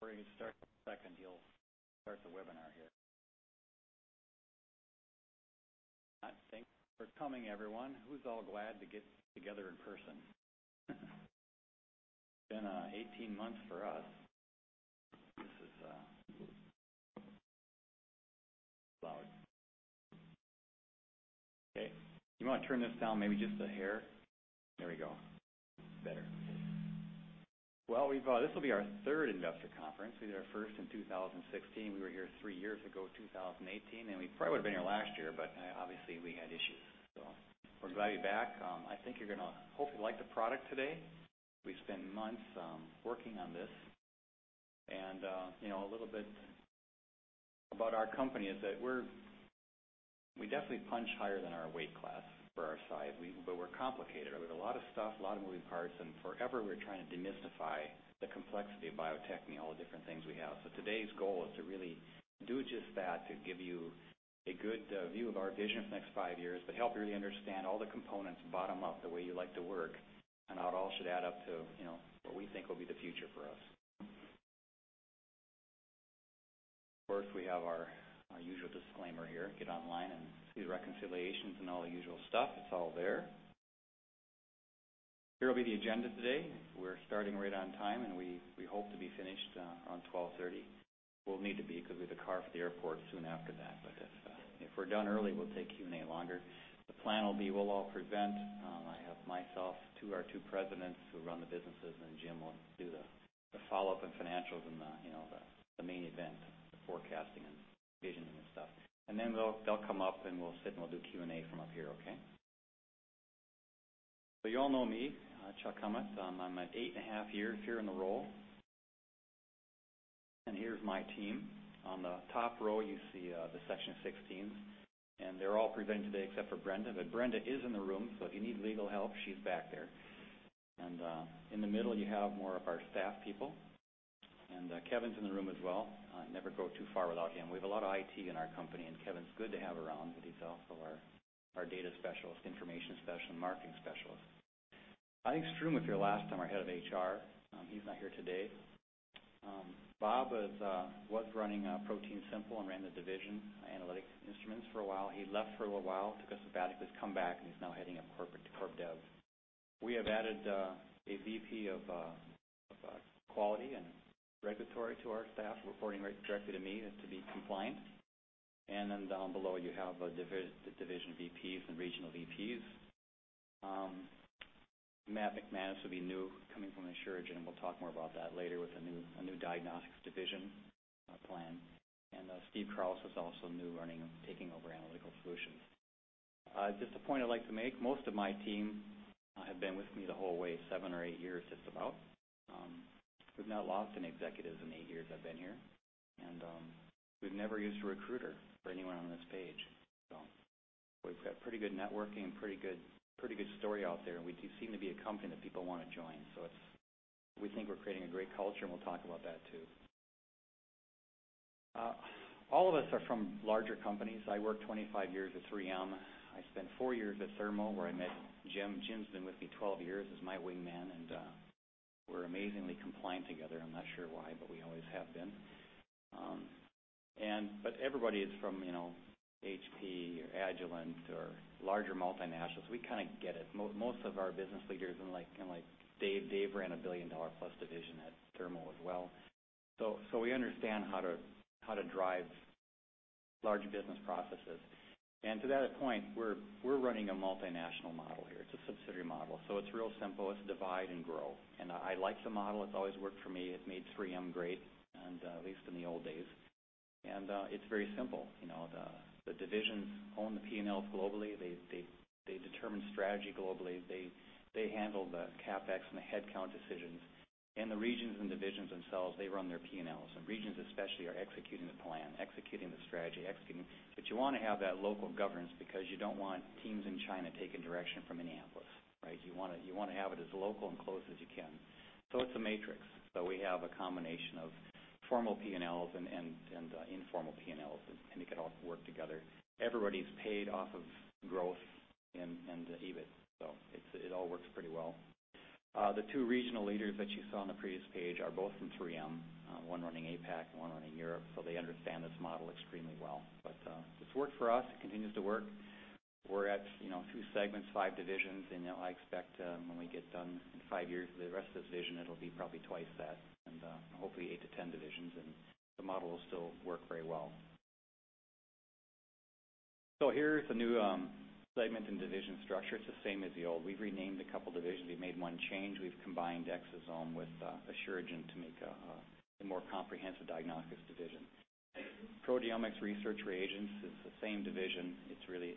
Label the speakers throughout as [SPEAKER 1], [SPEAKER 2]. [SPEAKER 1] We're going to start in a second. Start the webinar here. Thanks for coming, everyone. Who's all glad to get together in person? It's been 18 months for us. This is loud. Okay. You want to turn this down maybe just a hair? There we go. Better. This will be our third investor conference. We did our first in 2016. We were here three years ago, 2018, and we probably would've been here last year, but obviously we had issues. We're glad to be back. I think you're going to hopefully like the product today. We spent months working on this. A little bit about our company is that we definitely punch higher than our weight class for our size, but we're complicated. We have a lot of stuff, a lot of moving parts, and forever we're trying to demystify the complexity of Bio-Techne, all the different things we have. Today's goal is to really do just that, to give you a good view of our vision for the next five years, but help you really understand all the components bottom up the way you like to work, and how it all should add up to what we think will be the future for us. Of course, we have our usual disclaimer here. Get online and see the reconciliations and all the usual stuff. It's all there. Here will be the agenda today. We're starting right on time, and we hope to be finished around 12:30 P.M. We'll need to be because we have a car for the airport soon after that. If we're done early, we'll take Q&A longer. The plan will be we'll all present. I have myself, our two presidents who run the businesses, and Jim will do the follow-up and financials and the main event, the forecasting and visioning and stuff. Then they'll come up, and we'll sit and we'll do Q&A from up here, okay? You all know me, Chuck Kummeth. I'm at eight and a half years here in the role. Here's my team. On the top row, you see the Section 16s, and they're all presenting today except for Brenda. Brenda is in the room, so if you need legal help, she's back there. In the middle, you have more of our staff people. Kevin's in the room as well. Never go too far without him. We have a lot of IT in our company, and Kevin's good to have around, but he's also our data specialist, information specialist, and marketing specialist. I think Struan Robertson was here last time, our head of HR. He's not here today. Bob was running ProteinSimple and ran the division analytics instruments for a while. He left for a little while, took a sabbatical. He's come back, and he's now heading up corporate to corp dev. We have added a VP of quality and regulatory to our staff, reporting directly to me to be compliant. Down below, you have the division VPs and regional VPs. Matt McManus will be new, coming from Asuragen. We'll talk more about that later with a new diagnostics division plan. Steve Carlson is also new, taking over Analytical Solutions. Just a point I'd like to make. Most of my team have been with me the whole way, seven or eight years just about. We've not lost any executives in eight years I've been here. We've never used a recruiter for anyone on this page. We've got pretty good networking and pretty good story out there, and we seem to be a company that people want to join. We think we're creating a great culture, and we'll talk about that, too. All of us are from larger companies. I worked 25 years at 3M. I spent four years at Thermo, where I met Jim. Jim's been with me 12 years as my wingman, and we're amazingly compliant together. I'm not sure why, but we always have been. Everybody is from HP or Agilent or larger multinationals. We kind of get it. Most of our business leaders, like Dave, ran a billion-dollar+ division at Thermo Fisher Scientific as well. We understand how to drive large business processes. To that point, we're running a multinational model here. It's a subsidiary model. It's real simple. It's divide and grow. I like the model. It's always worked for me. It made 3M great, at least in the old days. It's very simple. The divisions own the P&Ls globally. They determine strategy globally. They handle the CapEx and the headcount decisions. The regions and divisions themselves, they run their P&Ls. Regions especially are executing the plan, executing the strategy, executing. You want to have that local governance because you don't want teams in China taking direction from Minneapolis. Right? You want to have it as local and close as you can. It's a matrix. We have a combination of formal P&Ls and informal P&Ls, and they can all work together. Everybody's paid off of growth and EBIT, so it all works pretty well. The two regional leaders that you saw on the previous page are both from 3M, one running APAC and one running Europe, so they understand this model extremely well. It's worked for us. It continues to work. We're at two segments, five divisions, and I expect when we get done in five years with the rest of this division, it'll be probably twice that, and hopefully eight to 10 divisions, and the model will still work very well. Here's the new segment and division structure. It's the same as the old. We've renamed a couple divisions. We've made one change. We've combined Exosome with Asuragen to make a more comprehensive diagnostics division. Proteomics Research Reagents is the same division. It's really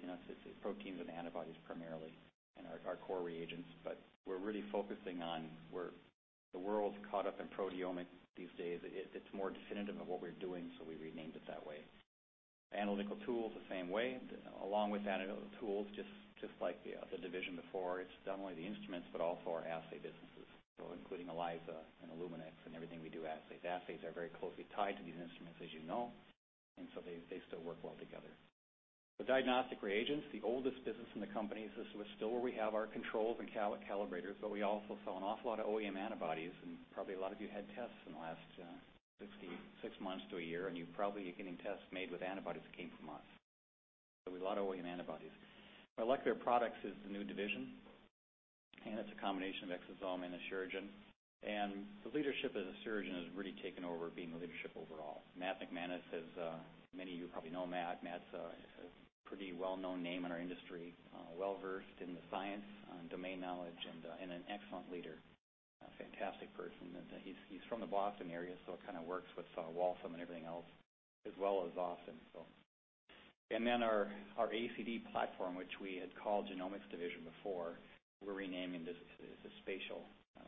[SPEAKER 1] proteins and antibodies primarily and our core reagents. We're really focusing on where the world's caught up in proteomics these days. It's more definitive of what we're doing, so we renamed it that way. Analytical Tools, the same way. Along with Analytical Tools, just like the division before, it's not only the instruments, but also our assay businesses. Including ELISA and Luminex and everything we do assay. The assays are very closely tied to these instruments, as you know, and so they still work well together. The Diagnostic Reagents, the oldest business in the company. This is still where we have our controls and calibrators, but we also sell an awful lot of OEM antibodies, and probably a lot of you had tests in the last six months to a year, and you probably are getting tests made with antibodies that came from us. A lot of OEM antibodies. Molecular products is the new division, and it's a combination of Exosome Diagnostics and Asuragen. The leadership of Asuragen has really taken over being the leadership overall. Matt McManus is, many of you probably know Matt. Matt's a pretty well-known name in our industry, well-versed in the science, domain knowledge, and an excellent leader, a fantastic person. He's from the Boston area, so it kind of works with Waltham and everything else, as well as Austin. Our ACD platform, which we had called Genomics division before, we're renaming this spatial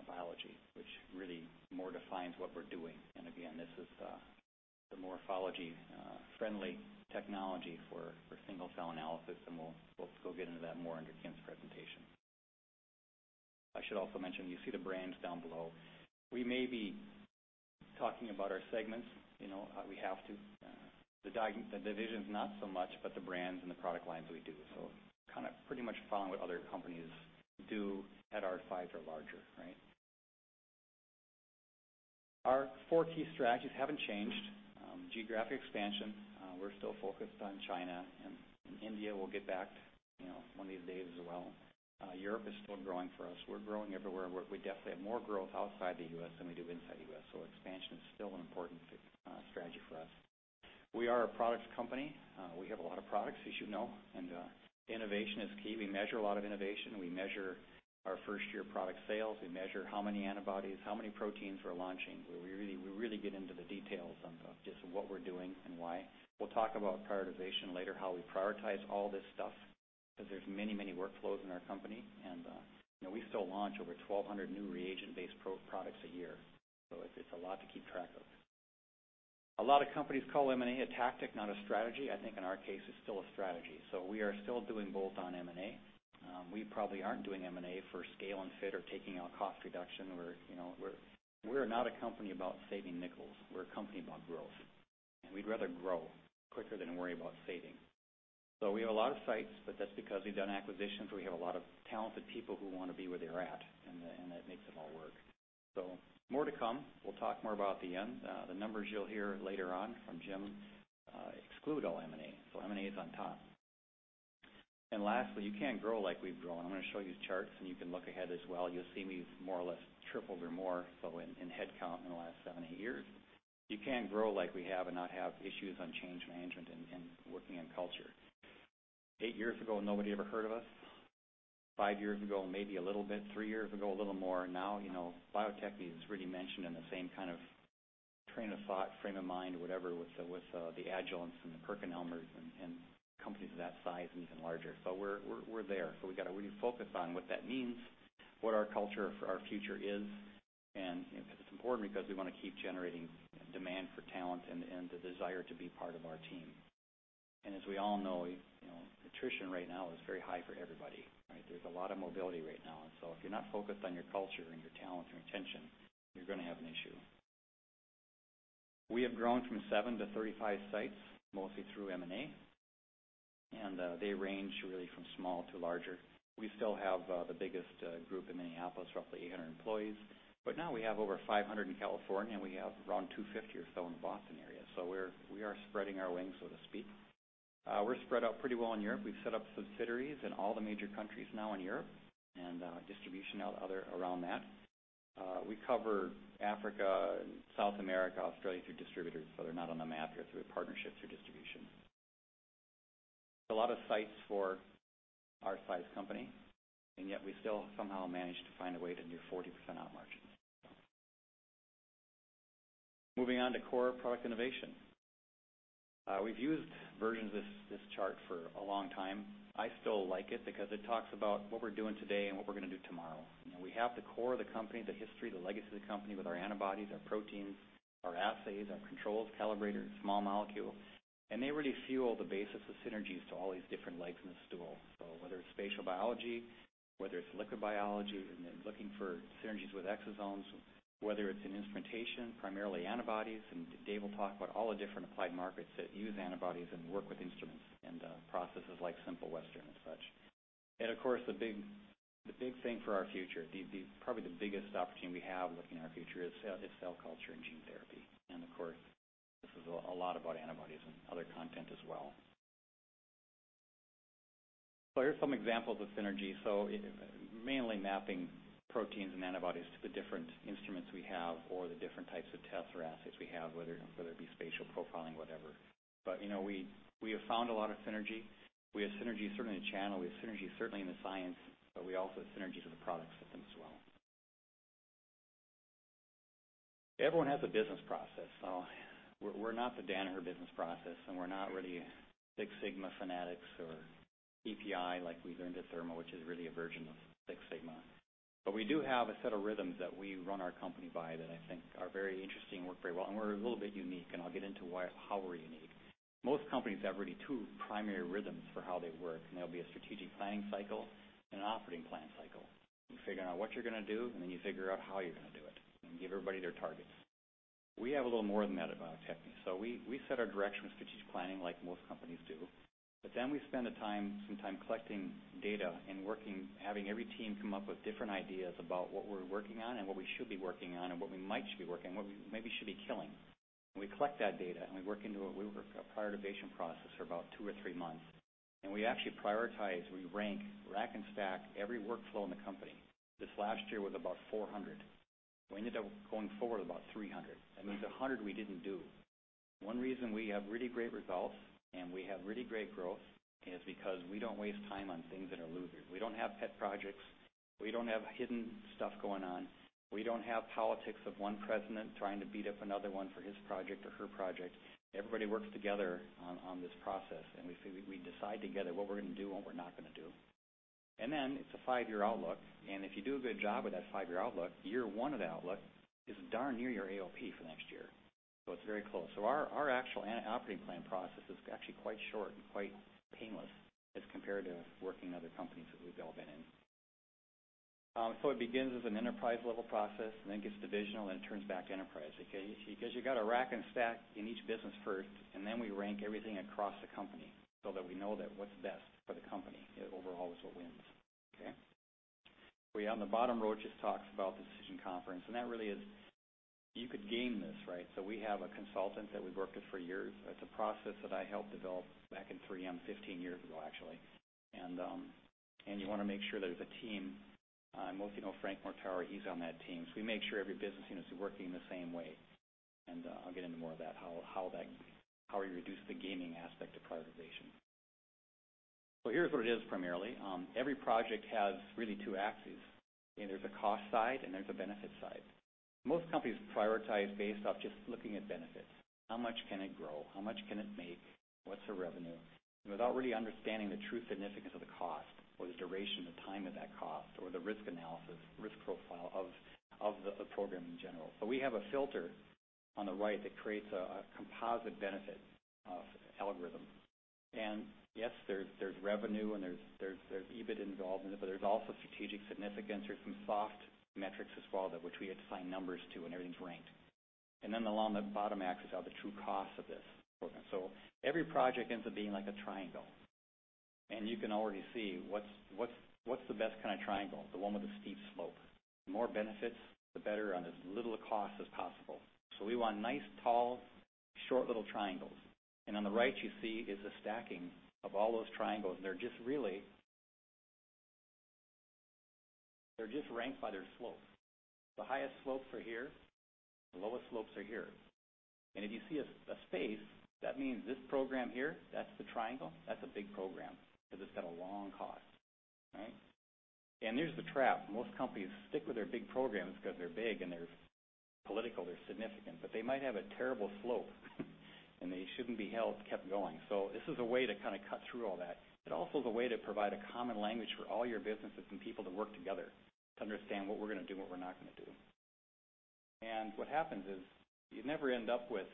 [SPEAKER 1] biology, which really more defines what we're doing. This is the morphology-friendly technology for single-cell analysis, and we'll go get into that more under Kim's presentation. I should also mention, you see the brands down below. We may be talking about our segments. We have to. The divisions not so much, but the brands and the product lines we do. Pretty much following what other companies do at our size or larger, right? Our four key strategies haven't changed. Geographic expansion. We're still focused on China, and India we'll get back one of these days as well. Europe is still growing for us. We're growing everywhere. We definitely have more growth outside the U.S. than we do inside the U.S., expansion is still an important strategy for us. We are a products company. We have a lot of products, as you know, and innovation is key. We measure a lot of innovation. We measure our first-year product sales. We measure how many antibodies, how many proteins we're launching. We really get into the details on just what we're doing and why. We'll talk about prioritization later, how we prioritize all this stuff, because there's many workflows in our company, and we still launch over 1,200 new reagent-based products a year. It's a lot to keep track of. A lot of companies call M&A a tactic, not a strategy. I think in our case, it's still a strategy. We are still doing both on M&A. We probably aren't doing M&A for scale and fit or taking out cost reduction. We're not a company about saving nickels. We're a company about growth, and we'd rather grow quicker than worry about saving. We have a lot of sites, but that's because we've done acquisitions. We have a lot of talented people who want to be where they're at, and that makes it all work. More to come. We'll talk more about the end. The numbers you'll hear later on from Jim exclude all M&A. M&A is on top. Lastly, you can't grow like we've grown. I'm going to show you charts, and you can look ahead as well. You'll see we've more or less tripled or more so in headcount in the last seven, eight years. You can't grow like we have and not have issues on change management and working on culture. Eight years ago, nobody ever heard of us. Five years ago, maybe a little bit. Three years ago, a little more. Bio-Techne is really mentioned in the same kind of train of thought, frame of mind, or whatever with the Agilent and the PerkinElmer and companies of that size and even larger. We're there. We've got to really focus on what that means, what our culture for our future is. It's important because we want to keep generating demand for talent and the desire to be part of our team. As we all know, attrition right now is very high for everybody, right? There's a lot of mobility right now. If you're not focused on your culture and your talent, your retention, you're going to have an issue. We have grown from seven to 35 sites, mostly through M&A, and they range really from small to larger. We still have the biggest group in Minneapolis, roughly 800 employees, but now we have over 500 in California, and we have around 250 or so in the Boston area. We are spreading our wings, so to speak. We're spread out pretty well in Europe. We've set up subsidiaries in all the major countries now in Europe and distribution around that. We cover Africa, South America, Australia through distributors. They're not on the map here through partnerships or distribution. A lot of sites for our size company, and yet we still somehow manage to find a way to do 40% odd margins. Moving on to core product innovation. We've used versions of this chart for a long time. I still like it because it talks about what we're doing today and what we're going to do tomorrow. We have the core of the company, the history, the legacy of the company with our antibodies, our proteins, our assays, our controls, calibrators, small molecule, and they really fuel the basis of synergies to all these different legs in the stool. Whether it's spatial biology, whether it's liquid biology, and then looking for synergies with exosomes, whether it's in instrumentation, primarily antibodies, and Dave will talk about all the different applied markets that use antibodies and work with instruments and processes like Simple Western and such. Of course, the big thing for our future, probably the biggest opportunity we have looking at our future is cell culture and gene therapy. Of course, this is a lot about antibodies and other content as well. Here's some examples of synergy. Mainly mapping proteins and antibodies to the different instruments we have or the different types of tests or assays we have, whether it be spatial profiling, whatever. We have found a lot of synergy. We have synergy certainly in channel. We have synergy certainly in the science, but we also have synergies in the product system as well. Everyone has a business process. We're not the Danaher business process, and we're not really Six Sigma fanatics or PPI like we learned at Thermo, which is really a version of Six Sigma. We do have a set of rhythms that we run our company by that I think are very interesting and work very well, and we're a little bit unique, and I'll get into how we're unique. Most companies have really two primary rhythms for how they work. There'll be a strategic planning cycle and an operating plan cycle. You figure out what you're going to do, then you figure out how you're going to do it and give everybody their targets. We have a little more than that at Bio-Techne. We set our direction with strategic planning like most companies do. Then we spend some time collecting data and having every team come up with different ideas about what we're working on, and what we should be working on, and what we might should be working on, what we maybe should be killing. We collect that data, and we work into a prioritization process for about two or three months. We actually prioritize, we rank, rack, and stack every workflow in the company. This last year was about 400. We ended up going forward about 300. That means 100 we didn't do. One reason we have really great results and we have really great growth is because we don't waste time on things that are losers. We don't have pet projects. We don't have hidden stuff going on. We don't have politics of one president trying to beat up another one for his project or her project. Everybody works together on this process, we decide together what we're going to do and what we're not going to do. Then it's a five-year outlook. If you do a good job of that five-year outlook, year 1 of the outlook is darn near your AOP for next year. It's very close. Our actual annual operating plan process is actually quite short and quite painless as compared to working in other companies that we've all been in. It begins as an enterprise-level process and then gets divisional, and it turns back to enterprise. You've got to rack and stack in each business first, and then we rank everything across the company so that we know that what's best for the company overall is what wins. Okay? On the bottom row, it just talks about the decision conference, and that really is, you could game this, right? We have a consultant that we've worked with for years. It's a process that I helped develop back in 3M, 15 years ago, actually. You want to make sure there's a team. Most of you know Frank Mortari, he's on that team. We make sure every business unit is working the same way. I'll get into more of that, how you reduce the gaming aspect of prioritization. Here's what it is primarily. Every project has really two axes. There's a cost side and there's a benefit side. Most companies prioritize based off just looking at benefits. How much can it grow? How much can it make? What's the revenue? Without really understanding the true significance of the cost or the duration, the time of that cost, or the risk analysis, risk profile of the program in general. We have a filter on the right that creates a composite benefit algorithm. Yes, there's revenue and there's EBIT involved in it, but there's also strategic significance. There's some soft metrics as well, that which we assign numbers to, and everything's ranked. Along the bottom axis are the true costs of this program. Every project ends up being like a triangle, and you can already see what's the best kind of triangle, the one with the steep slope. The more benefits, the better, on as little a cost as possible. We want nice, tall, short, little triangles. On the right, you see is the stacking of all those triangles, and they're just ranked by their slope. The highest slopes are here, the lowest slopes are here. If you see a space, that means this program here, that's the triangle, that's a big program because it's got a long cost. Right? Here's the trap. Most companies stick with their big programs because they're big and they're political, they're significant, but they might have a terrible slope and they shouldn't be kept going. This is a way to kind of cut through all that. It also is a way to provide a common language for all your businesses and people to work together to understand what we're going to do and what we're not going to do. What happens is, you never end up with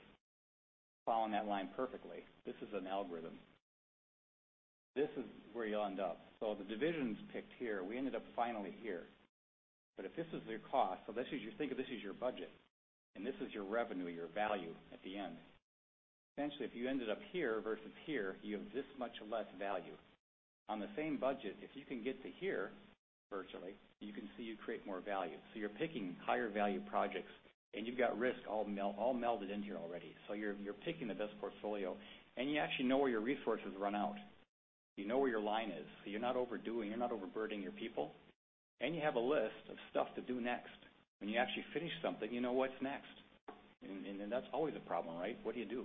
[SPEAKER 1] following that line perfectly. This is an algorithm. This is where you'll end up. The divisions picked here, we ended up finally here. If this is your cost, think of this as your budget, and this is your revenue, your value at the end. Essentially, if you ended up here versus here, you have this much less value. On the same budget, if you can get to here, virtually, you can see you create more value. You're picking higher value projects, and you've got risk all melded in here already. You're picking the best portfolio, and you actually know where your resources run out. You know where your line is, so you're not overdoing, you're not overburdening your people. You have a list of stuff to do next. When you actually finish something, you know what's next. That's always a problem, right? What do you do?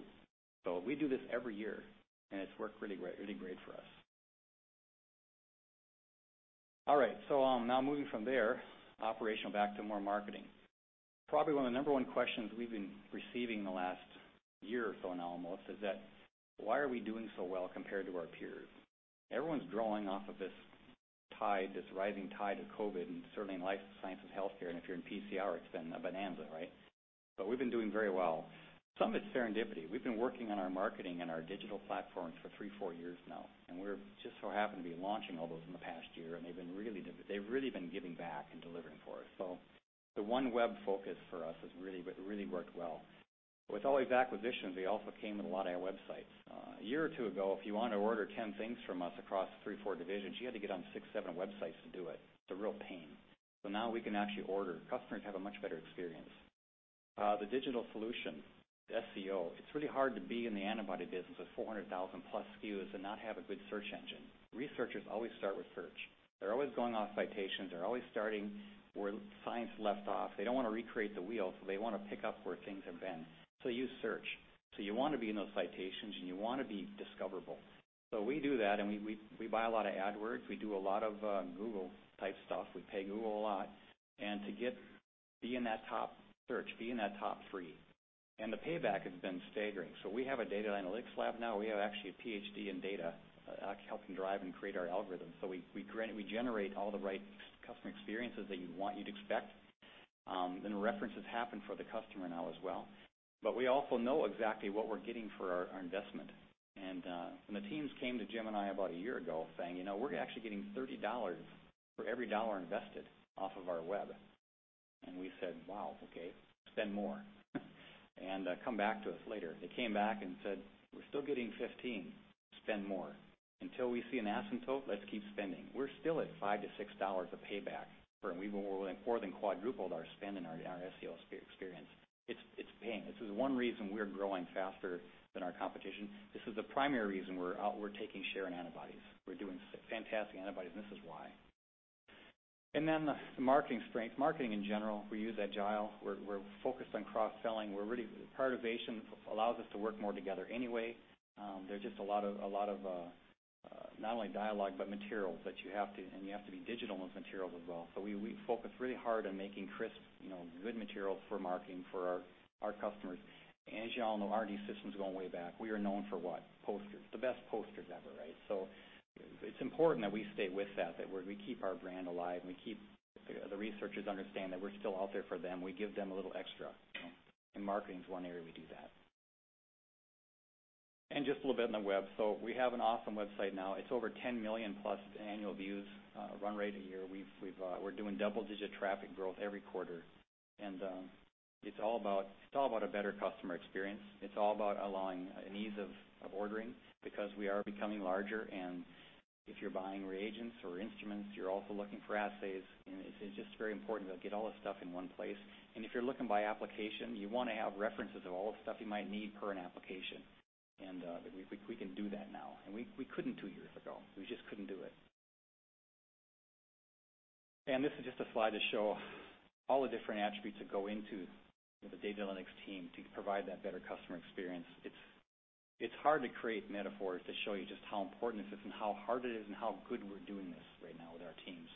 [SPEAKER 1] We do this every year, and it's worked really great for us. All right, so now moving from there, operational back to more marketing. Probably one of the number one questions we've been receiving in the last year or so now almost is that, why are we doing so well compared to our peers? Everyone's drawing off of this tide, this rising tide of COVID, and certainly in life sciences, healthcare, and if you're in PCR, it's been a bonanza, right. We've been doing very well. Some of it's serendipity. We've been working on our marketing and our digital platforms for three, four years now, and we just so happen to be launching all those in the past year, and they've really been giving back and delivering for us. The one web focus for us has really worked well. With all these acquisitions, they also came with a lot of our websites. A year or two ago, if you want to order 10 things from us across three, four divisions, you had to get on six, seven websites to do it. It's a real pain. Now we can actually order. Customers have a much better experience. The digital solution, SEO, it's really hard to be in the antibody business with 400,000 plus SKUs and not have a good search engine. Researchers always start with search. They're always going off citations. They're always starting where science left off. They don't want to recreate the wheel, they want to pick up where things have been. Use search. You want to be in those citations, and you want to be discoverable. We do that, and we buy a lot of AdWords. We do a lot of Google type stuff. We pay Google a lot. To be in that top search, be in that top three. The payback has been staggering. We have a data analytics lab now. We have actually a PhD in data helping drive and create our algorithms. We generate all the right customer experiences that you'd want, you'd expect. The references happen for the customer now as well. We also know exactly what we're getting for our investment. When the teams came to Jim and I about a year ago saying, "We're actually getting $30 for every dollar invested off of our web," and we said, "Wow, okay. Spend more and come back to us later." They came back and said, "We're still getting 15." Spend more. Until we see an asymptote, let's keep spending. We're still at $5-$6 of payback, and we've more than quadrupled our spend and our SEO experience. It's paying. This is one reason we're growing faster than our competition. This is the primary reason we're out, we're taking share in antibodies. We're doing fantastic antibodies, and this is why. The marketing strength. Marketing, in general, we use Agile. We're focused on cross-selling. Partivation allows us to work more together anyway. There are just a lot of, not only dialogue, but materials, and you have to be digital in those materials as well. We focus really hard on making crisp, good materials for marketing, for our customers. As you all know, R&D Systems go way back. We are known for what? Posters. The best posters ever, right? It's important that we stay with that we keep our brand alive, and the researchers understand that we're still out there for them. We give them a little extra. Marketing's one area we do that. Just a little bit on the web. We have an awesome website now. It's over 10 million+ annual views run rate a year. We're doing double-digit traffic growth every quarter. It's all about a better customer experience. It's all about allowing an ease of ordering because we are becoming larger, and if you're buying reagents or instruments, you're also looking for assays, and it's just very important to get all that stuff in one place. If you're looking by application, you want to have references of all the stuff you might need per an application. We can do that now. We couldn't two years ago. We just couldn't do it. This is just a slide to show all the different attributes that go into the data analytics team to provide that better customer experience. It's hard to create metaphors to show you just how important this is and how hard it is and how good we're doing this right now with our teams.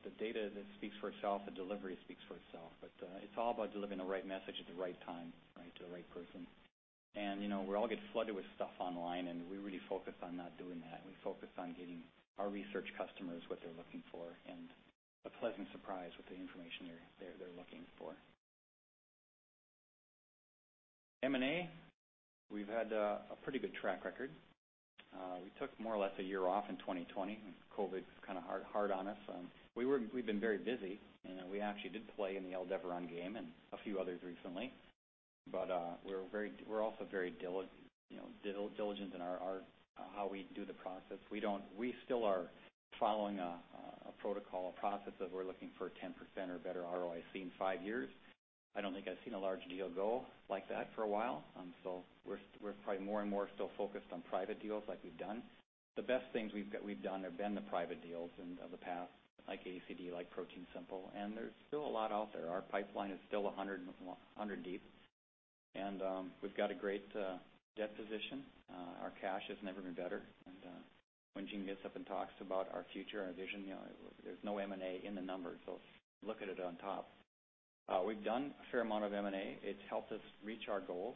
[SPEAKER 1] The data that speaks for itself, the delivery speaks for itself. It's all about delivering the right message at the right time to the right person. We all get flooded with stuff online, and we really focus on not doing that. We focus on getting our research customers what they're looking for and a pleasant surprise with the information they're looking for. M&A, we've had a pretty good track record. We took more or less a year off in 2020. COVID was kind of hard on us. We've been very busy, and we actually did play in the Aldevron game and a few others recently. We're also very diligent in how we do the process. We still are following a protocol, a process of we're looking for a 10% or better ROI seen fivee years. I don't think I've seen a large deal go like that for a while. We're probably more and more still focused on private deals like we've done. The best things we've done have been the private deals of the past, like ACD, like ProteinSimple, and there's still a lot out there. Our pipeline is still 100 deep, and we've got a great debt position. Our cash has never been better. When Jim Hippel gets up and talks about our future, our vision, there's no M&A in the numbers, look at it on top. We've done a fair amount of M&A. It's helped us reach our goals.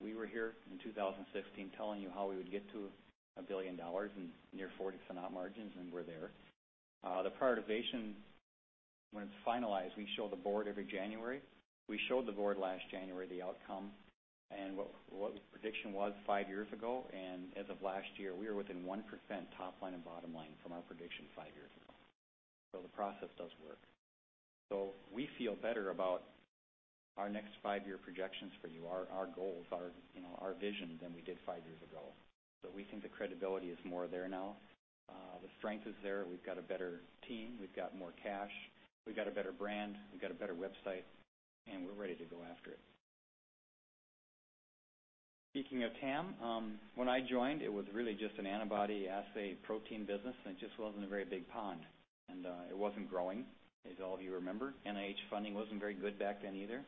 [SPEAKER 1] We were here in 2016 telling you how we would get to $1 billion and near 40% op margins, and we're there. The prioritization, when it's finalized, we show the board every January. We showed the board last January the outcome and what the prediction was five years ago. As of last year, we were within 1% top line and bottom line from our prediction five years ago. The process does work. We feel better about our next five-year projections for you, our goals, our vision, than we did five years ago. We think the credibility is more there now. The strength is there. We've got a better team. We've got more cash. We've got a better brand. We've got a better website. We're ready to go after it. Speaking of TAM, when I joined, it was really just an antibody assay protein business. It just wasn't a very big pond. It wasn't growing, as all of you remember. NIH funding wasn't very good back then either.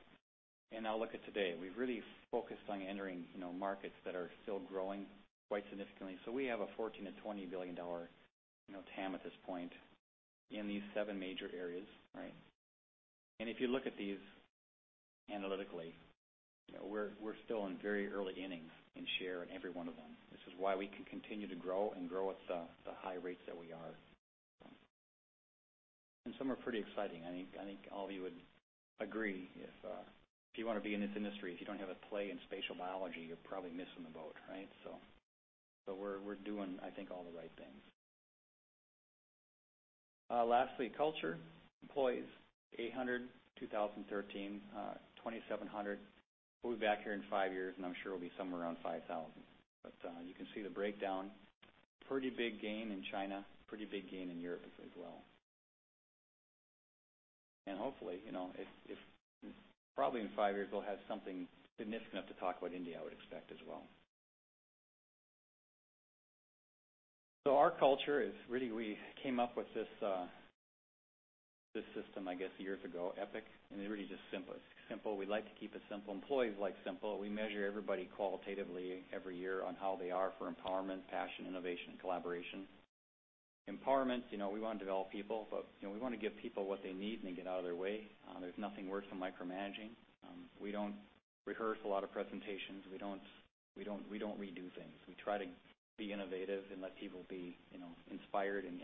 [SPEAKER 1] Now look at today. We've really focused on entering markets that are still growing quite significantly. We have a $14 billion-$20 billion TAM at this point in these seven major areas, right? If you look at these analytically, we're still in very early innings in share in every one of them. This is why we can continue to grow and grow at the high rates that we are. Some are pretty exciting. I think all of you would agree, if you want to be in this industry, if you don't have a play in spatial biology, you're probably missing the boat, right? We're doing, I think, all the right things. Lastly, culture. Employees, 800, 2013, 2,700. We'll be back here in five years, and I'm sure it'll be somewhere around 5,000. You can see the breakdown. Pretty big gain in China, pretty big gain in Europe as well. Hopefully, probably in five years, we'll have something significant to talk about India, I would expect as well. Our culture is really, we came up with this system, I guess, years ago, EPIC, and it really just simple. We like to keep it simple. Employees like simple. We measure everybody qualitatively every year on how they are for empowerment, passion, innovation, and collaboration. Empowerment, we want to develop people, we want to give people what they need and then get out of their way. There's nothing worse than micromanaging. We don't rehearse a lot of presentations. We don't redo things. We try to be innovative and let people be inspired and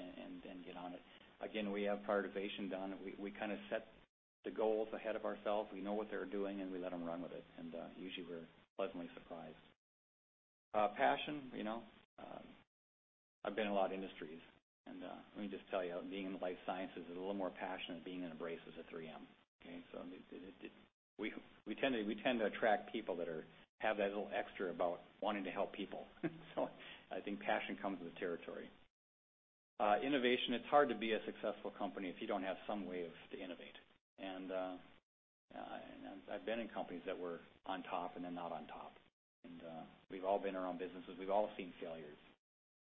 [SPEAKER 1] get on it. Again, we have prioritization done. We set the goals ahead of ourselves. We know what they're doing, and we let them run with it. Usually, we're pleasantly surprised. Passion. I've been in a lot of industries, and let me just tell you, being in the life sciences is a little more passionate than being in abrasives at 3M. Okay? We tend to attract people that have that little extra about wanting to help people. I think passion comes with the territory. Innovation, it's hard to be a successful company if you don't have some way to innovate. I've been in companies that were on top and then not on top. We've all been around businesses. We've all seen failures.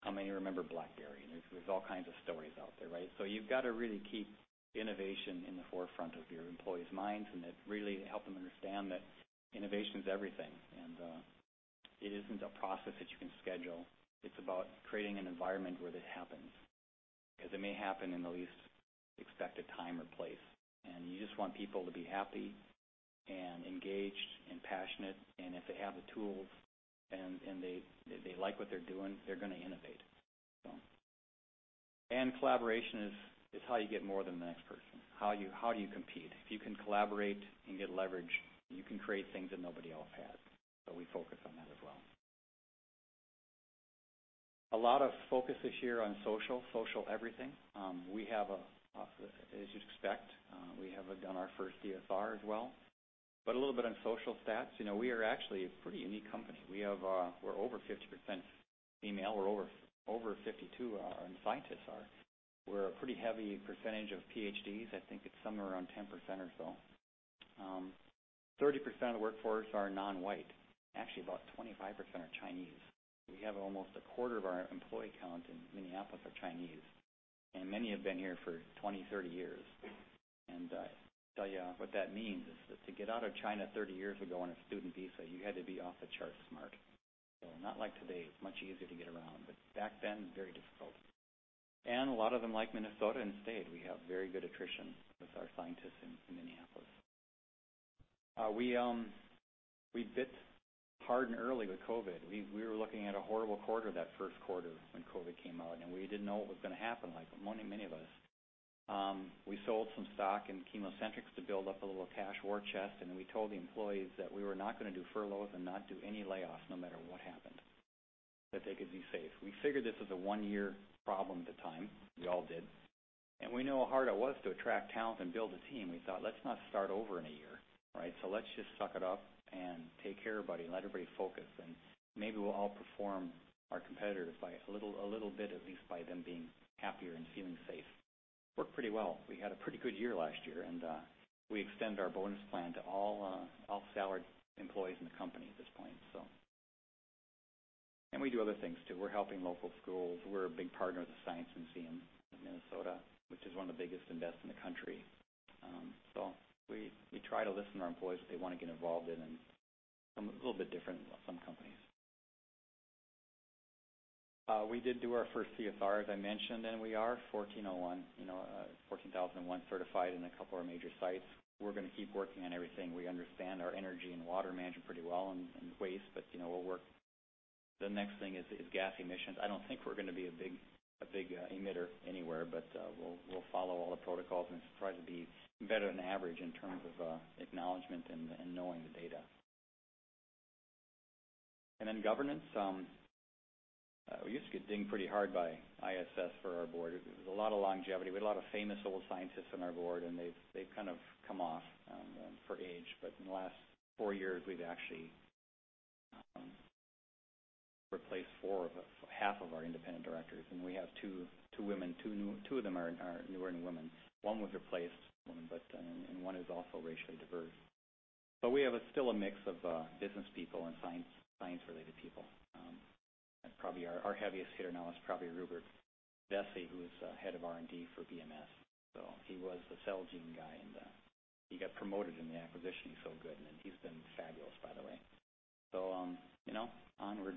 [SPEAKER 1] How many remember BlackBerry? There's all kinds of stories out there, right? You've got to really keep innovation in the forefront of your employees' minds, and then really help them understand that innovation's everything. It isn't a process that you can schedule. It's about creating an environment where that happens, because it may happen in the least expected time or place. You just want people to be happy and engaged and passionate, if they have the tools and they like what they're doing, they're going to innovate. Collaboration is how you get more than the next person. How do you compete? If you can collaborate and get leverage, you can create things that nobody else has. We focus on that as well. A lot of focus this year on social everything. As you'd expect, we have done our first CSR as well. A little bit on social stats. We are actually a pretty unique company. We're over 50% female. We're over 52% scientists are. We're a pretty heavy percentage of PhDs. I think it's somewhere around 10% or so. 30% of the workforce are non-white. About 25% are Chinese. We have almost a quarter of our employee count in Minneapolis are Chinese, and many have been here for 20, 30 years. I tell you, what that means is that to get out of China 30 years ago on a student visa, you had to be off-the-charts smart. Not like today, it's much easier to get around, but back then, very difficult. A lot of them like Minnesota and stayed. We have very good attrition with our scientists in Minneapolis. We bit hard and early with COVID. We were looking at a horrible quarter that first quarter when COVID came out, and we didn't know what was going to happen, like many of us. We sold some stock in ChemoCentryx to build up a little cash war chest. Then we told the employees that we were not going to do furloughs and not do any layoffs no matter what happened, that they could be safe. We figured this as a one-year problem at the time. We all did. We know how hard it was to attract talent and build a team. We thought, let's not start over in a year. Right? Let's just suck it up and take care of everybody, let everybody focus, and maybe we'll outperform our competitors by a little bit, at least by them being happier and feeling safe. Worked pretty well. We had a pretty good year last year, and we extend our bonus plan to all salaried employees in the company at this point. We do other things, too. We're helping local schools. We're a big partner with the Science Museum of Minnesota, which is one of the biggest and best in the country. We try to listen to our employees, what they want to get involved in, and a little bit different than some companies. We did do our first CSR, as I mentioned. We are ISO 14001 certified in a couple of our major sites. We're going to keep working on everything. We understand our energy and water management pretty well and waste. The next thing is gas emissions. I don't think we're going to be a big emitter anywhere. We'll follow all the protocols and try to be better than average in terms of acknowledgement and knowing the data. Governance. We used to get dinged pretty hard by ISS for our board. There was a lot of longevity. We had a lot of famous old scientists on our board, and they've kind of come off for age. In the last four years, we've actually replaced half of our independent directors, and we have two women. Two of them are newer and women. One was replaced woman, and one is also racially diverse. We have still a mix of businesspeople and science-related people. Our heaviest hitter now is probably Rupert Vessey, who is head of R&D for BMS. He was the Celgene guy, and he got promoted in the acquisition. He's so good. He's been fabulous, by the way. Onward.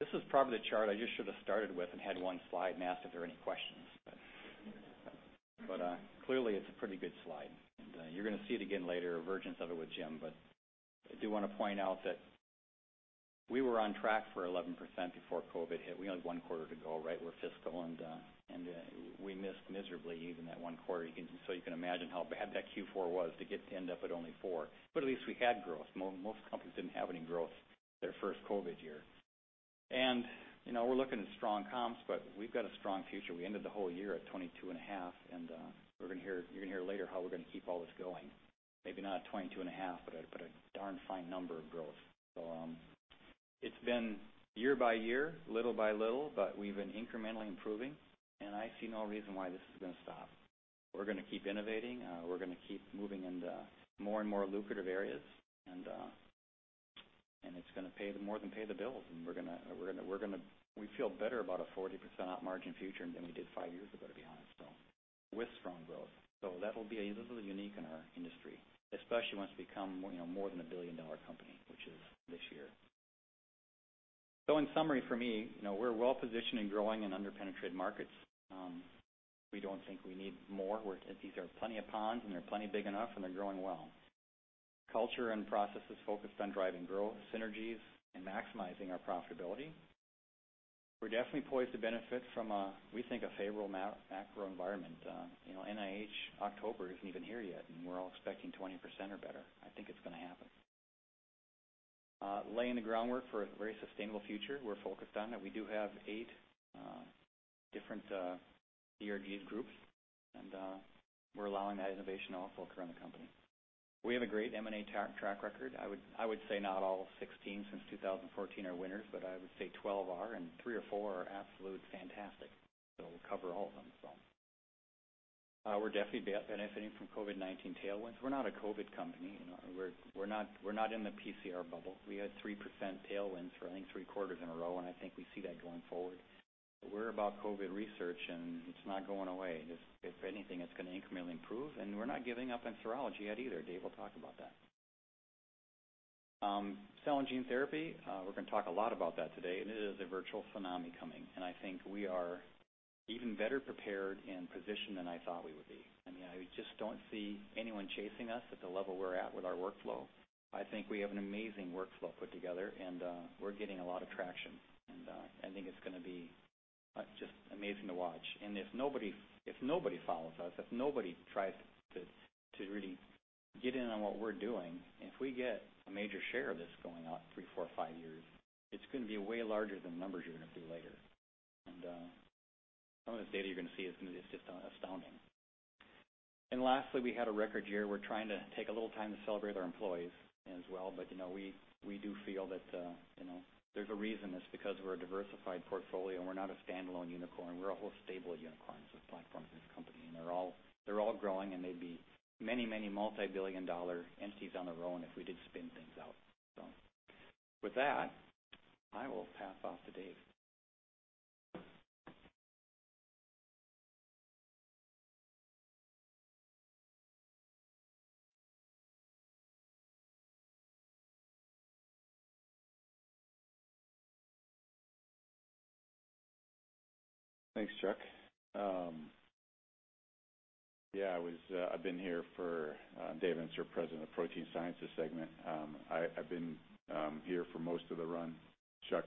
[SPEAKER 1] This is probably the chart I just should've started with and had one slide and asked if there were any questions. Clearly, it's a pretty good slide. You're going to see it again later, a versions of it with Jim. I do want to point out that we were on track for 11% before COVID hit. We only had one quarter to go, right? We're fiscal, and we missed miserably even that one quarter. You can imagine how bad that Q4 was to get to end up at only 4%. At least we had growth. Most companies didn't have any growth their first COVID year. We're looking at strong comps, but we've got a strong future. We ended the whole year at 22.5%, and you're going to hear later how we're going to keep all this going. Maybe not at 22.5%, but a darn fine number of growth. It's been year by year, little by little, but we've been incrementally improving, and I see no reason why this is going to stop. We're going to keep innovating. We're going to keep moving into more and more lucrative areas, and it's going to more than pay the bills, and we feel better about a 40% op margin future than we did five years ago, to be honest, with strong growth. That'll be a little unique in our industry, especially once we become more than a billion-dollar company, which is this year. In summary for me, we're well-positioned and growing in under-penetrated markets. We don't think we need more. These are plenty of ponds, and they're plenty big enough, and they're growing well. Culture and processes focused on driving growth synergies and maximizing our profitability. We're definitely poised to benefit from, we think, a favorable macro environment. NIH October isn't even here yet, we're all expecting 20% or better. I think it's going to happen. Laying the groundwork for a very sustainable future, we're focused on that. We do have eight different ERG groups, and we're allowing that innovation to all occur in the company. We have a great M&A track record. I would say not all 16 since 2014 are winners, but I would say 12 are, and three or four are absolute fantastic. We'll cover all of them. We're definitely benefiting from COVID-19 tailwinds. We're not a COVID company. We're not in the PCR bubble. We had 3% tailwinds for, I think, three quarters in a row, and I think we see that going forward. We're about COVID research, and it's not going away. If anything, it's going to incrementally improve, and we're not giving up on serology yet either. Dave will talk about that. cell and gene therapy, we're going to talk a lot about that today. It is a virtual phenomenon coming, and I think we are even better prepared and positioned than I thought we would be. I just don't see anyone chasing us at the level we're at with our workflow. I think we have an amazing workflow put together, and we're getting a lot of traction. I think it's going to be just amazing to watch. If nobody follows us, if nobody tries to really get in on what we're doing, and if we get a major share of this going out 3, 4, 5 years, it's going to be way larger than the numbers you're going to see later. Some of this data you're going to see is just astounding. Lastly, we had a record year. We're trying to take a little time to celebrate our employees as well. We do feel that there's a reason. It's because we're a diversified portfolio and we're not a standalone unicorn. We're a whole stable of unicorns with platforms in this company, and they're all growing, and they'd be many, many multi-billion dollar entities on their own if we did spin things out. With that, I will pass off to Dave.
[SPEAKER 2] Thanks, Chuck. I'm Dave Eansor, President of Protein Sciences segment. I've been here for most of the run Chuck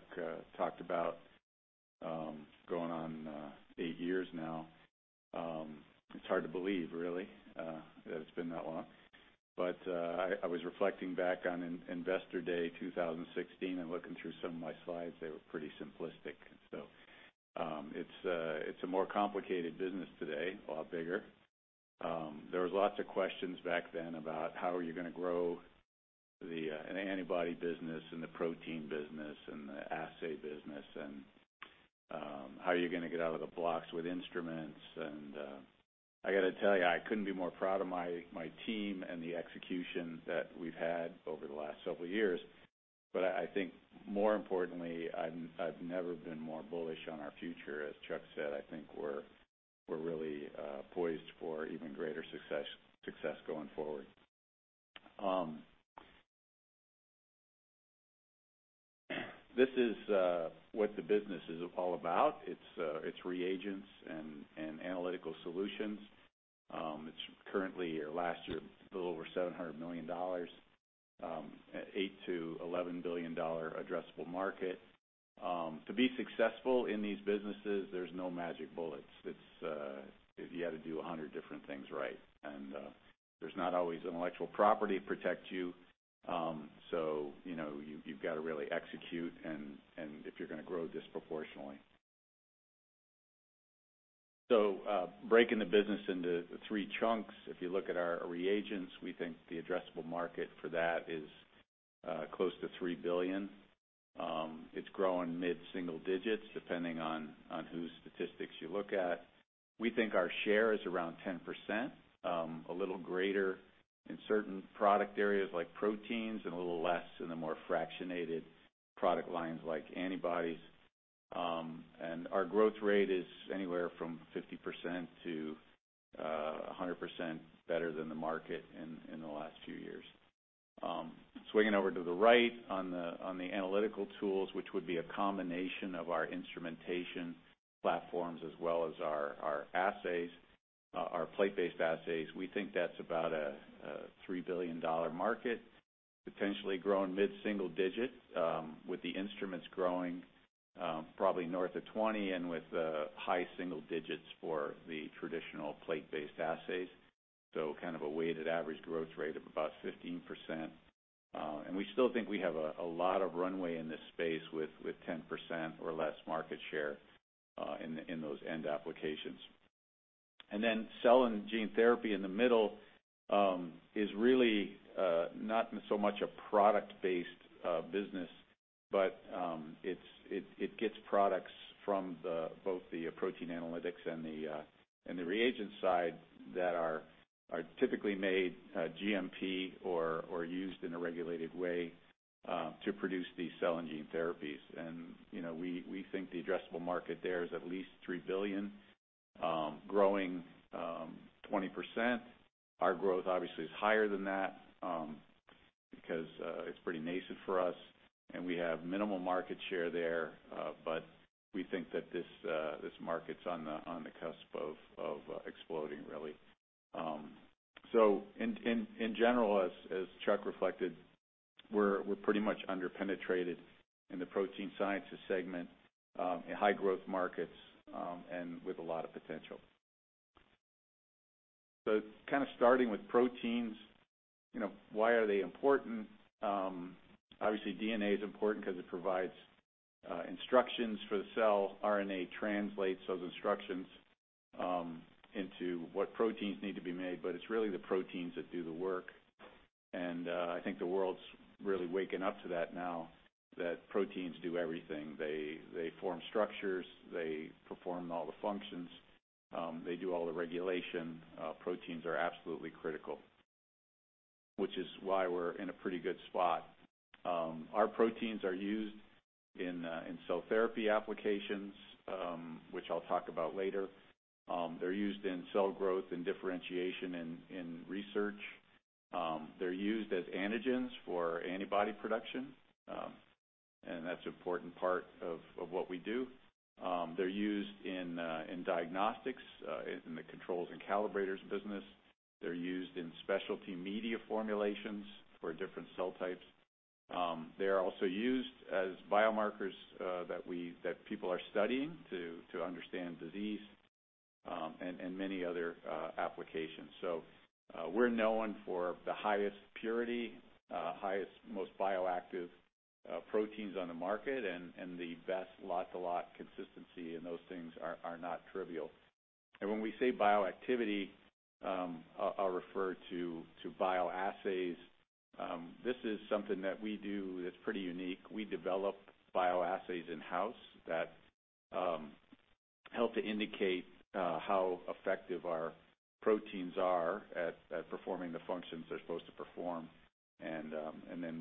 [SPEAKER 2] talked about, going on eight years now. It's hard to believe, really, that it's been that long. I was reflecting back on Investor Day 2016 and looking through some of my slides. They were pretty simplistic. It's a more complicated business today, a lot bigger. There was lots of questions back then about how are you going to grow the antibody business and the protein business and the assay business, and how are you going to get out of the blocks with instruments? I got to tell you, I couldn't be more proud of my team and the execution that we've had over the last several years. I think more importantly, I've never been more bullish on our future. As Chuck said, I think we're really poised for even greater success going forward. This is what the business is all about. It's reagents and analytical solutions. It's currently, or last year, a little over $700 million, an $8 billion-$11 billion addressable market. To be successful in these businesses, there's no magic bullets. You have to do 100 different things right, and there's not always intellectual property to protect you. You've got to really execute if you're going to grow disproportionally. Breaking the business into three chunks, if you look at our reagents, we think the addressable market for that is close to $3 billion. It's growing mid-single digits, depending on whose statistics you look at. We think our share is around 10%, a little greater in certain product areas like proteins and a little less in the more fractionated product lines like antibodies. Our growth rate is anywhere from 50%-100% better than the market in the last few years. Swinging over to the right on the analytical tools, which would be a combination of our instrumentation platforms as well as our assays, our plate-based assays, we think that's about a $3 billion market, potentially growing mid-single digit with the instruments growing probably north of 20% and with high single digits for the traditional plate-based assays. Kind of a weighted average growth rate of about 15%. We still think we have a lot of runway in this space with 10% or less market share in those end applications. Cell and gene therapy in the middle is really not so much a product-based business, but it gets products from both the protein analytics and the reagent side that are typically made GMP or used in a regulated way to produce these cell and gene therapies. We think the addressable market there is at least $3 billion, growing 20%. Our growth obviously is higher than that because it's pretty nascent for us, and we have minimal market share there. We think that this market's on the cusp of exploding, really. As Chuck reflected, we're pretty much under-penetrated in the Protein Sciences Segment in high growth markets and with a lot of potential. Starting with proteins, why are they important? Obviously, DNA is important because it provides instructions for the cell. RNA translates those instructions into what proteins need to be made, but it's really the proteins that do the work. I think the world's really waking up to that now, that proteins do everything. They form structures, they perform all the functions, they do all the regulation. Proteins are absolutely critical, which is why we're in a pretty good spot. Our proteins are used in cell therapy applications, which I'll talk about later. They're used in cell growth and differentiation in research. They're used as antigens for antibody production, and that's an important part of what we do. They're used in diagnostics, in the controls and calibrators business. They're used in specialty media formulations for different cell types. They are also used as biomarkers that people are studying to understand disease, and many other applications. We're known for the highest purity, highest, most bioactive proteins on the market, and the best lot-to-lot consistency, and those things are not trivial. When we say bioactivity, I'll refer to bioassays. This is something that we do that's pretty unique. We develop bioassays in-house that help to indicate how effective our proteins are at performing the functions they're supposed to perform.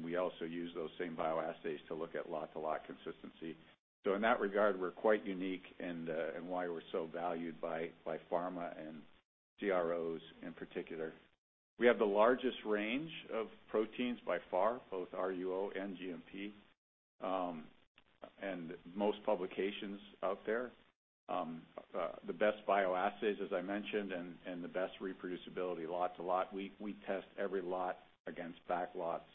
[SPEAKER 2] We also use those same bioassays to look at lot-to-lot consistency. In that regard, we're quite unique in why we're so valued by pharma and CROs in particular. We have the largest range of proteins by far, both RUO and GMP, and most publications out there. The best bioassays, as I mentioned, and the best reproducibility lot-to-lot. We test every lot against back lots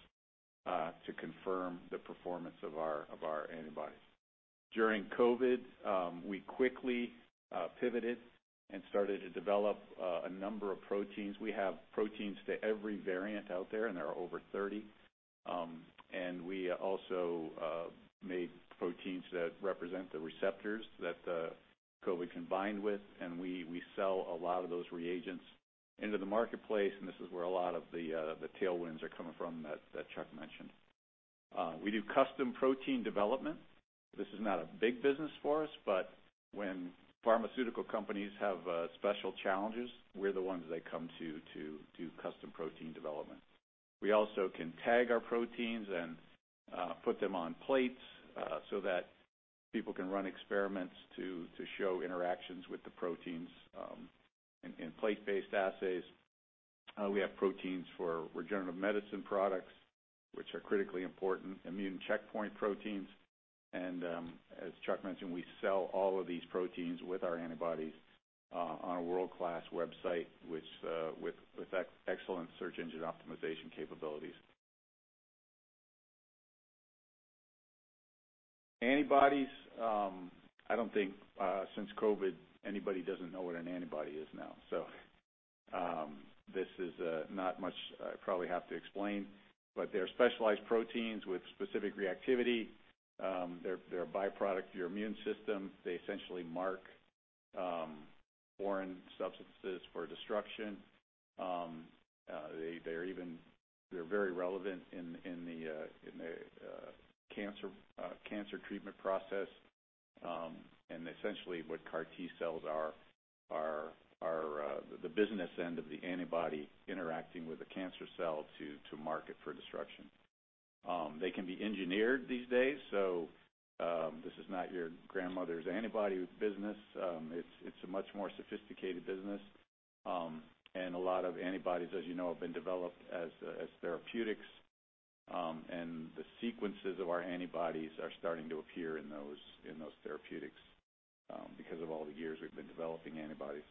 [SPEAKER 2] to confirm the performance of our antibodies. During COVID, we quickly pivoted and started to develop a number of proteins. We have proteins to every variant out there, and there are over 30. We also made proteins that represent the receptors that the COVID can bind with, and we sell a lot of those reagents into the marketplace, and this is where a lot of the tailwinds are coming from that Chuck mentioned. We do custom protein development. This is not a big business for us, but when pharmaceutical companies have special challenges, we're the ones they come to do custom protein development. We also can tag our proteins and put them on plates so that people can run experiments to show interactions with the proteins in plate-based assays. We have proteins for regenerative medicine products, which are critically important, immune checkpoint proteins, and as Chuck mentioned, we sell all of these proteins with our antibodies on a world-class website with excellent search engine optimization capabilities. Antibodies, I don't think since COVID, anybody doesn't know what an antibody is now. This is not much I probably have to explain, but they're specialized proteins with specific reactivity. They're a byproduct of your immune system. They essentially mark foreign substances for destruction. They're very relevant in the cancer treatment process. Essentially what CAR T-cells are the business end of the antibody interacting with a cancer cell to mark it for destruction. They can be engineered these days, this is not your grandmother's antibody business. It's a much more sophisticated business. A lot of antibodies, as you know, have been developed as therapeutics, and the sequences of our antibodies are starting to appear in those therapeutics because of all the years we've been developing antibodies.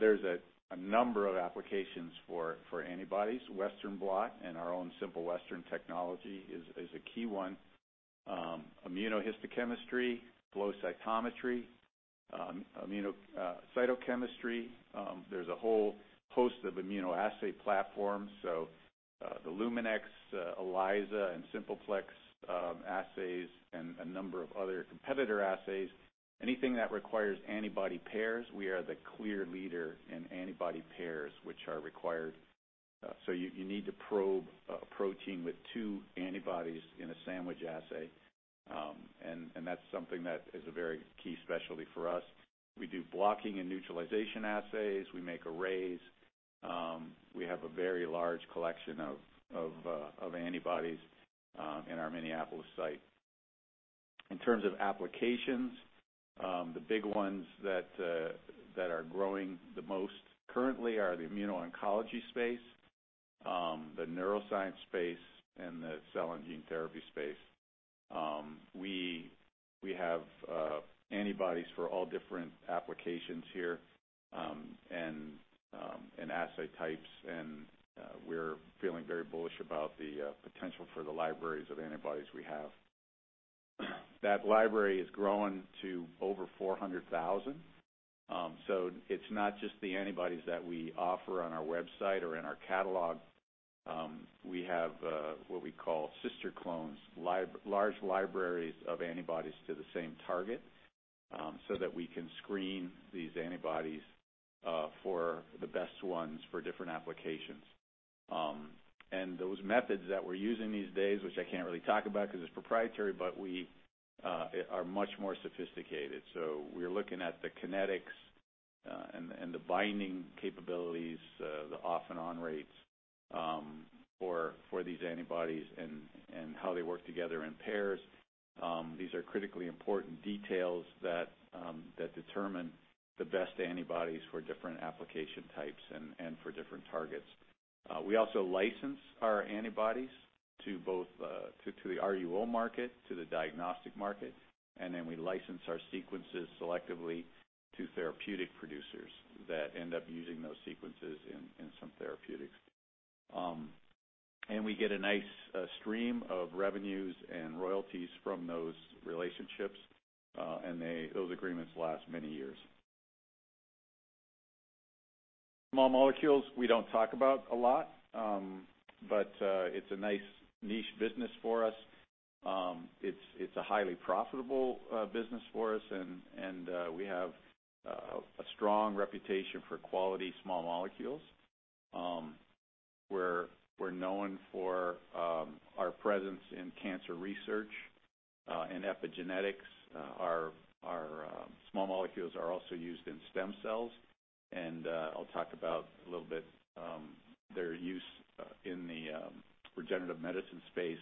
[SPEAKER 2] There is a number of applications for antibodies. Western blot in our own Simple Western technology is a key one. immunohistochemistry, flow cytometry, cytochemistry. There is a whole host of immunoassay platforms, so the Luminex, ELISA, and Simple Plex assays and a number of other competitor assays. Anything that requires antibody pairs, we are the clear leader in antibody pairs which are required. You need to probe a protein with two antibodies in a sandwich assay, and that is something that is a very key specialty for us. We do blocking and neutralization assays. We make arrays. We have a very large collection of antibodies in our Minneapolis site. In terms of applications, the big ones that are growing the most currently are the immuno-oncology space, the neuroscience space, and the cell and gene therapy space. We have antibodies for all different applications here and assay types, and we're feeling very bullish about the potential for the libraries of antibodies we have. That library has grown to over 400,000. It's not just the antibodies that we offer on our website or in our catalog. We have what we call sister clones, large libraries of antibodies to the same target, so that we can screen these antibodies for the best ones for different applications. Those methods that we're using these days, which I can't really talk about because it's proprietary, but we are much more sophisticated. We're looking at the kinetics and the binding capabilities, the off and on rates for these antibodies and how they work together in pairs. These are critically important details that determine the best antibodies for different application types and for different targets. We also license our antibodies to both the RUO market, to the diagnostic market, and then we license our sequences selectively to therapeutic producers that end up using those sequences in some therapeutics. We get a nice stream of revenues and royalties from those relationships. Those agreements last many years. Small molecules, we don't talk about a lot. It's a nice niche business for us. It's a highly profitable business for us, and we have a strong reputation for quality small molecules. We're known for our presence in cancer research, in epigenetics. Our small molecules are also used in stem cells, and I'll talk about, a little bit, their use in the regenerative medicine space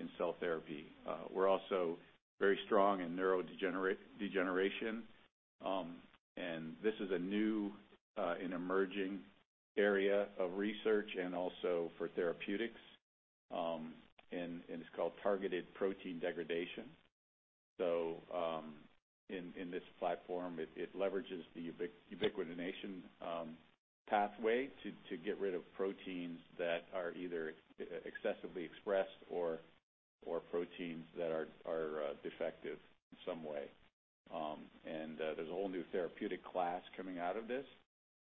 [SPEAKER 2] in cell therapy. We're also very strong in neurodegeneration. This is a new and emerging area of research and also for therapeutics. It's called targeted protein degradation. In this platform, it leverages the ubiquitination pathway to get rid of proteins that are either excessively expressed or proteins that are defective in some way. There's a whole new therapeutic class coming out of this,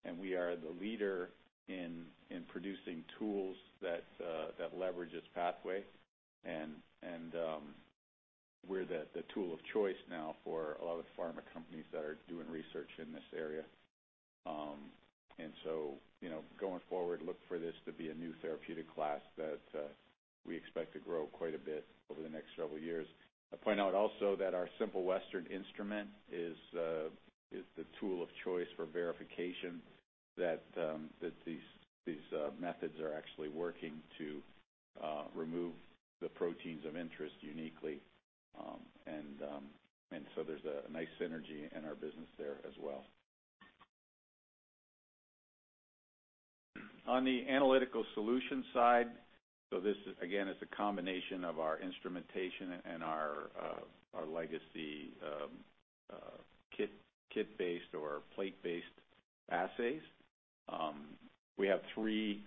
[SPEAKER 2] and we are the leader in producing tools that leverage this pathway. We're the tool of choice now for a lot of the pharma companies that are doing research in this area. Going forward, look for this to be a new therapeutic class that we expect to grow quite a bit over the next several years. I'll point out also that our Simple Western instrument is the tool of choice for verification that these methods are actually working to remove the proteins of interest uniquely. There's a nice synergy in our business there as well. On the analytical solution side, this, again, is a combination of our instrumentation and our legacy kit-based or plate-based assays. We have three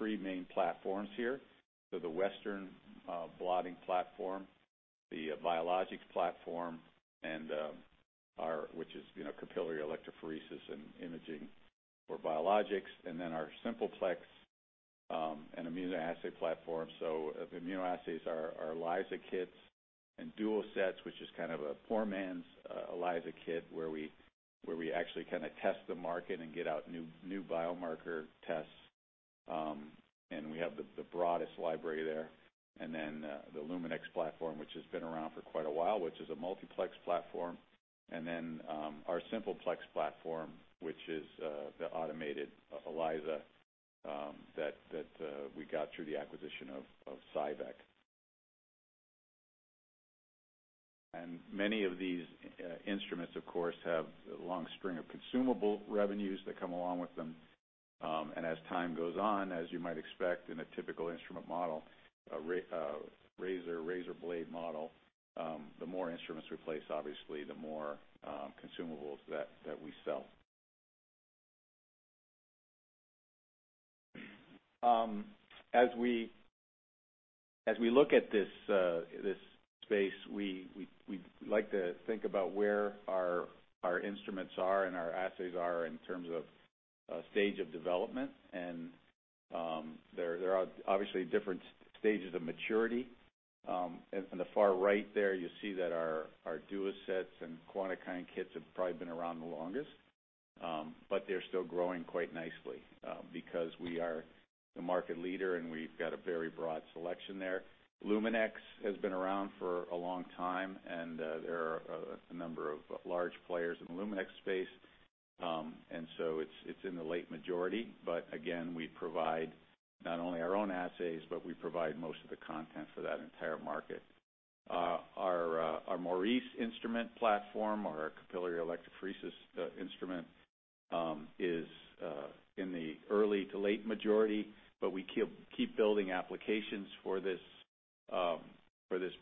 [SPEAKER 2] main platforms here. The Western blotting platform, the biologics platform, which is capillary electrophoresis and imaging for biologics, and then our Simple Plex and immunoassay platform. The immunoassays are our ELISA kits and DuoSet, which is kind of a poor man's ELISA kit, where we actually test the market and get out new biomarker tests. We have the broadest library there. The Luminex platform, which has been around for quite a while, which is a multiplex platform. Our Simple Plex platform, which is the automated ELISA that we got through the acquisition of CyVek. Many of these instruments, of course, have a long string of consumable revenues that come along with them. As time goes on, as you might expect in a typical instrument model, a razor blade model, the more instruments we place, obviously the more consumables that we sell. As we look at this space, we like to think about where our instruments are and our assays are in terms of stage of development. There are obviously different stages of maturity. On the far right there, you see that our DuoSet and Quantikine kits have probably been around the longest. They're still growing quite nicely because we are the market leader, and we've got a very broad selection there. Luminex has been around for a long time, and there are a number of large players in the Luminex space. It's in the late majority. Again, we provide not only our own assays, but we provide most of the content for that entire market. Our Maurice instrument platform, our capillary electrophoresis instrument is in the early to late majority, but we keep building applications for this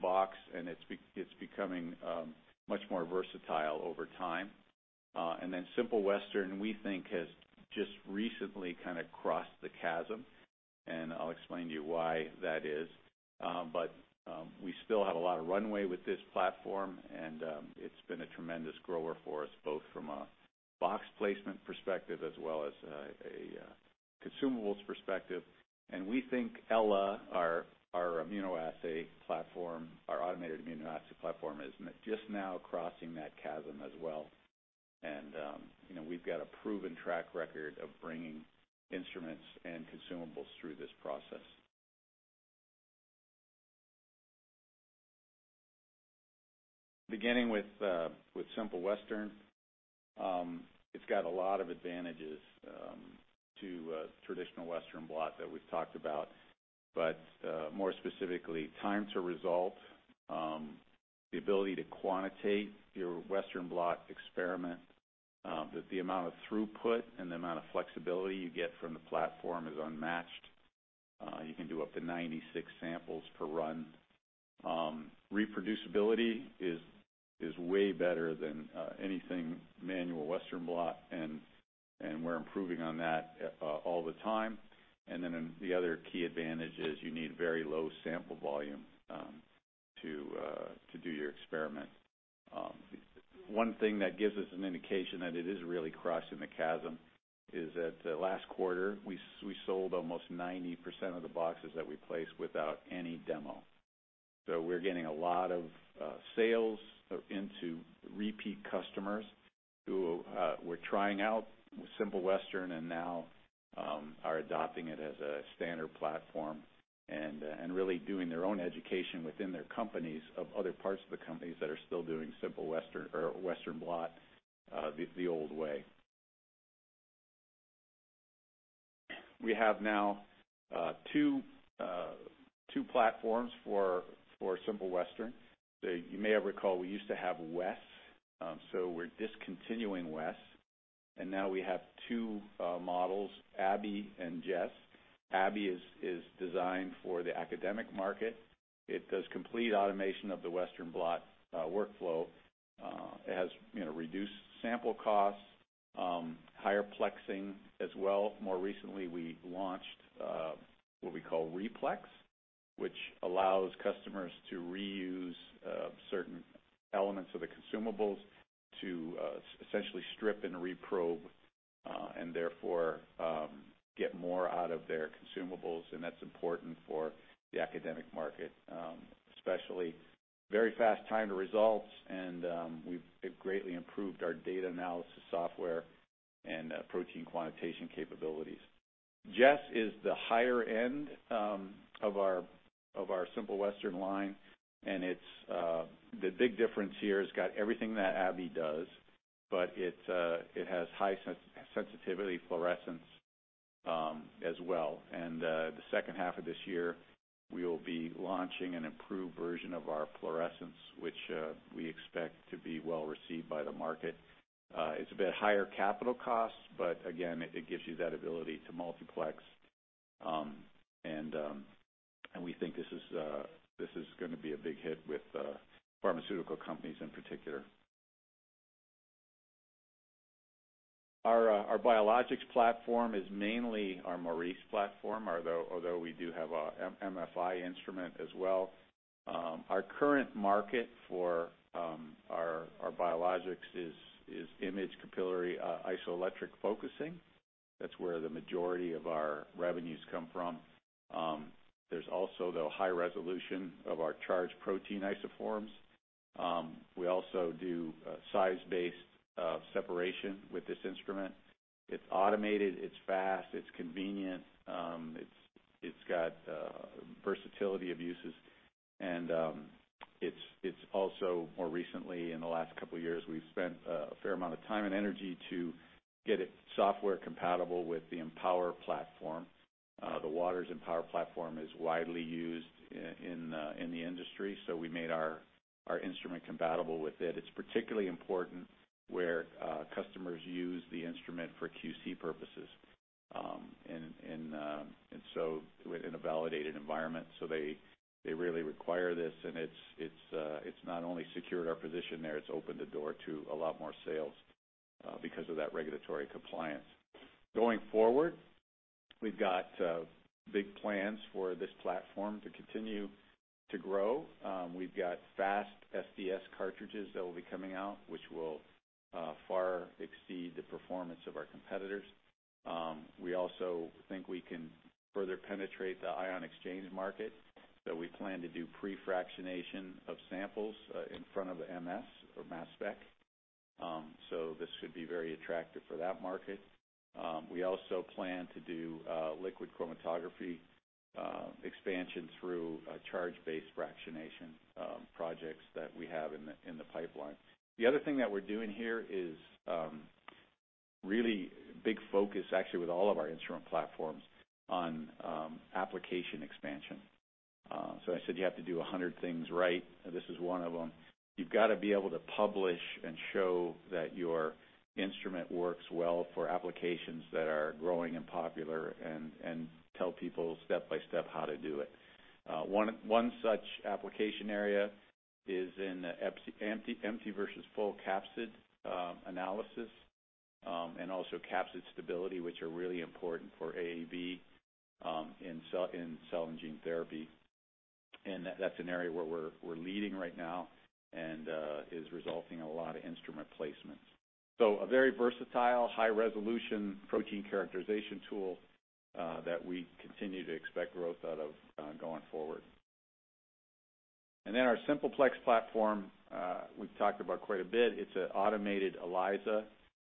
[SPEAKER 2] box, and it's becoming much more versatile over time. Simple Western, we think has just recently kind of crossed the chasm, and I'll explain to you why that is. We still have a lot of runway with this platform, and it's been a tremendous grower for us, both from a box placement perspective as well as a consumables perspective. We think Ella, our automated immunoassay platform, is just now crossing that chasm as well. We've got a proven track record of bringing instruments and consumables through this process. Beginning with Simple Western, it's got a lot of advantages to traditional Western blot that we've talked about, but more specifically, time to result, the ability to quantitate your Western blot experiment, that the amount of throughput and the amount of flexibility you get from the platform is unmatched. You can do up to 96 samples per run. Reproducibility is way better than anything manual Western blot, and we're improving on that all the time. The other key advantage is you need very low sample volume to do your experiment. One thing that gives us an indication that it is really crossing the chasm is that last quarter, we sold almost 90% of the boxes that we placed without any demo. We're getting a lot of sales into repeat customers who were trying out Simple Western and now are adopting it as a standard platform and really doing their own education within their companies of other parts of the companies that are still doing Western blot the old way. We have now two platforms for Simple Western. You may have recalled we used to have Wes, so we're discontinuing Wes, and now we have two models, Abby and Jess. Abby is designed for the academic market. It does complete automation of the Western blot workflow. It has reduced sample costs, higher plexing as well. More recently, we launched what we call RePlex, which allows customers to reuse certain elements of the consumables to essentially strip and reprobe, and therefore get more out of their consumables, and that's important for the academic market, especially. Very fast time to results, we've greatly improved our data analysis software and protein quantitation capabilities. Jess is the higher end of our Simple Western line, the big difference here, it's got everything that Abby does, but it has high sensitivity fluorescence as well. The second half of this year, we will be launching an improved version of our fluorescence, which we expect to be well-received by the market. It's a bit higher capital cost, but again, it gives you that ability to multiplex, and we think this is going to be a big hit with pharmaceutical companies in particular. Our biologics platform is mainly our Maurice platform, although we do have a MFI instrument as well. Our current market for our biologics is imaged capillary isoelectric focusing. That's where the majority of our revenues come from. There's also, though, high resolution of our charged protein isoforms. We also do size-based separation with this instrument. It's automated, it's fast, it's convenient. It's got versatility of uses, and it's also, more recently, in the last couple of years, we've spent a fair amount of time and energy to get it software compatible with the Empower platform. The Waters Empower platform is widely used in the industry. We made our instrument compatible with it. It's particularly important where customers use the instrument for QC purposes, and so in a validated environment. They really require this, and it's not only secured our position there, it's opened the door to a lot more sales because of that regulatory compliance. Going forward, we've got big plans for this platform to continue to grow. We've got fast SDS cartridges that will be coming out, which will far exceed the performance of our competitors. We also think we can further penetrate the ion exchange market. We plan to do pre-fractionation of samples in front of the MS or mass spec. This should be very attractive for that market. We also plan to do liquid chromatography expansion through charge-based fractionation projects that we have in the pipeline. The other thing that we're doing here is really big focus, actually, with all of our instrument platforms, on application expansion. I said you have to do 100 things right, and this is one of them. You've got to be able to publish and show that your instrument works well for applications that are growing and popular, and tell people step by step how to do it. One such application area is in empty versus full capsid analysis, and also capsid stability, which are really important for AAV in cell and gene therapy. That's an area where we're leading right now and is resulting in a lot of instrument placements. A very versatile, high-resolution protein characterization tool that we continue to expect growth out of going forward. Our Simple Plex platform, we've talked about quite a bit. It's an automated ELISA.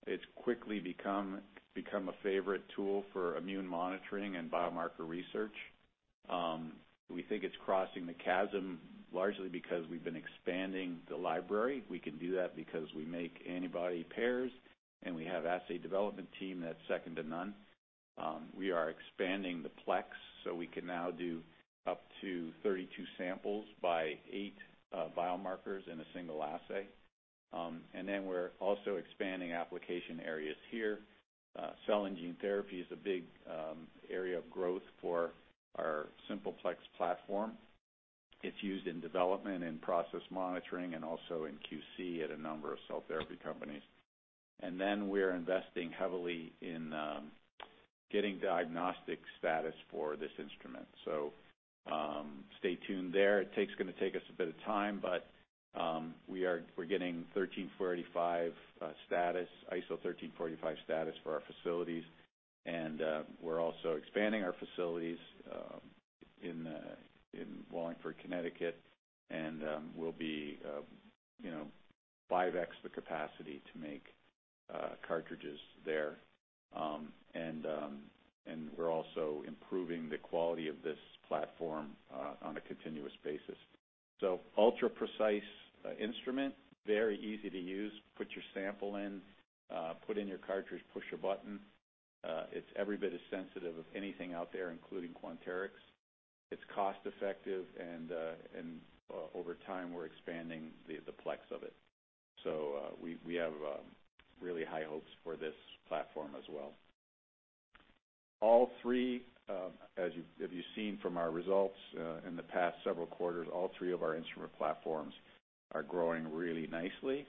[SPEAKER 2] It's quickly become a favorite tool for immune monitoring and biomarker research. We think it's crossing the chasm largely because we've been expanding the library. We can do that because we make antibody pairs, and we have an assay development team that's second to none. We are expanding the plex, so we can now do up to 32 samples by eight biomarkers in a single assay. We're also expanding application areas here. Cell and gene therapy is a big area of growth for our Simple Plex platform. It's used in development and process monitoring and also in QC at a number of cell therapy companies. Then we're investing heavily in getting diagnostic status for this instrument. Stay tuned there. It's going to take us a bit of time, but we're getting ISO 13485 status for our facilities, and we're also expanding our facilities in Wallingford, Connecticut, and we'll be 5X the capacity to make cartridges there. We're also improving the quality of this platform on a continuous basis. Ultra-precise instrument, very easy to use. Put your sample in, put in your cartridge, push a button. It's every bit as sensitive of anything out there, including Quanterix. It's cost-effective and, over time, we're expanding the plex of it. We have really high hopes for this platform as well. As you've seen from our results in the past several quarters, all three of our instrument platforms are growing really nicely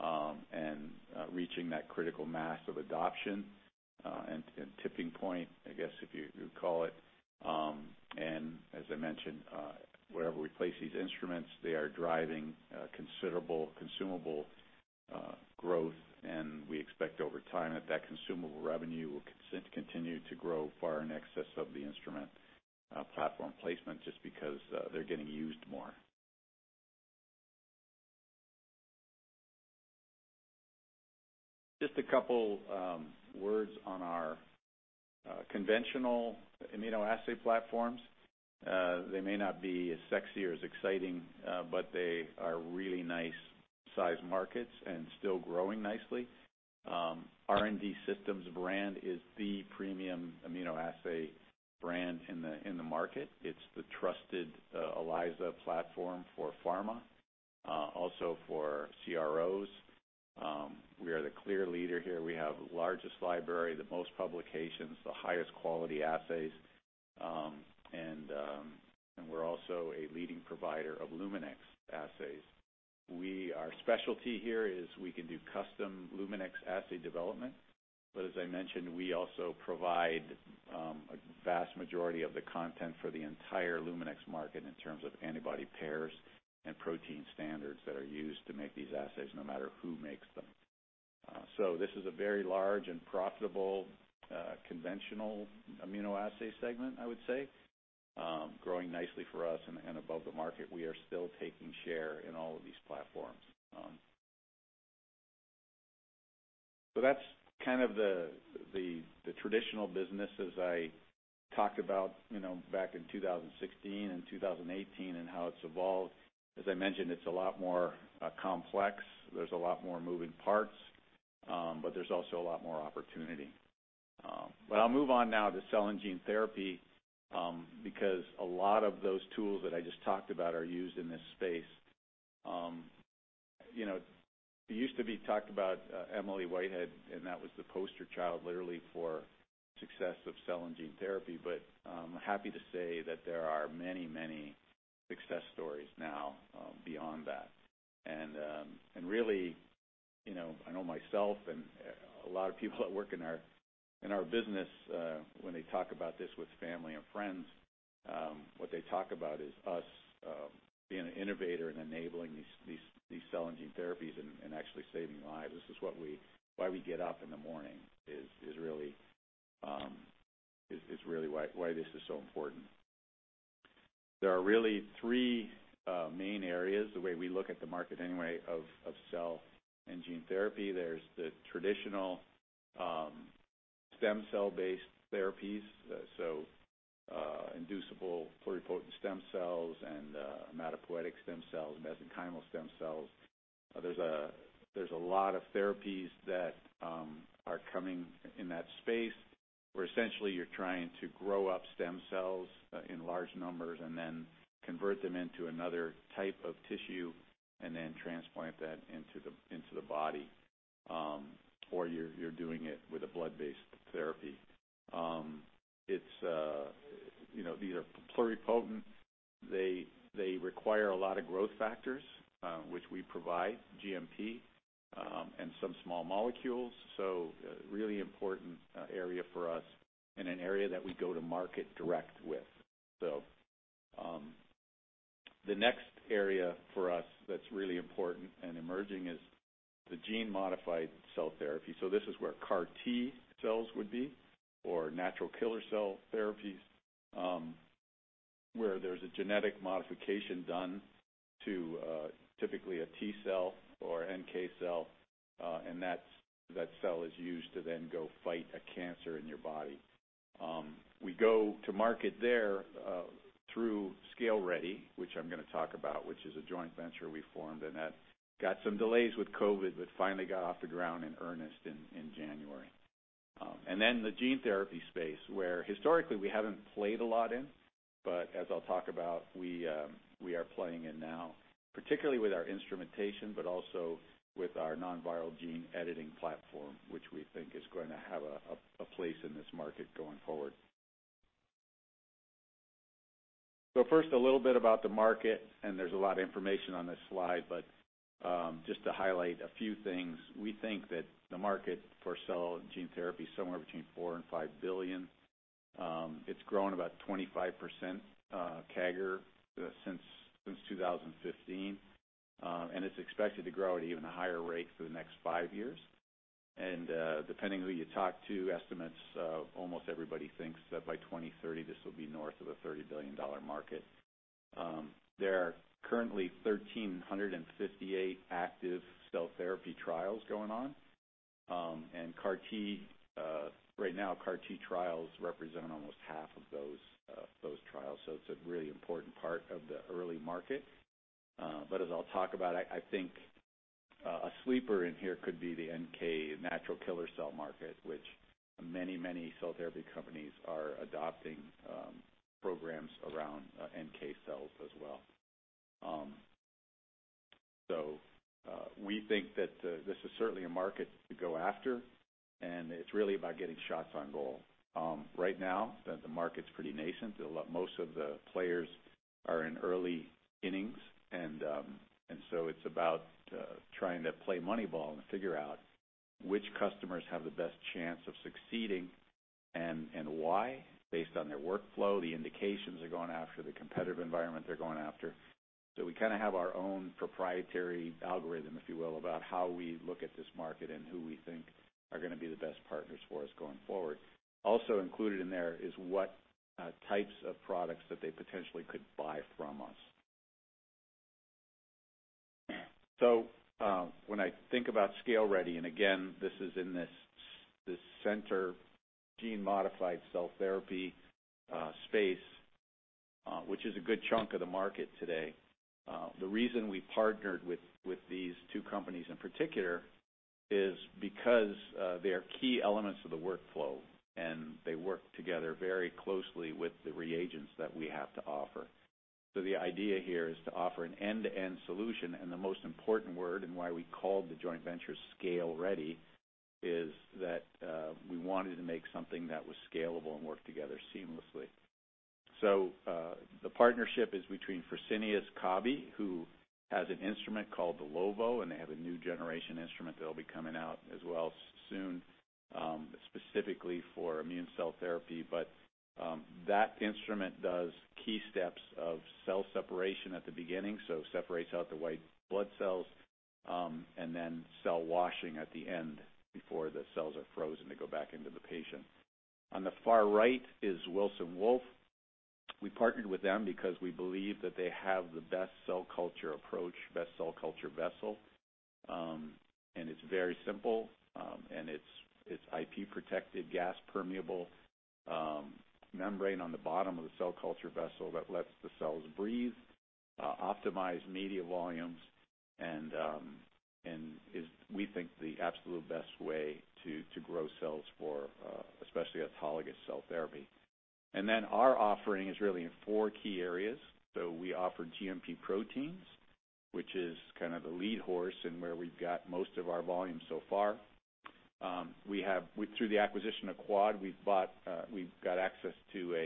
[SPEAKER 2] and reaching that critical mass of adoption and tipping point, I guess, if you would call it. As I mentioned, wherever we place these instruments, they are driving considerable consumable growth. We expect over time that consumable revenue will continue to grow far in excess of the instrument platform placement, just because they're getting used more. Just a couple words on our conventional immunoassay platforms. They may not be as sexy or as exciting, but they are really nice-sized markets and still growing nicely. R&D Systems brand is the premium immunoassay brand in the market. It's the trusted ELISA platform for pharma, also for CROs. We are the clear leader here. We have the largest library, the most publications, the highest quality assays, and we're also a leading provider of Luminex assays. Our specialty here is we can do custom Luminex assay development. As I mentioned, we also provide a vast majority of the content for the entire Luminex market in terms of antibody pairs and protein standards that are used to make these assays, no matter who makes them. This is a very large and profitable conventional immunoassay segment, I would say, growing nicely for us and above the market. We are still taking share in all of these platforms. That's kind of the traditional business as I talked about back in 2016 and 2018 and how it's evolved. As I mentioned, it's a lot more complex. There's a lot more moving parts, but there's also a lot more opportunity. I'll move on now to cell and gene therapy, because a lot of those tools that I just talked about are used in this space. It used to be talked about Emily Whitehead, and that was the poster child, literally, for success of cell and gene therapy. I'm happy to say that there are many success stories now beyond that. Really, I know myself and a lot of people that work in our business, when they talk about this with family and friends, what they talk about is us being an innovator and enabling these cell and gene therapies and actually saving lives. This is why we get up in the morning, is really why this is so important. There are really three main areas, the way we look at the market anyway, of cell and gene therapy. There's the traditional stem cell-based therapies, so induced pluripotent stem cells and hematopoietic stem cells, mesenchymal stem cells. There's a lot of therapies that are coming in that space where essentially you're trying to grow up stem cells in large numbers and then convert them into another type of tissue and then transplant that into the body, or you're doing it with a blood-based therapy. These are pluripotent. They require a lot of growth factors, which we provide, GMP, and some small molecules. A really important area for us and an area that we go to market direct with. The next area for us that's really important and emerging is the gene-modified cell therapy. This is where CAR T-cells would be, or natural killer cell therapies, where there's a genetic modification done to typically a T-cell or NK cell, and that cell is used to then go fight a cancer in your body. We go to market there through ScaleReady, which I'm going to talk about, which is a joint venture we formed, and that got some delays with COVID, but finally got off the ground in earnest in January. The gene therapy space, where historically we haven't played a lot in, but as I'll talk about, we are playing in now, particularly with our instrumentation, but also with our non-viral gene editing platform, which we think is going to have a place in this market going forward. First, a little bit about the market, and there's a lot of information on this slide, but just to highlight a few things. We think that the market for cell and gene therapy is somewhere between $4 billion and $5 billion. It's grown about 25% CAGR since 2015, and it's expected to grow at an even higher rate for the next five years. Depending who you talk to, estimates, almost everybody thinks that by 2030 this will be north of a $30 billion market. There are currently 1,358 active cell therapy trials going on. Right now, CAR T trials represent almost half of those trials, so it's a really important part of the early market. As I'll talk about, I think a sleeper in here could be the NK, natural killer cell market, which many cell therapy companies are adopting programs around NK cells as well. We think that this is certainly a market to go after, and it's really about getting shots on goal. Right now, the market's pretty nascent. Most of the players are in early innings, it's about trying to play Moneyball and figure out which customers have the best chance of succeeding and why, based on their workflow, the indications they're going after, the competitive environment they're going after. We kind of have our own proprietary algorithm, if you will, about how we look at this market and who we think are going to be the best partners for us going forward. Also included in there is what types of products that they potentially could buy from us. When I think about ScaleReady, and again, this is in this center gene-modified cell therapy space, which is a good chunk of the market today. The reason we partnered with these two companies in particular is because they are key elements of the workflow, and they work together very closely with the reagents that we have to offer. The idea here is to offer an end-to-end solution, and the most important word and why we called the joint venture ScaleReady is that we wanted to make something that was scalable and worked together seamlessly. The partnership is between Fresenius Kabi, who has an instrument called the Lovo, and they have a new generation instrument that'll be coming out as well soon, specifically for immune cell therapy. That instrument does key steps of cell separation at the beginning, so separates out the white blood cells, and then cell washing at the end before the cells are frozen to go back into the patient. On the far right is Wilson Wolf. We partnered with them because we believe that they have the best cell culture approach, best cell culture vessel. It's very simple, and it's IP-protected gas-permeable membrane on the bottom of the cell culture vessel that lets the cells breathe, optimize media volumes, and is, we think, the absolute best way to grow cells for especially autologous cell therapy. Our offering is really in four key areas. We offer GMP proteins, which is kind of the lead horse and where we've got most of our volume so far. Through the acquisition of Quad, we've got access to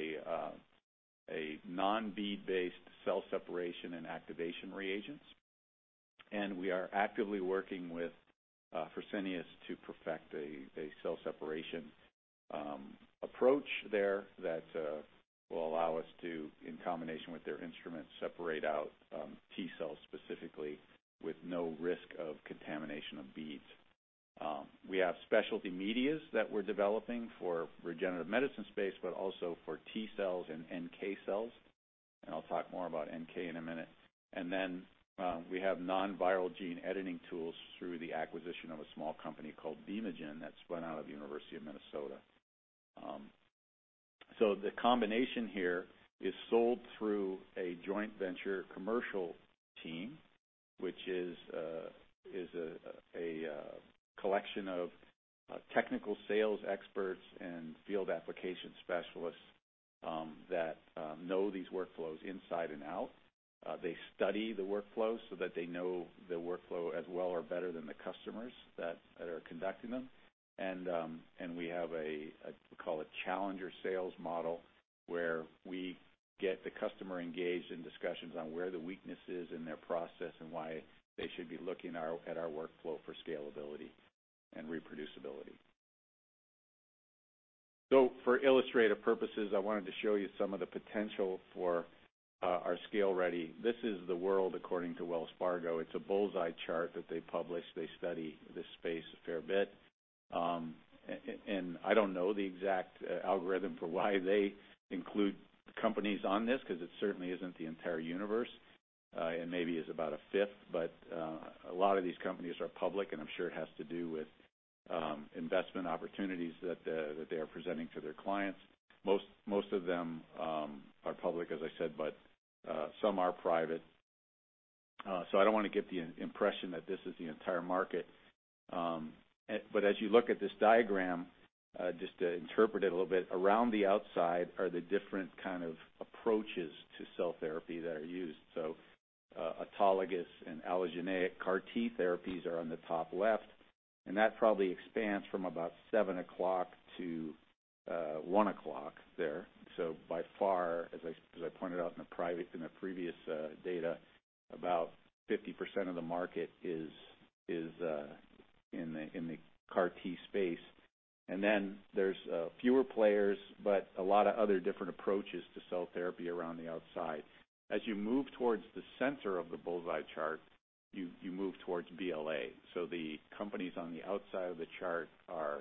[SPEAKER 2] a non-bead-based cell separation and activation reagents. We are actively working with Fresenius to perfect a cell separation approach there that will allow us to, in combination with their instruments, separate out T-cells specifically with no risk of contamination of beads. We have specialty medias that we're developing for regenerative medicine space, but also for T-cells and NK cells, and I'll talk more about NK in 1 minute. We have non-viral gene editing tools through the acquisition of a small company called B-MoGen that spun out of University of Minnesota. The combination here is sold through a joint venture commercial team, which is a collection of technical sales experts and field application specialists that know these workflows inside and out. They study the workflows so that they know the workflow as well or better than the customers that are conducting them. We have a, we call it challenger sales model, where we get the customer engaged in discussions on where the weakness is in their process and why they should be looking at our workflow for scalability and reproducibility. For illustrative purposes, I wanted to show you some of the potential for our ScaleReady. This is the world according to Wells Fargo. It's a bullseye chart that they published. They study this space a fair bit. I don't know the exact algorithm for why they include companies on this, because it certainly isn't the entire universe. It maybe is about a fifth. A lot of these companies are public, and I'm sure it has to do with investment opportunities that they are presenting to their clients. Most of them are public, as I said, but some are private. I don't want to give the impression that this is the entire market. As you look at this diagram, just to interpret it a little bit, around the outside are the different kind of approaches to cell therapy that are used. Autologous and allogeneic CAR T therapies are on the top left, and that probably expands from about 7 o'clock to 1 o'clock there. By far, as I pointed out in the previous data, about 50% of the market is in the CAR T space. There's fewer players, but a lot of other different approaches to cell therapy around the outside. As you move towards the center of the bullseye chart, you move towards BLA. The companies on the outside of the chart are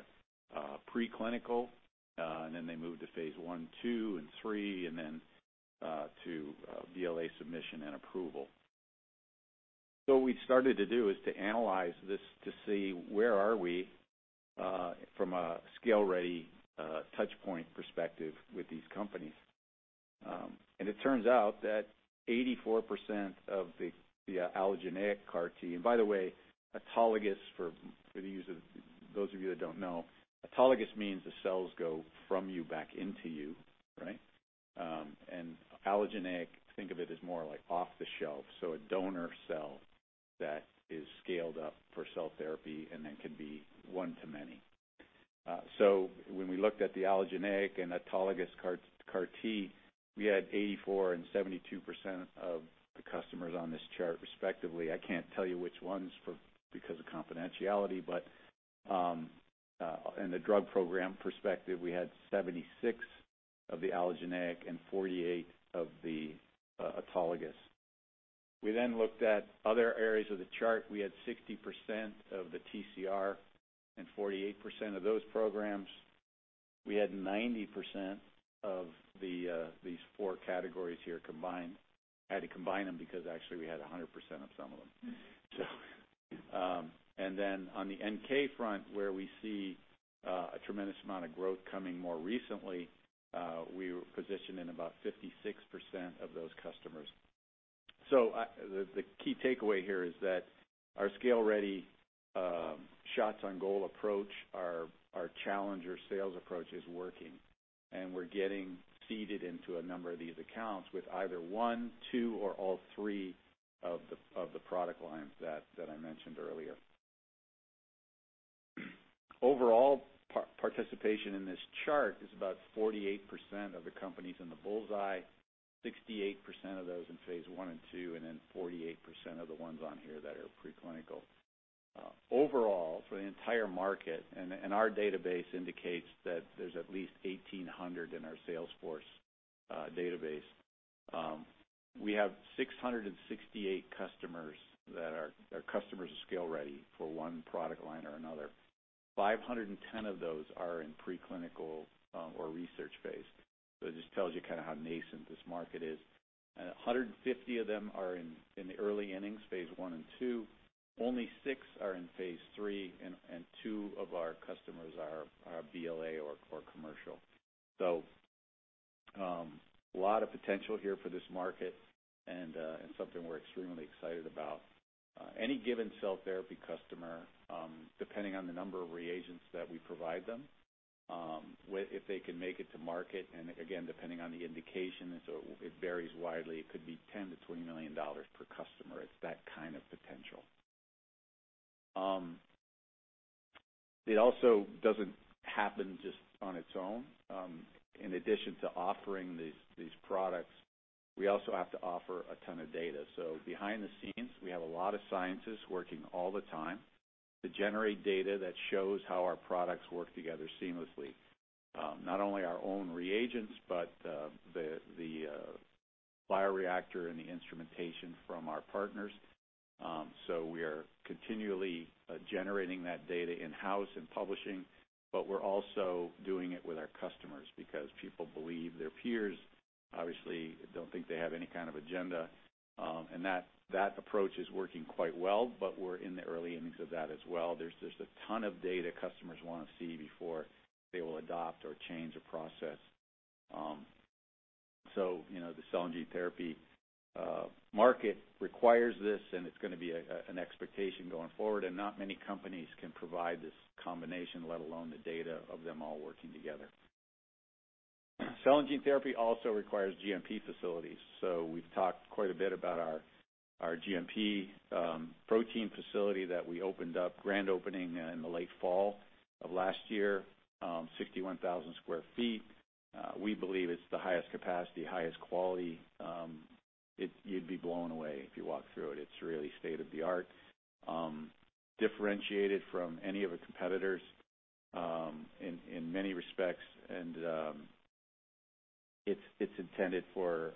[SPEAKER 2] preclinical, and then they move to phase I, II, and III, and then to BLA submission and approval. What we've started to do is to analyze this to see where are we from a ScaleReady touch point perspective with these companies. It turns out that 84% of the allogeneic CAR T. By the way, autologous, for those of you that don't know, autologous means the cells go from you back into you. Right? Allogeneic, think of it as more like off the shelf, so a donor cell that is scaled up for cell therapy and then can be one to many. When we looked at the allogeneic and autologous CAR T, we had 84% and 72% of the customers on this chart, respectively. I can't tell you which ones because of confidentiality, but in the drug program perspective, we had 76% of the allogeneic and 48% of the autologous. We looked at other areas of the chart. We had 60% of the TCR and 48% of those programs. We had 90% of these four categories here combined. I had to combine them because actually we had 100% of some of them. On the NK front, where we see a tremendous amount of growth coming more recently, we were positioned in about 56% of those customers. The key takeaway here is that our ScaleReady shots on goal approach, our challenger sales approach, is working, and we're getting seeded into a number of these accounts with either one, two, or all three of the product lines that I mentioned earlier. Overall participation in this chart is about 48% of the companies in the bullseye, 68% of those in phase I and II, and then 48% of the ones on here that are preclinical. Overall, for the entire market, and our database indicates that there is at least 1,800 in our sales force database, we have 668 customers that are customers of ScaleReady for one product line or another. 510 of those are in preclinical or research phase. It just tells you how nascent this market is. 150 of them are in the early innings, phase I and II. Only 6 are in phase III, and two of our customers are BLA or commercial. A lot of potential here for this market and something we are extremely excited about. Any given cell therapy customer, depending on the number of reagents that we provide them, if they can make it to market, and again, depending on the indication, and so it varies widely, it could be $10 million-$20 million per customer. It is that kind of potential. It also doesn't happen just on its own. In addition to offering these products, we also have to offer a ton of data. Behind the scenes, we have a lot of scientists working all the time to generate data that shows how our products work together seamlessly. Not only our own reagents, but the bioreactor and the instrumentation from our partners. We are continually generating that data in-house and publishing, but we're also doing it with our customers because people believe their peers. Obviously, I don't think they have any kind of agenda. That approach is working quite well, but we're in the early innings of that as well. There's just a ton of data customers want to see before they will adopt or change a process. The cell and gene therapy market requires this, and it's going to be an expectation going forward. Not many companies can provide this combination, let alone the data of them all working together. Cell and gene therapy also requires GMP facilities. We've talked quite a bit about our GMP protein facility that we opened up, grand opening in the late fall of last year, 61,000 sq ft. We believe it's the highest capacity, highest quality. You'd be blown away if you walk through it. It's really state-of-the-art, differentiated from any of the competitors in many respects, and it's intended for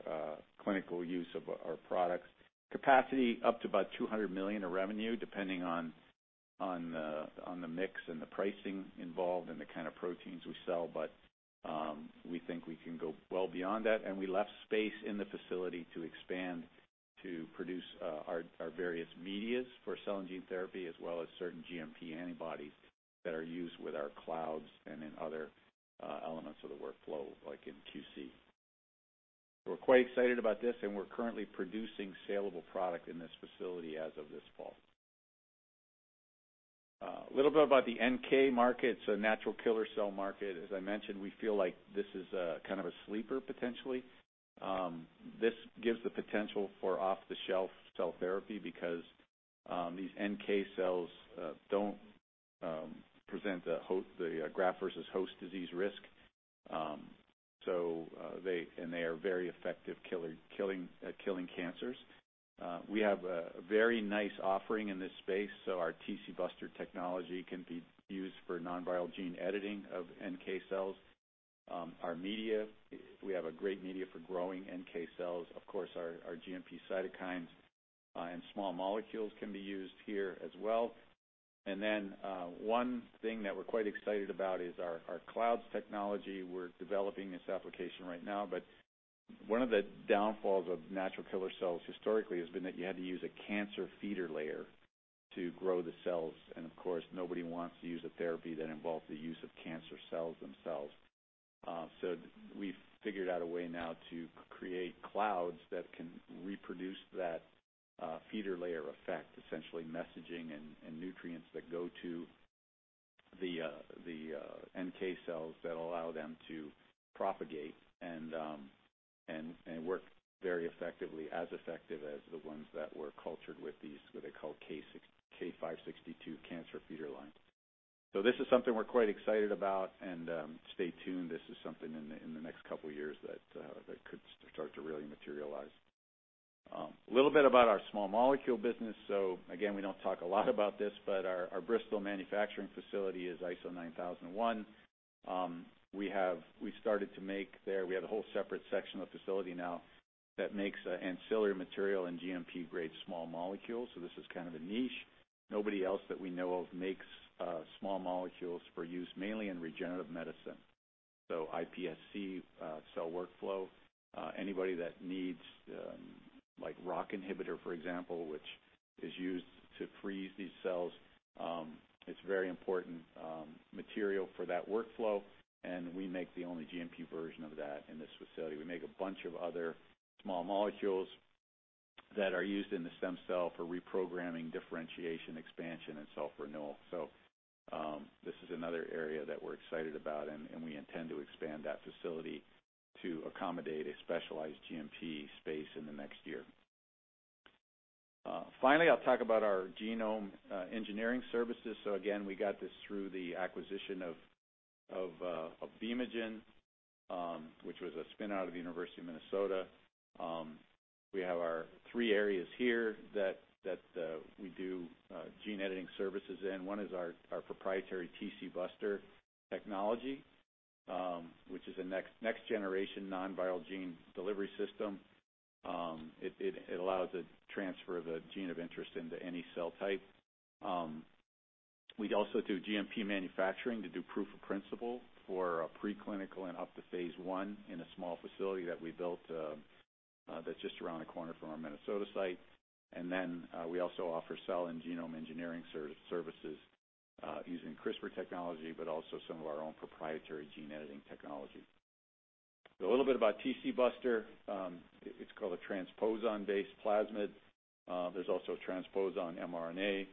[SPEAKER 2] clinical use of our products. Capacity up to about $200 million of revenue, depending on the mix and the pricing involved and the kind of proteins we sell. We think we can go well beyond that. We left space in the facility to expand to produce our various medias for cell and gene therapy, as well as certain GMP antibodies that are used with our Cloudz and in other elements of the workflow, like in QC. We're quite excited about this, and we're currently producing salable product in this facility as of this fall. A little bit about the NK market. It's a natural killer cell market. As I mentioned, we feel like this is a sleeper, potentially. This gives the potential for off-the-shelf cell therapy because these NK cells don't present the graft versus host disease risk. They are very effective at killing cancers. We have a very nice offering in this space, our TcBuster technology can be used for non-viral gene editing of NK cells. Our media, we have a great media for growing NK cells. Of course, our GMP cytokines and small molecules can be used here as well. Then one thing that we're quite excited about is our Cloudz technology. We're developing this application right now, one of the downfalls of natural killer cells historically has been that you had to use a cancer feeder layer to grow the cells. Of course, nobody wants to use a therapy that involves the use of cancer cells themselves. We've figured out a way now to create Cloudz that can reproduce that feeder layer effect, essentially messaging and nutrients that go to the NK cells that allow them to propagate and work very effectively, as effective as the ones that were cultured with these, what they call K562 cancer feeder lines. This is something we're quite excited about. Stay tuned. This is something in the next couple of years that could start to really materialize. A little bit about our small molecule business. Again, we don't talk a lot about this, but our Bristol manufacturing facility is ISO 9001. We have a whole separate section of the facility now that makes ancillary material and GMP-grade small molecules. This is a niche. Nobody else that we know of makes small molecules for use mainly in regenerative medicine. iPSC cell workflow, anybody that needs like ROCK inhibitor, for example, which is used to freeze these cells. It's a very important material for that workflow, and we make the only GMP version of that in this facility. We make a bunch of other small molecules that are used in the stem cell for reprogramming, differentiation, expansion, and self-renewal. This is another area that we're excited about, and we intend to expand that facility to accommodate a specialized GMP space in the next year. Finally, I'll talk about our genome engineering services. Again, we got this through the acquisition of B-MoGen which was a spin-out of the University of Minnesota. We have our three areas here that we do gene editing services in. One is our proprietary TcBuster technology which is a next-generation non-viral gene delivery system. It allows the transfer of a gene of interest into any cell type. We also do GMP manufacturing to do proof of principle for a pre-clinical and up to phase I in a small facility that we built that's just around the corner from our Minnesota site. We also offer cell and genome engineering services using CRISPR technology, but also some of our own proprietary gene editing technology. A little bit about TcBuster. It's called a transposon-based plasmid. There's also a transposon mRNA.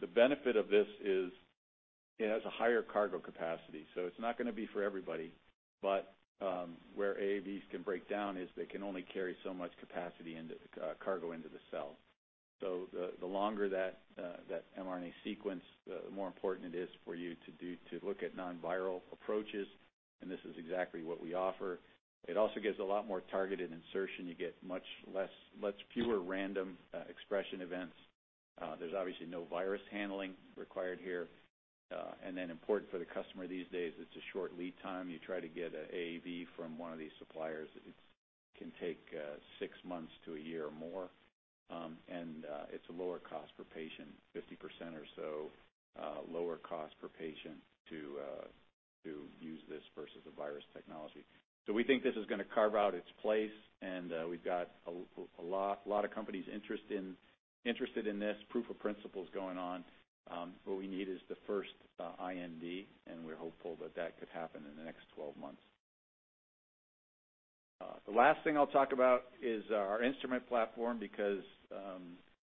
[SPEAKER 2] The benefit of this is it has a higher cargo capacity, so it's not going to be for everybody. Where AAVs can break down is they can only carry so much cargo into the cell. The longer that mRNA sequence, the more important it is for you to look at non-viral approaches, and this is exactly what we offer. It also gives a lot more targeted insertion. You get much fewer random expression events. There's obviously no virus handling required here. Important for the customer these days, it's a short lead time. You try to get an AAV from one of these suppliers, it can take six months to a year or more. It's a lower cost per patient, 50% or so lower cost per patient to use this versus a virus technology. We think this is going to carve out its place and we've got a lot of companies interested in this, proof of principles going on. What we need is the first IND, we're hopeful that that could happen in the next 12 months. The last thing I'll talk about is our instrument platform.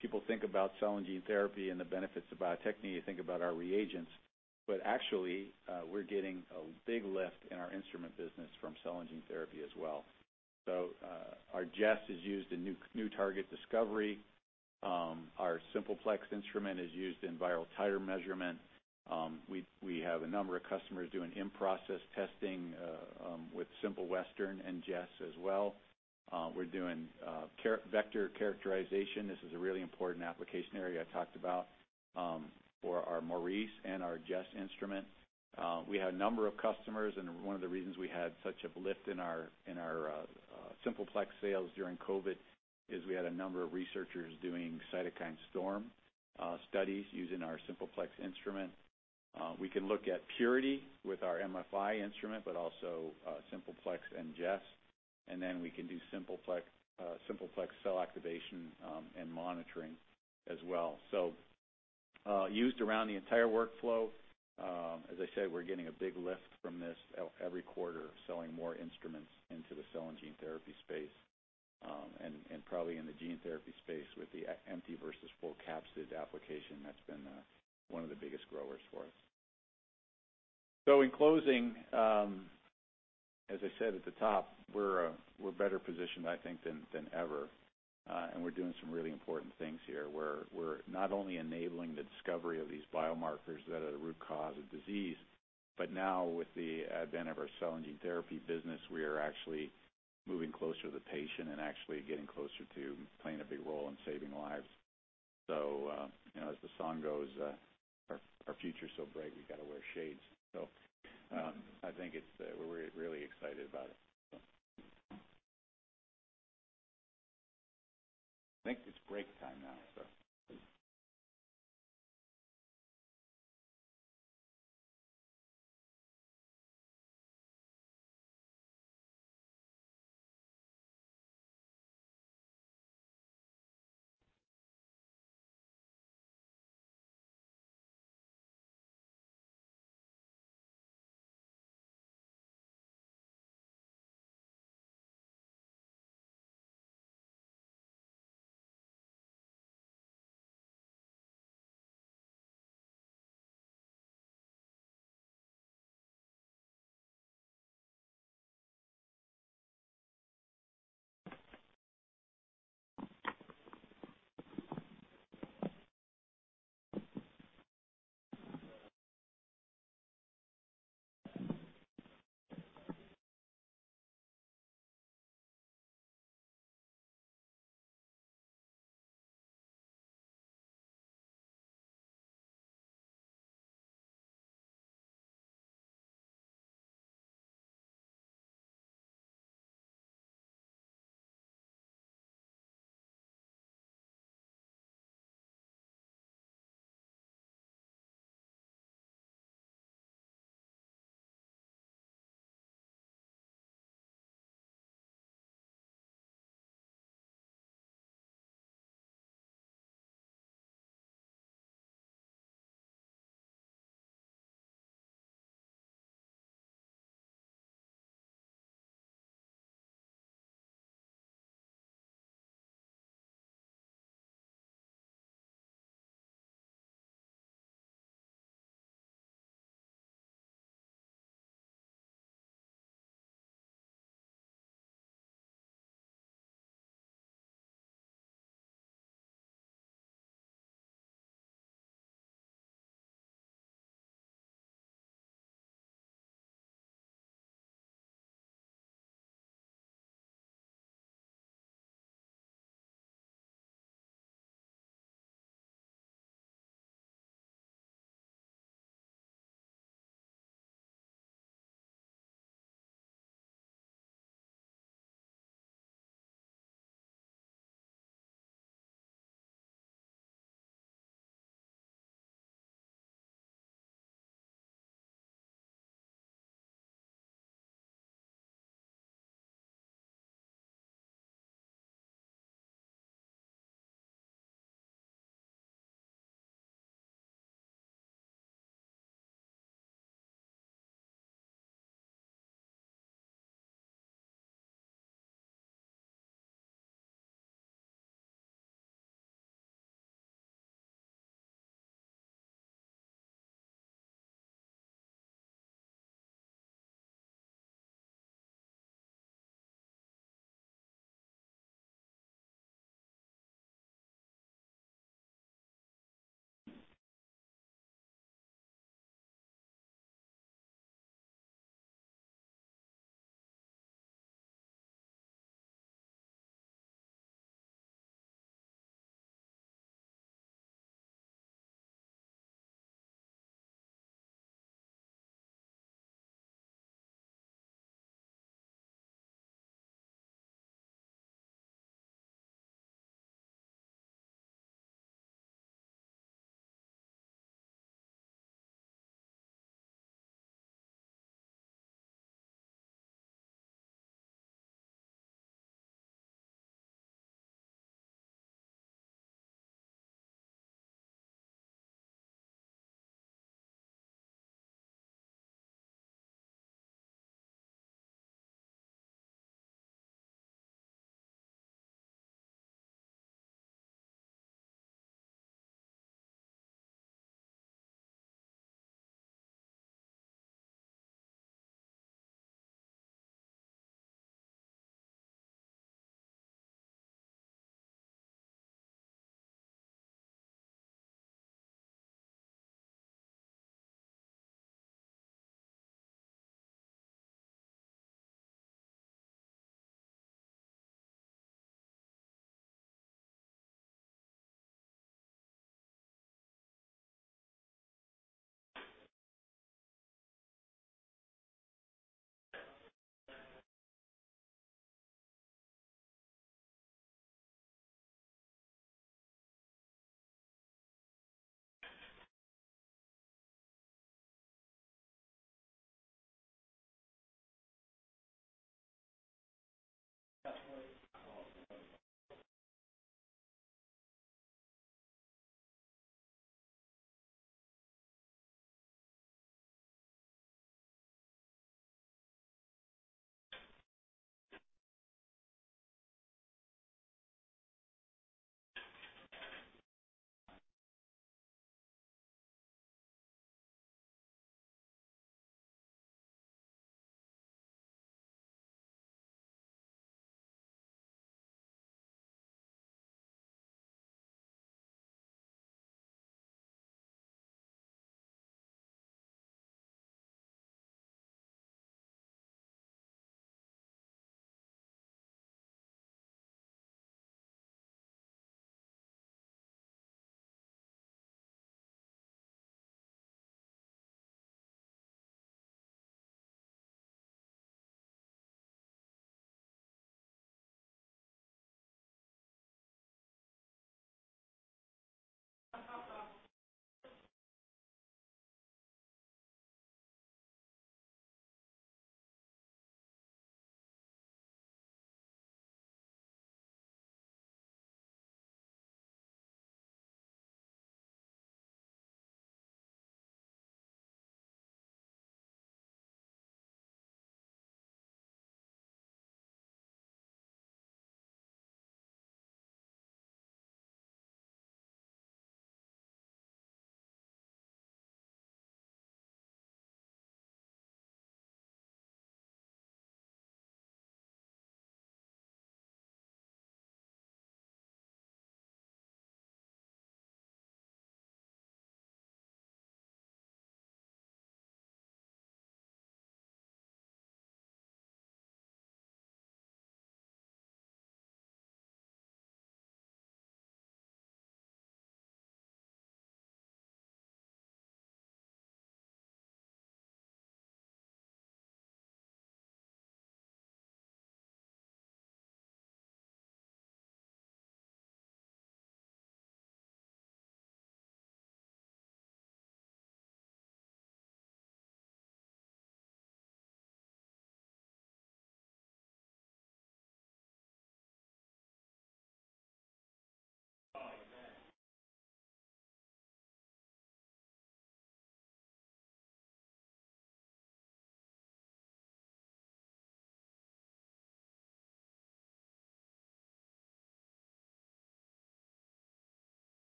[SPEAKER 2] People think about cell and gene therapy and the benefits of Bio-Techne, you think about our reagents, actually, we're getting a big lift in our instrument business from cell and gene therapy as well. Our Jess is used in new target discovery. Our Simple Plex instrument is used in viral titer measurement. We have a number of customers doing in-process testing with Simple Western and Jess as well. We're doing vector characterization. This is a really important application area I talked about for our Maurice and our Jess instrument. We had a number of customers, and one of the reasons we had such a lift in our Simple Plex sales during COVID is we had a number of researchers doing cytokine storm studies using our Simple Plex instrument. We can look at purity with our MFI instrument, but also Simple Plex and Jess, and then we can do Simple Plex cell activation and monitoring as well. Used around the entire workflow. As I said, we're getting a big lift from this every quarter, selling more instruments into the cell and gene therapy space, and probably in the gene therapy space with the empty versus full capsid application. That's been one of the biggest growers for us. In closing, as I said at the top, we're better positioned, I think, than ever. We're doing some really important things here, where we're not only enabling the discovery of these biomarkers that are the root cause of disease, but now with the advent of our cell and gene therapy business, we are actually moving closer to the patient and actually getting closer to playing a big role in saving lives. As the song goes, our future's so bright we got to wear shades. I think we're really excited about it. I think it's break time now.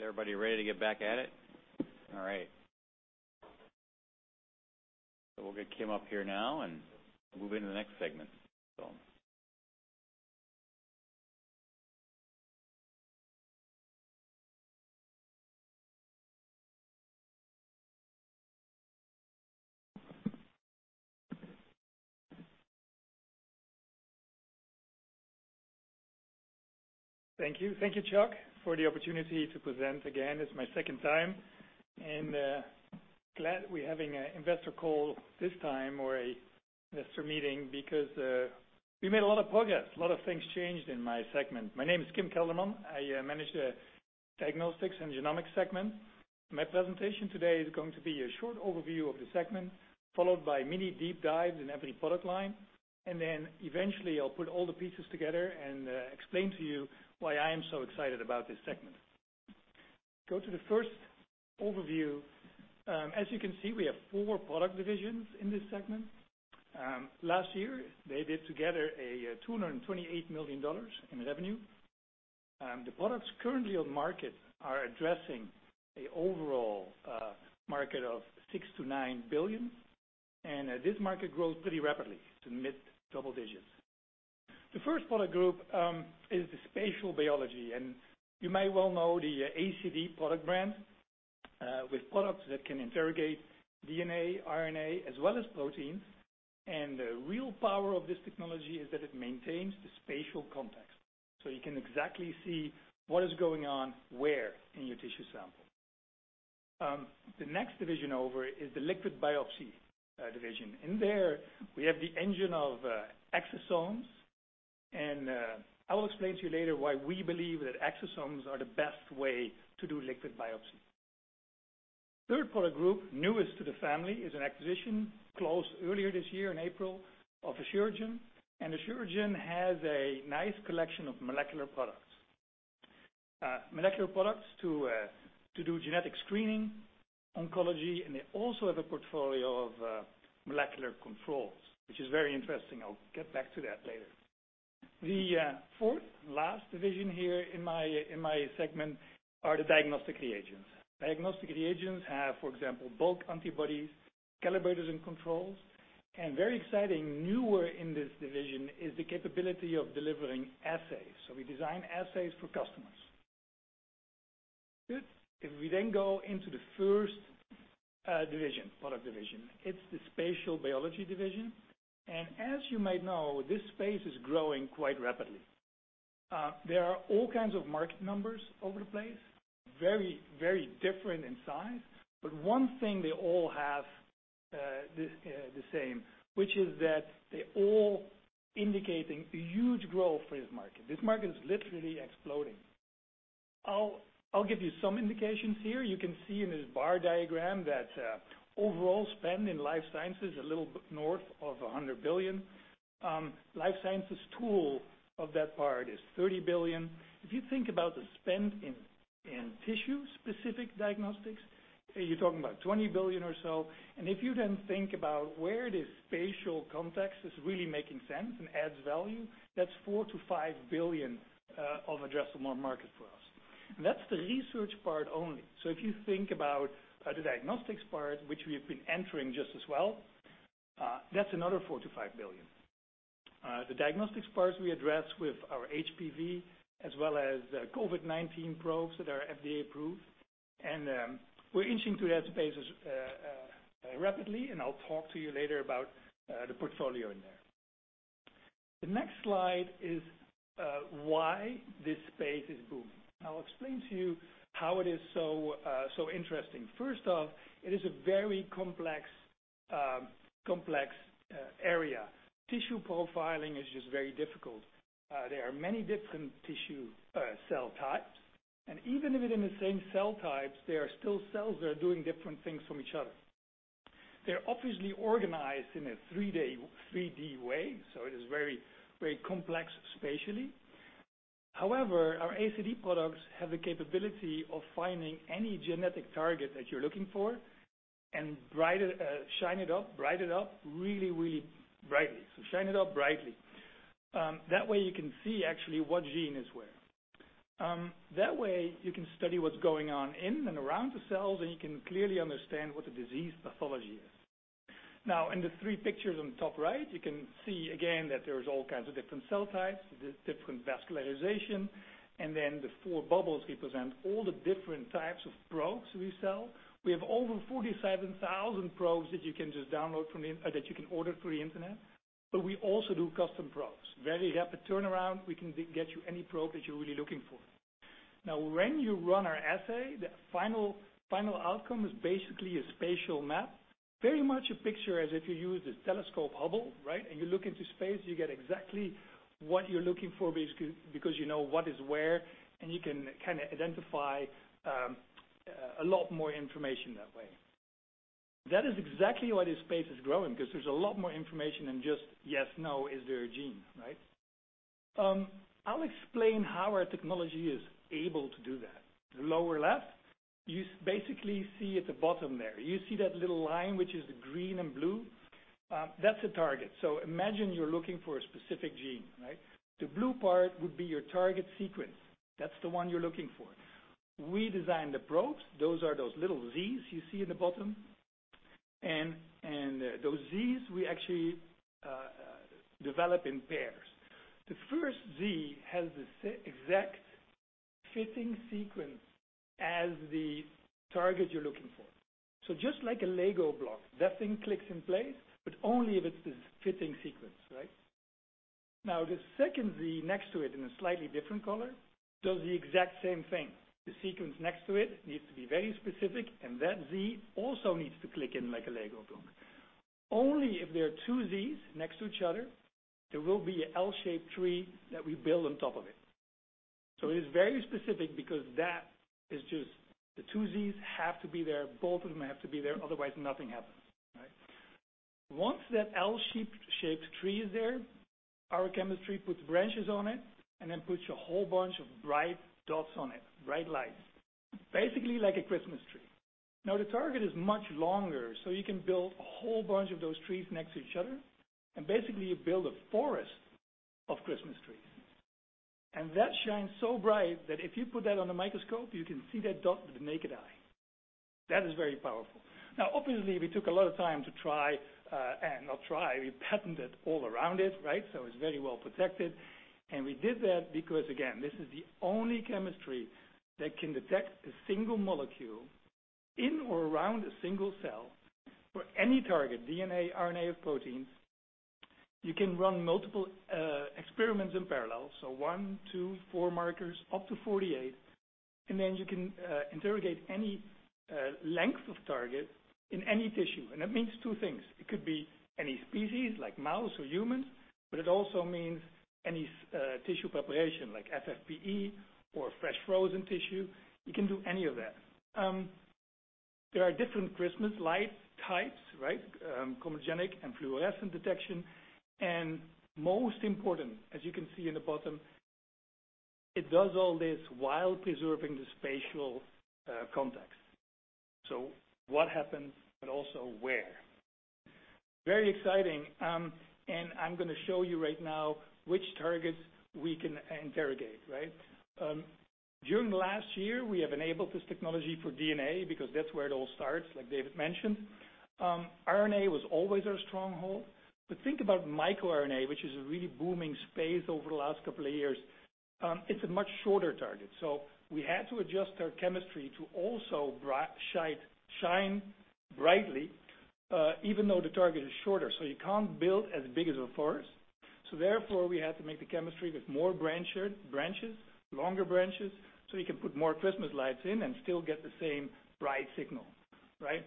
[SPEAKER 1] Is everybody ready to get back at it? All right. We'll get Kim up here now and move into the next segment.
[SPEAKER 3] Thank you. Thank you, Chuck, for the opportunity to present again. It's my second time. Glad we're having an investor call this time, or investor meeting, because we made a lot of progress. A lot of things changed in my segment. My name is Kim Kelderman. I manage the Diagnostics and Genomics Segment. My presentation today is going to be a short overview of the segment, followed by mini deep dives in every product line. Then eventually, I'll put all the pieces together and explain to you why I am so excited about this segment. Go to the first overview. As you can see, we have four product divisions in this segment. Last year, they did together a $228 million in revenue. The products currently on market are addressing an overall market of $6 billion-$9 billion. This market grows pretty rapidly, so mid-double digits. The first product group is the spatial biology, and you may well know the ACD product brand, with products that can interrogate DNA, RNA, as well as proteins. The real power of this technology is that it maintains the spatial context, so you can exactly see what is going on, where in your tissue sample. The next division over is the liquid biopsy division. In there, we have the engine of exosomes. I will explain to you later why we believe that exosomes are the best way to do liquid biopsy. Third product group, newest to the family, is an acquisition closed earlier this year in April of Asuragen. Asuragen has a nice collection of molecular products. Molecular products to do genetic screening, oncology, and they also have a portfolio of molecular controls, which is very interesting. I'll get back to that later. The fourth and last division here in my segment are the diagnostic reagents. Diagnostic reagents have, for example, bulk antibodies, calibrators, and controls. Very exciting, newer in this division is the capability of delivering assays. We design assays for customers. Good. We then go into the first division, product division, it's the Spatial Biology Division. As you might know, this space is growing quite rapidly. There are all kinds of market numbers over the place, very different in size, but one thing they all have the same, which is that they're all indicating a huge growth for this market. This market is literally exploding. I'll give you some indications here. You can see in this bar diagram that overall spend in life sciences is a little north of $100 billion. Life sciences tool of that part is $30 billion. If you think about the spend in tissue specific diagnostics, you're talking about $20 billion or so. If you then think about where this spatial context is really making sense and adds value, that's $4 billion-$5 billion of addressable market for us. That's the research part only. If you think about the diagnostics part, which we have been entering just as well, that's another $4 billion-$5 billion. The diagnostics parts we address with our HPV as well as COVID-19 probes that are FDA approved. We're inching to that space rapidly and I'll talk to you later about the portfolio in there. The next slide is why this space is booming. I'll explain to you how it is so interesting. First off, it is a very complex area. Tissue profiling is just very difficult. There are many different tissue cell types, and even within the same cell types, there are still cells that are doing different things from each other. They're obviously organized in a 3D way, so it is very complex spatially. However, our ACD products have the capability of finding any genetic target that you're looking for and shine it up brightly. That way you can see actually what gene is where. That way you can study what's going on in and around the cells, and you can clearly understand what the disease pathology is. In the three pictures on the top right, you can see again that there's all kinds of different cell types, different vascularization, and then the four bubbles represent all the different types of probes we sell. We have over 47,000 probes that you can order through the Internet. We also do custom probes. Very happy turnaround. We can get you any probe that you're really looking for. When you run our assay, the final outcome is basically a spatial map, very much a picture as if you use a telescope Hubble, right? You look into space, you get exactly what you're looking for, basically because you know what is where, and you can identify a lot more information that way. That is exactly why this space is growing, because there's a lot more information than just yes/no, is there a gene, right? I'll explain how our technology is able to do that. The lower left, you basically see at the bottom there. You see that little line which is the green and blue? That's a target. Imagine you're looking for a specific gene, right? The blue part would be your target sequence. That's the one you're looking for. We design the probes. Those are those little Zs you see in the bottom. Those Zs, we actually develop in pairs. The first Z has the exact fitting sequence as the target you're looking for. Just like a Lego block, that thing clicks in place, but only if it's this fitting sequence, right? The second Z next to it in a slightly different color, does the exact same thing. The sequence next to it needs to be very specific, and that Z also needs to click in like a Lego block. Only if there are two Zs next to each other, there will be an L-shaped tree that we build on top of it. It is very specific because that is just the 2 Zs have to be there. Both of them have to be there, otherwise nothing happens. Right? Once that L-shaped tree is there, our chemistry puts branches on it and then puts a whole bunch of bright dots on it, bright lights. Basically like a Christmas tree. The target is much longer, so you can build a whole bunch of those trees next to each other, and basically you build a forest of Christmas trees. That shines so bright that if you put that on a microscope, you can see that dot with the naked eye. That is very powerful. Obviously, we took a lot of time to try, and not try. We patented all around it, so it's very well protected. We did that because, again, this is the only chemistry that can detect a single molecule in or around a single cell for any target, DNA, RNA, or proteins. One, two, four markers, up to 48, you can interrogate any length of target in any tissue. That means two things. It could be any species, like mouse or human, but it also means any tissue preparation, like FFPE or fresh frozen tissue. You can do any of that. There are different Christmas light types, chromogenic and fluorescent detection. Most important, as you can see in the bottom, it does all this while preserving the spatial context. What happens, but also where. Very exciting. I'm going to show you right now which targets we can interrogate. During last year, we have enabled this technology for DNA because that's where it all starts, like David mentioned. RNA was always our stronghold. Think about microRNA, which is a really booming space over the last couple of years. It's a much shorter target. We had to adjust our chemistry to also shine brightly even though the target is shorter. You can't build as big as a forest. Therefore, we had to make the chemistry with more branches, longer branches, so we can put more Christmas lights in and still get the same bright signal. Right?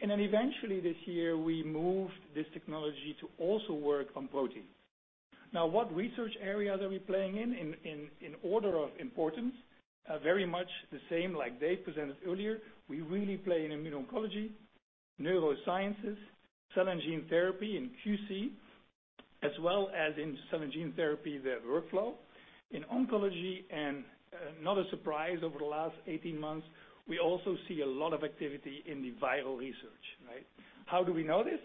[SPEAKER 3] Eventually, this year, we moved this technology to also work on protein. Now, what research area are we playing in order of importance? Very much the same like Dave presented earlier. We really play in immuno-oncology, neurosciences, cell and gene therapy, and QC, as well as in cell and gene therapy, the workflow. In oncology, and not a surprise, over the last 18 months, we also see a lot of activity in the viral research. How do we know this?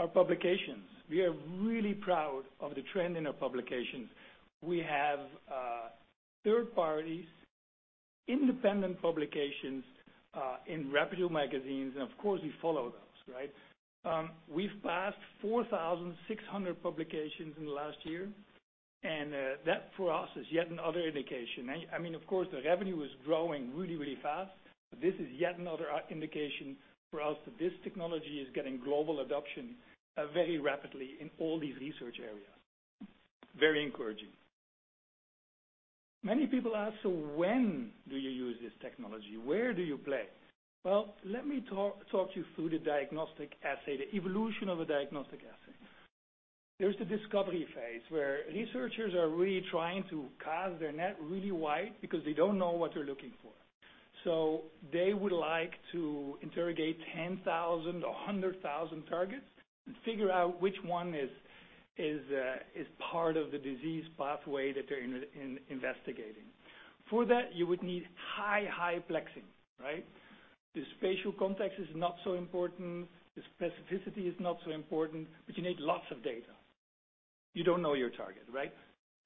[SPEAKER 3] Our publications. We are really proud of the trend in our publications. We have third parties, independent publications, in reputable magazines, and of course, we follow those. We've passed 4,600 publications in the last year, and that for us is yet another indication. Of course, the revenue is growing really, really fast, but this is yet another indication for us that this technology is getting global adoption very rapidly in all these research areas. Very encouraging. Many people ask, "When do you use this technology? Where do you play?" Well, let me talk you through the diagnostic assay, the evolution of a diagnostic assay. There's the discovery phase, where researchers are really trying to cast their net really wide because they don't know what they're looking for. They would like to interrogate 10,000 or 100,000 targets and figure out which one is part of the disease pathway that they're investigating. For that, you would need high, high plexing. The spatial context is not so important, the specificity is not so important, you need lots of data. You don't know your target, right?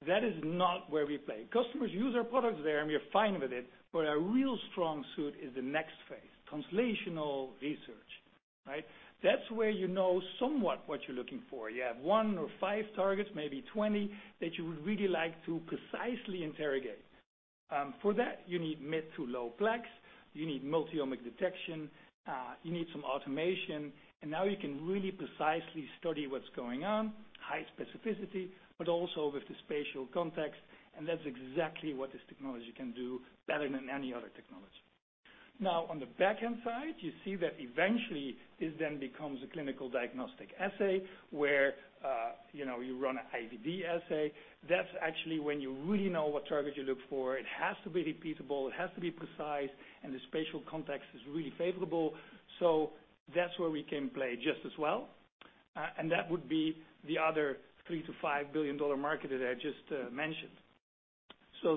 [SPEAKER 3] That is not where we play. Customers use our products there, and we are fine with it, our real strong suit is the next phase, translational research. That's where you know somewhat what you're looking for. You have one or five targets, maybe 20, that you would really like to precisely interrogate. For that, you need mid to low plex, you need multi-omic detection, you need some automation. Now you can really precisely study what's going on, high specificity, but also with the spatial context. That's exactly what this technology can do better than any other technology. Now, on the back end side, you see that eventually this then becomes a clinical diagnostic assay where you run an IVD assay. That's actually when you really know what target you look for. It has to be repeatable, it has to be precise. The spatial context is really favorable. That's where we can play just as well. That would be the other $3 billion-$5 billion market that I just mentioned.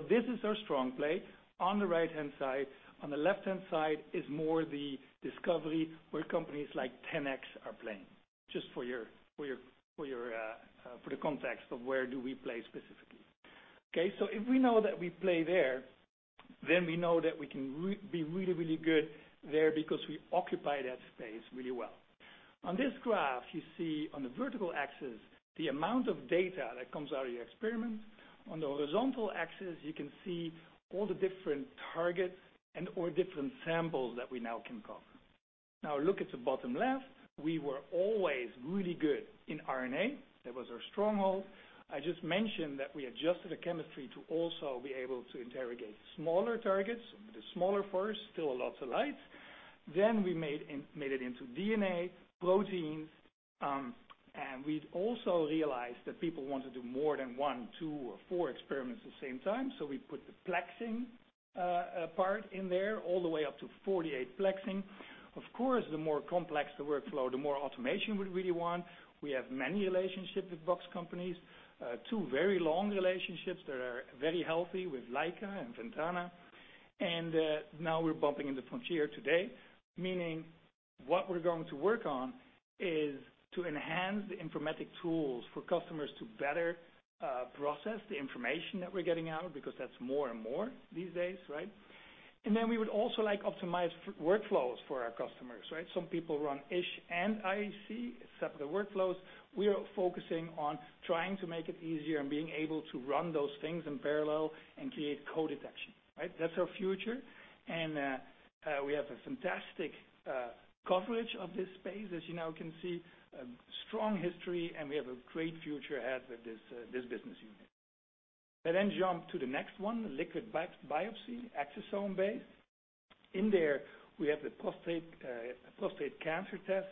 [SPEAKER 3] This is our strong play on the right-hand side. On the left-hand side is more the discovery where companies like 10x are playing, just for the context of where do we play specifically. If we know that we play there, we know that we can be really, really good there because we occupy that space really well. On this graph, you see on the vertical axis the amount of data that comes out of your experiment. On the horizontal axis, you can see all the different targets and/or different samples that we now can cover. Look at the bottom left. We were always really good in RNA. That was our stronghold. I just mentioned that we adjusted the chemistry to also be able to interrogate smaller targets with a smaller forest, still lots of lights. We made it into DNA, proteins. We'd also realized that people want to do more than one, two, or four experiments at the same time, so we put the plexing part in there, all the way up to 48 plexing. Of course, the more complex the workflow, the more automation we'd really want. We have many relationships with box companies, two very long relationships that are very healthy with Leica and Ventana. Now we're bumping in the frontier today, meaning what we're going to work on is to enhance the informatic tools for customers to better process the information that we're getting out, because that's more and more these days, right? We would also like optimize workflows for our customers, right? Some people run ISH and IHC, separate workflows. We are focusing on trying to make it easier and being able to run those things in parallel and create co-detection. That's our future. We have a fantastic coverage of this space, as you now can see, a strong history, and we have a great future ahead with this business unit. I jump to the next one, liquid biopsy, exosome-based. In there, we have the prostate cancer test,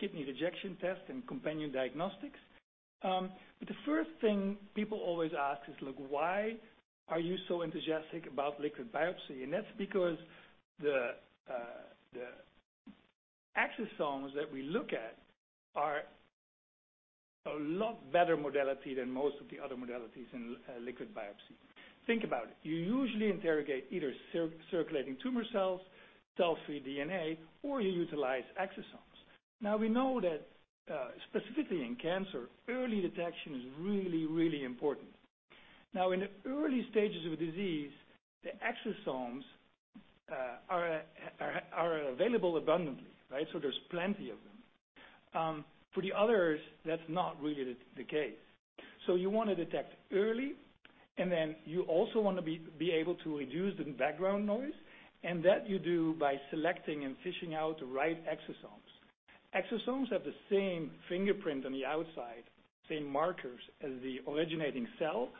[SPEAKER 3] kidney rejection test, and companion diagnostics. The first thing people always ask is, "Look, why are you so enthusiastic about liquid biopsy?" That's because the exosomes that we look at are a lot better modality than most of the other modalities in liquid biopsy. Think about it. You usually interrogate either circulating tumor cells, cell-free DNA, or you utilize exosomes. We know that, specifically in cancer, early detection is really, really important. In the early stages of a disease, the exosomes are available abundantly. There's plenty of them. For the others, that's not really the case. You want to detect early, and then you also want to be able to reduce the background noise, and that you do by selecting and fishing out the right exosomes. Exosomes have the same fingerprint on the outside, same markers as the originating cell.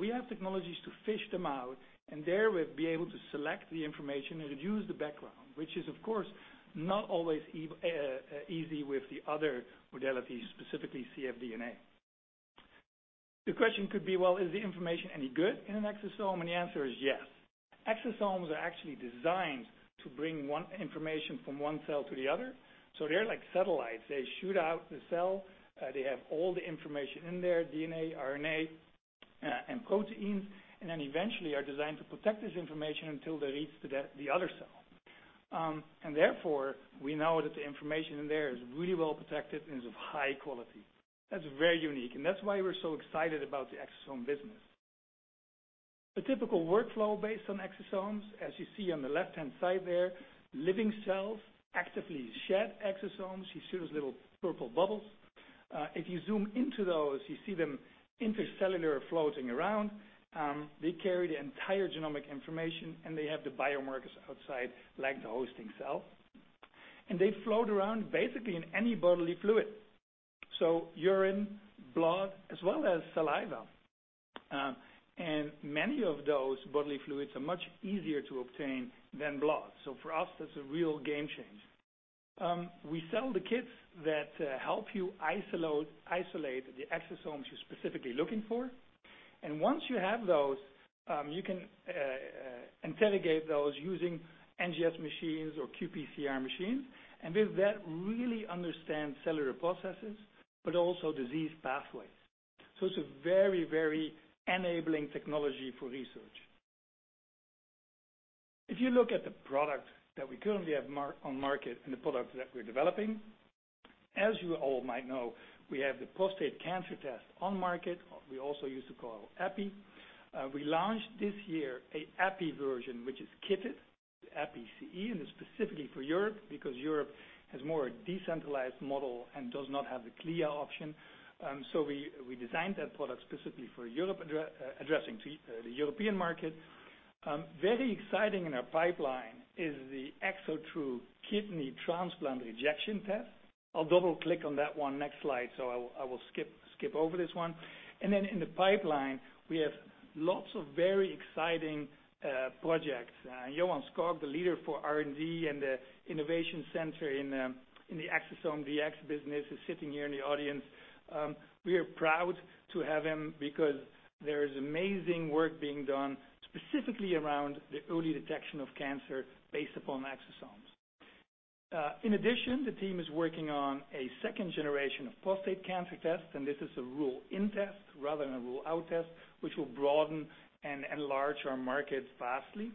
[SPEAKER 3] We have technologies to fish them out, and there, we'll be able to select the information and reduce the background, which is, of course, not always easy with the other modalities, specifically cfDNA. The question could be, well, is the information any good in an exosome? The answer is yes. Exosomes are actually designed to bring information from one cell to the other. They're like satellites. They shoot out the cell. They have all the information in there, DNA, RNA, and proteins, eventually are designed to protect this information until they reach the other cell. Therefore, we know that the information in there is really well protected and is of high quality. That's very unique, and that's why we're so excited about the exosome business. The typical workflow based on exosomes, as you see on the left-hand side there, living cells actively shed exosomes. You see those little purple bubbles. If you zoom into those, you see them intracellular floating around. They carry the entire genomic information, and they have the biomarkers outside, like the hosting cell. They float around basically in any bodily fluid, so urine, blood, as well as saliva. Many of those bodily fluids are much easier to obtain than blood. For us, that's a real game change. We sell the kits that help you isolate the exosomes you're specifically looking for. Once you have those, you can interrogate those using NGS machines or qPCR machines. With that, really understand cellular processes, but also disease pathways. It's a very, very enabling technology for research. If you look at the product that we currently have on market and the product that we're developing, as you all might know, we have the prostate cancer test on market. We also used to call it EPI. We launched this year a EPI version, which is kitted, the EPI CE, and it's specifically for Europe because Europe has more a decentralized model and does not have the CLIA option. We designed that product specifically for Europe, addressing the European market. Very exciting in our pipeline is the ExoTRU Kidney Transplant Rejection Test. I'll double click on that one next slide, I will skip over this one. In the pipeline, we have lots of very exciting projects. Johan Skog, the leader for R&D and the innovation center in the Exosome Diagnostics business, is sitting here in the audience. We are proud to have him because there is amazing work being done, specifically around the early detection of cancer based upon exosomes. In addition, the team is working on a second generation of prostate cancer tests, this is a rule-in test rather than a rule-out test, which will broaden and enlarge our markets vastly.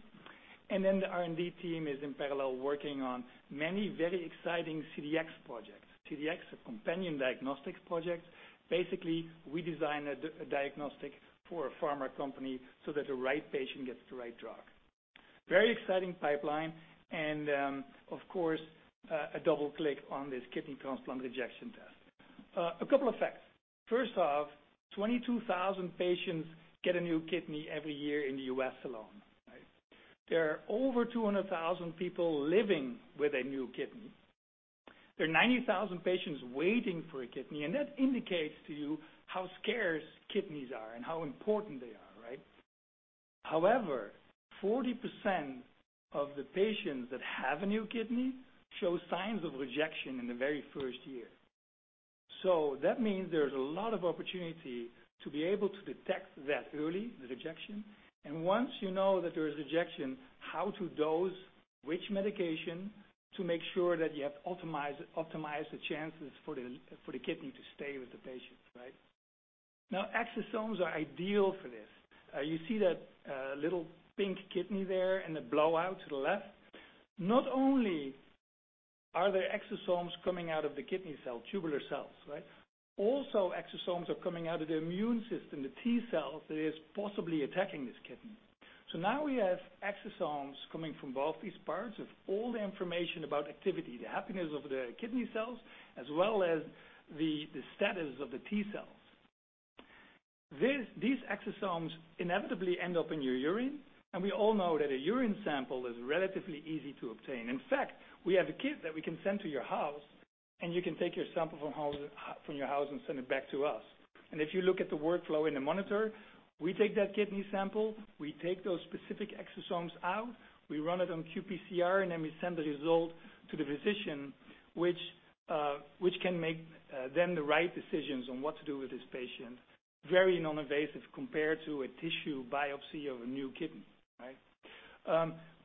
[SPEAKER 3] The R&D team is in parallel working on many very exciting CDx projects. CDx, a companion diagnostics project. Basically, we design a diagnostic for a pharma company so that the right patient gets the right drug. Very exciting pipeline. Of course, a double click on this kidney transplant rejection test. A couple of facts. First off, 22,000 patients get a new kidney every year in the U.S. alone. There are over 200,000 people living with a new kidney. That indicates to you how scarce kidneys are and how important they are. However, 40% of the patients that have a new kidney show signs of rejection in the very first year. That means there's a lot of opportunity to be able to detect that early, the rejection. Once you know that there is rejection, how to dose which medication to make sure that you have optimized the chances for the kidney to stay with the patient. Exosomes are ideal for this. You see that little pink kidney there and the blowout to the left. Not only are there exosomes coming out of the kidney cell, tubular cells. Exosomes are coming out of the immune system, the T-cell that is possibly attacking this kidney. Now we have exosomes coming from both these parts with all the information about activity, the happiness of the kidney cells, as well as the status of the T-cells. These exosomes inevitably end up in your urine, and we all know that a urine sample is relatively easy to obtain. In fact, we have a kit that we can send to your house, and you can take your sample from your house and send it back to us. If you look at the workflow in the monitor, we take that kidney sample, we take those specific exosomes out, we run it on qPCR, and then we send the result to the physician, which can make then the right decisions on what to do with this patient. Very non-invasive compared to a tissue biopsy of a new kidney.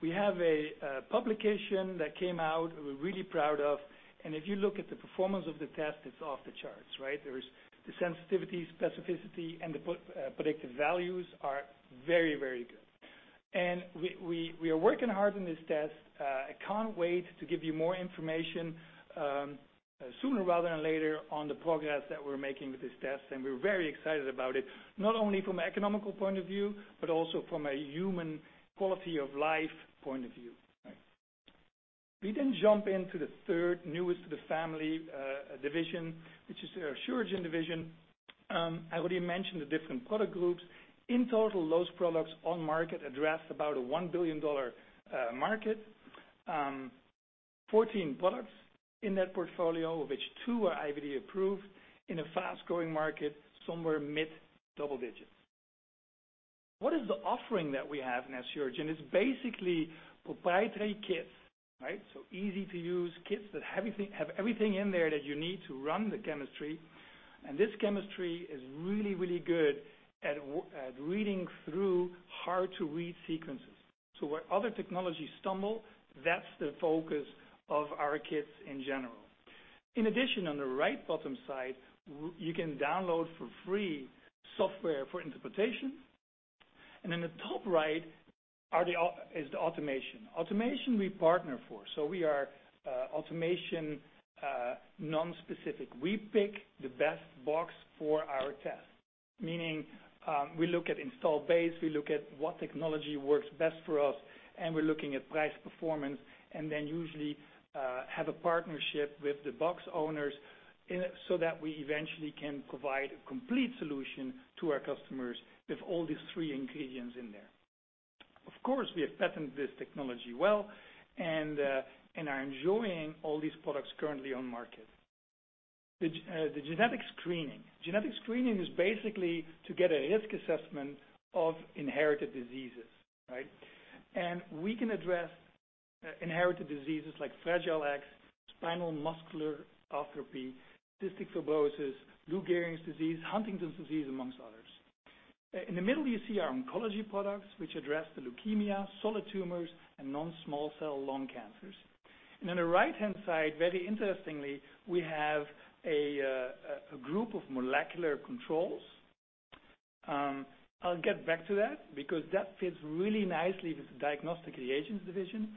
[SPEAKER 3] We have a publication that came out, we're really proud of, and if you look at the performance of the test, it's off the charts. There is the sensitivity, specificity, and the predictive values are very, very good. We are working hard on this test. I can't wait to give you more information, sooner rather than later on the progress that we're making with this test, and we're very excited about it, not only from an economical point of view, but also from a human quality of life point of view. We jump into the third newest to the family division, which is our Asuragen division. I already mentioned the different product groups. In total, those products on market address about a $1 billion market. 14 products in that portfolio, of which two are IVD approved in a fast-growing market, somewhere mid double digits. What is the offering that we have in our Asuragen? It's basically proprietary kits. Easy-to-use kits that have everything in there that you need to run the chemistry. This chemistry is really, really good at reading through hard-to-read sequences. Where other technologies stumble, that's the focus of our kits in general. In addition, on the right bottom side, you can download for free software for interpretation. In the top right is the automation. Automation we partner for, so we are automation non-specific. We pick the best box for our test, meaning we look at install base, we look at what technology works best for us, and we're looking at price performance, and then usually have a partnership with the box owners so that we eventually can provide a complete solution to our customers with all these three ingredients in there. Of course, we have patented this technology well and are enjoying all these products currently on market. Genetic screening is basically to get a risk assessment of inherited diseases. We can address inherited diseases like Fragile X, spinal muscular atrophy, cystic fibrosis, Lou Gehrig's disease, Huntington's disease, amongst others. In the middle, you see our oncology products, which address the leukemia, solid tumors, and non-small cell lung cancers. On the right-hand side, very interestingly, we have a group of molecular controls. I'll get back to that, because that fits really nicely with the diagnostic reagents division.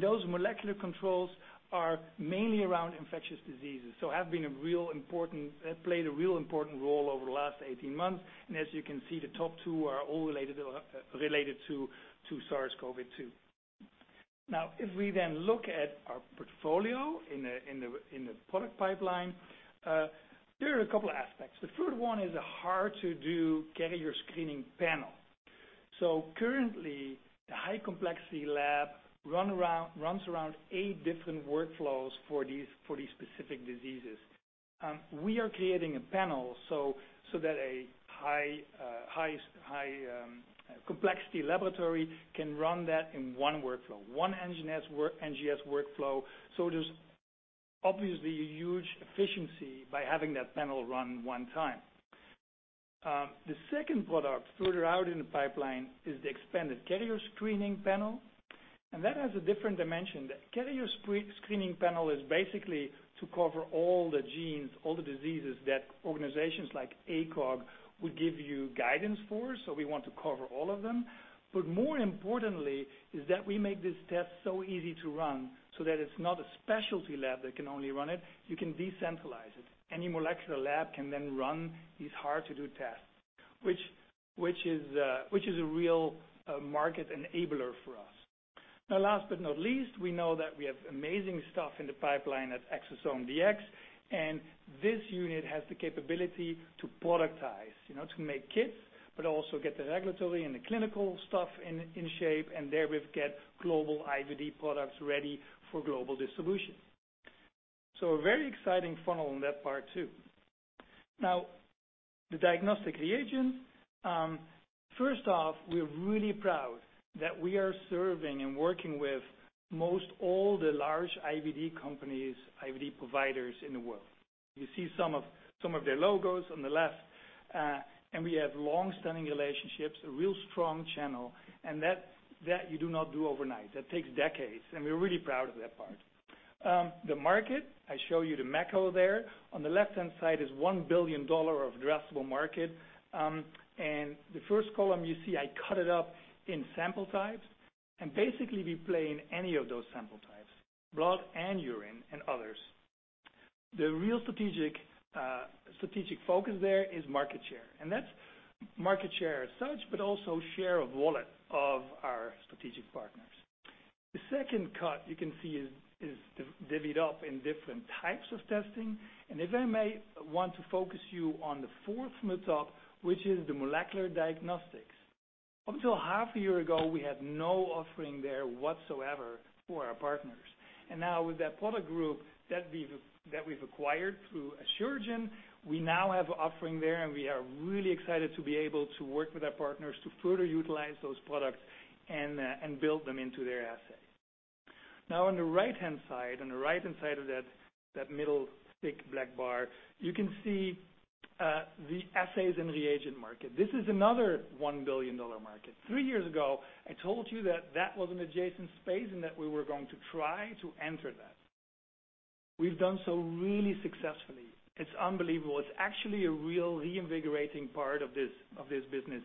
[SPEAKER 3] Those molecular controls are mainly around infectious diseases, have played a real important role over the last 18 months. As you can see, the top two are all related to SARS-CoV-2. If we look at our portfolio in the product pipeline, there are a couple aspects. The third one is a hard-to-do carrier screening panel. Currently, the high-complexity lab runs around eight different workflows for these specific diseases. We are creating a panel so that a high-complexity laboratory can run that in one workflow, one NGS workflow. There's obviously a huge efficiency by having that panel run one time. The second product further out in the pipeline is the expanded carrier screening panel, and that has a different dimension. The carrier screening panel is basically to cover all the genes, all the diseases that organizations like ACOG would give you guidance for. We want to cover all of them. More importantly is that we make this test so easy to run so that it's not a specialty lab that can only run it. You can decentralize it. Any molecular lab can then run these hard-to-do tests, which is a real market enabler for us. Last but not least, we know that we have amazing stuff in the pipeline at Exosome Dx, and this unit has the capability to productize, to make kits, but also get the regulatory and the clinical stuff in shape. Therewith get global IVD products ready for global distribution. A very exciting funnel on that part too. The diagnostic reagents. First off, we're really proud that we are serving and working with most all the large IVD companies, IVD providers in the world. You see some of their logos on the left. We have long-standing relationships, a real strong channel, and that you do not do overnight. That takes decades, and we're really proud of that part. The market, I show you the macro there. On the left-hand side is $1 billion of addressable market. The first column you see, I cut it up in sample types. Basically, we play in any of those sample types, blood and urine, and others. The real strategic focus there is market share. That's market share as such, but also share of wallet of our strategic partners. The second cut you can see is divvied up in different types of testing. If I may want to focus you on the fourth from the top, which is the molecular diagnostics. Up until half a year ago, we had no offering there whatsoever for our partners. Now with that product group that we've acquired through Asuragen, we now have an offering there, and we are really excited to be able to work with our partners to further utilize those products and build them into their assay. On the right-hand side of that middle thick black bar, you can see the assays and reagent market. This is another $1 billion market. Three years ago, I told you that that was an adjacent space and that we were going to try to enter that. We've done so really successfully. It's unbelievable. It's actually a real reinvigorating part of this business.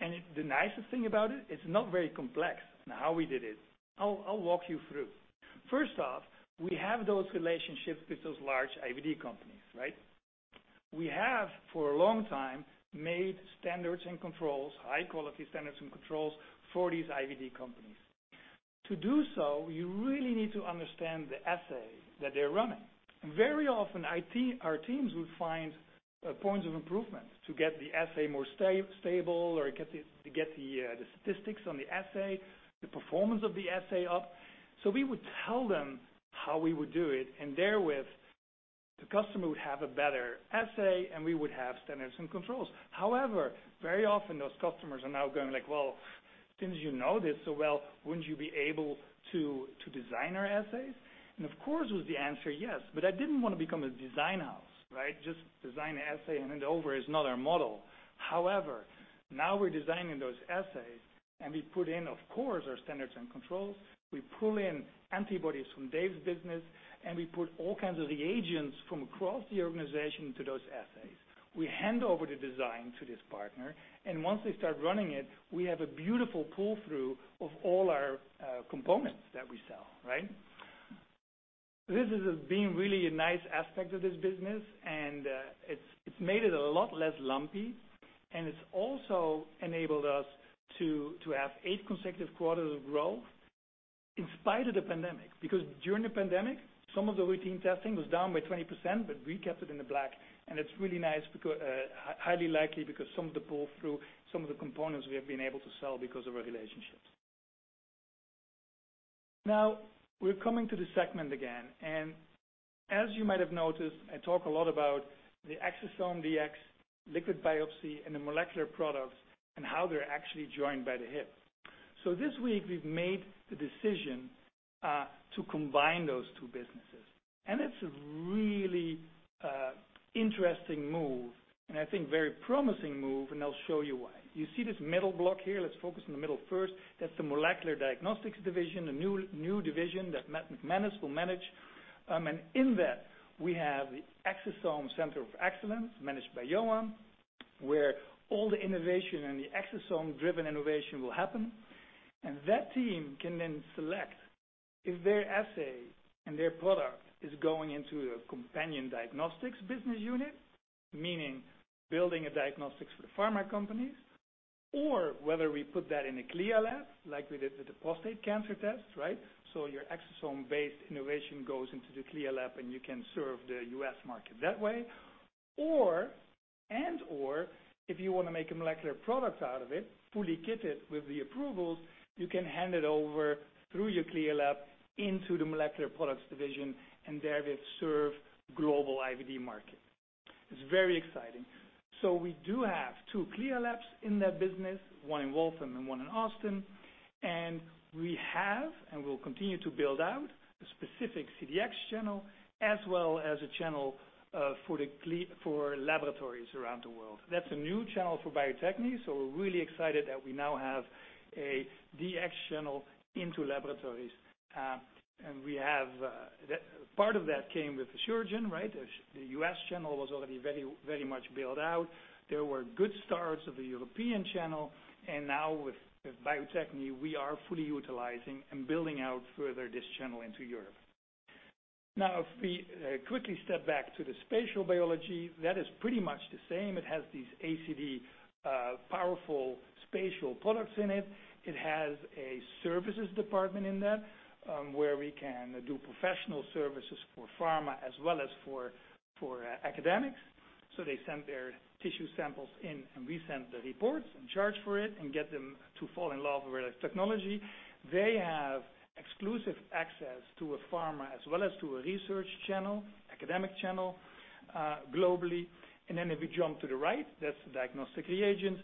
[SPEAKER 3] The nicest thing about it's not very complex in how we did it. I'll walk you through. First off, we have those relationships with those large IVD companies, right? We have, for a long time, made standards and controls, high-quality standards and controls, for these IVD companies. To do so, you really need to understand the assay that they're running. Very often, our teams would find points of improvement to get the assay more stable or to get the statistics on the assay, the performance of the assay up. We would tell them how we would do it, and therewith, the customer would have a better assay, and we would have standards and controls. However, very often those customers are now going like, "Well, since you know this so well, wouldn't you be able to design our assays?" Of course, was the answer yes. I didn't want to become a design house. Just design an assay and hand it over is not our model. However, now we're designing those assays, and we put in, of course, our standards and controls. We pull in antibodies from Dave's business, and we put all kinds of reagents from across the organization to those assays. We hand over the design to this partner, and once they start running it, we have a beautiful pull-through of all our components that we sell. This has been really a nice aspect of this business, and it's made it a lot less lumpy. It's also enabled us to have eight consecutive quarters of growth in spite of the pandemic. During the pandemic, some of the routine testing was down by 20%, but we kept it in the black, and it's really nice, highly likely because some of the pull-through, some of the components we have been able to sell because of our relationships. Now, we're coming to the segment again. As you might have noticed, I talk a lot about the Exosome DX, liquid biopsy, and the molecular products and how they're actually joined by the hip. This week, we've made the decision to combine those two businesses. It's a really interesting move, and I think very promising move, and I'll show you why. You see this middle block here? Let's focus on the middle first. That's the molecular diagnostics division, a new division that McManus will manage. In that, we have the Exosome Center of Excellence, managed by Johan, where all the innovation and the exosome-driven innovation will happen. That team can then select if their assay and their product is going into a companion diagnostics business unit, meaning building a diagnostics for the pharma companies, or whether we put that in a CLIA lab like we did with the prostate cancer test. Your exosome-based innovation goes into the CLIA lab, and you can serve the U.S. market that way. If you want to make a molecular product out of it, fully kit it with the approvals, you can hand it over through your CLIA lab into the molecular products division, and there it will serve global IVD market. It's very exciting. We do have two CLIA labs in that business, one in Waltham and one in Austin. We have, and will continue to build out, a specific CDx channel as well as a channel for laboratories around the world. That's a new channel for Bio-Techne, so we're really excited that we now have a Dx channel into laboratories. Part of that came with Asuragen. The US channel was already very much built out. There were good starts of the European channel. With Bio-Techne, we are fully utilizing and building out further this channel into Europe. If we quickly step back to the spatial biology, that is pretty much the same. It has these ACD powerful spatial products in it. It has a services department in that, where we can do professional services for pharma as well as for academics. They send their tissue samples in, and we send the reports and charge for it and get them to fall in love with our technology. They have exclusive access to a pharma as well as to a research channel, academic channel globally. If you jump to the right, that's the diagnostic reagent.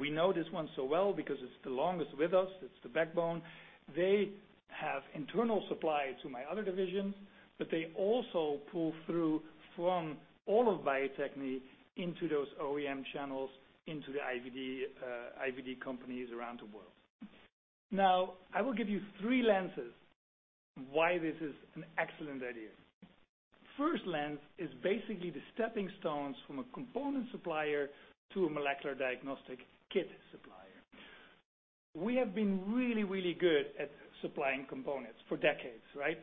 [SPEAKER 3] We know this one so well because it's the longest with us. It's the backbone. They have internal supply to my other division. They also pull through from all of Bio-Techne into those OEM channels, into the IVD companies around the world. I will give you three lenses why this is an excellent idea. First lens is basically the stepping stones from a component supplier to a molecular diagnostic kit supplier. We have been really, really good at supplying components for decades, right?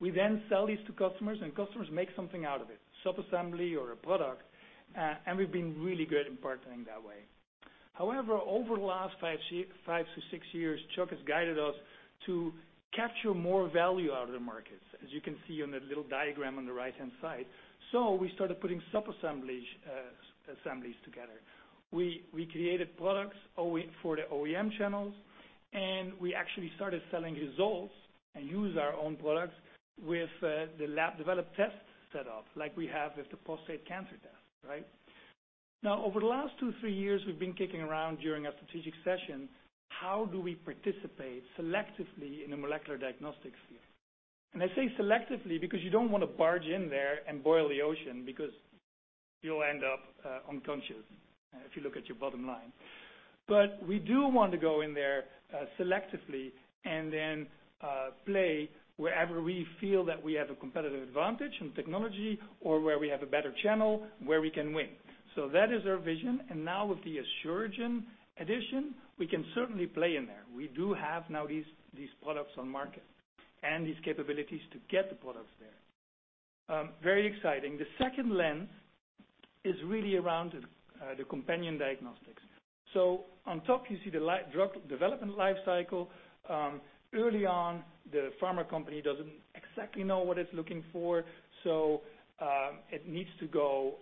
[SPEAKER 3] We sell these to customers, and customers make something out of it, subassembly or a product, and we've been really good in partnering that way. However, over the last five to six years, Chuck has guided us to capture more value out of the markets, as you can see on the little diagram on the right-hand side. We started putting subassemblies together. We created products for the OEM channels, and we actually started selling results and use our own products with the lab developed test set up, like we have with the prostate cancer test. Over the last two, three years, we've been kicking around during our strategic session, how do we participate selectively in the molecular diagnostics field? I say selectively, because you don't want to barge in there and boil the ocean because you'll end up unconscious, if you look at your bottom line. We do want to go in there selectively and then play wherever we feel that we have a competitive advantage in technology or where we have a better channel where we can win. That is our vision. Now with the Asuragen addition, we can certainly play in there. We do have now these products on market and these capabilities to get the products there. Very exciting. The second lens is really around the companion diagnostics. On top, you see the drug development life cycle. Early on, the pharma company doesn't exactly know what it's looking for. It needs to go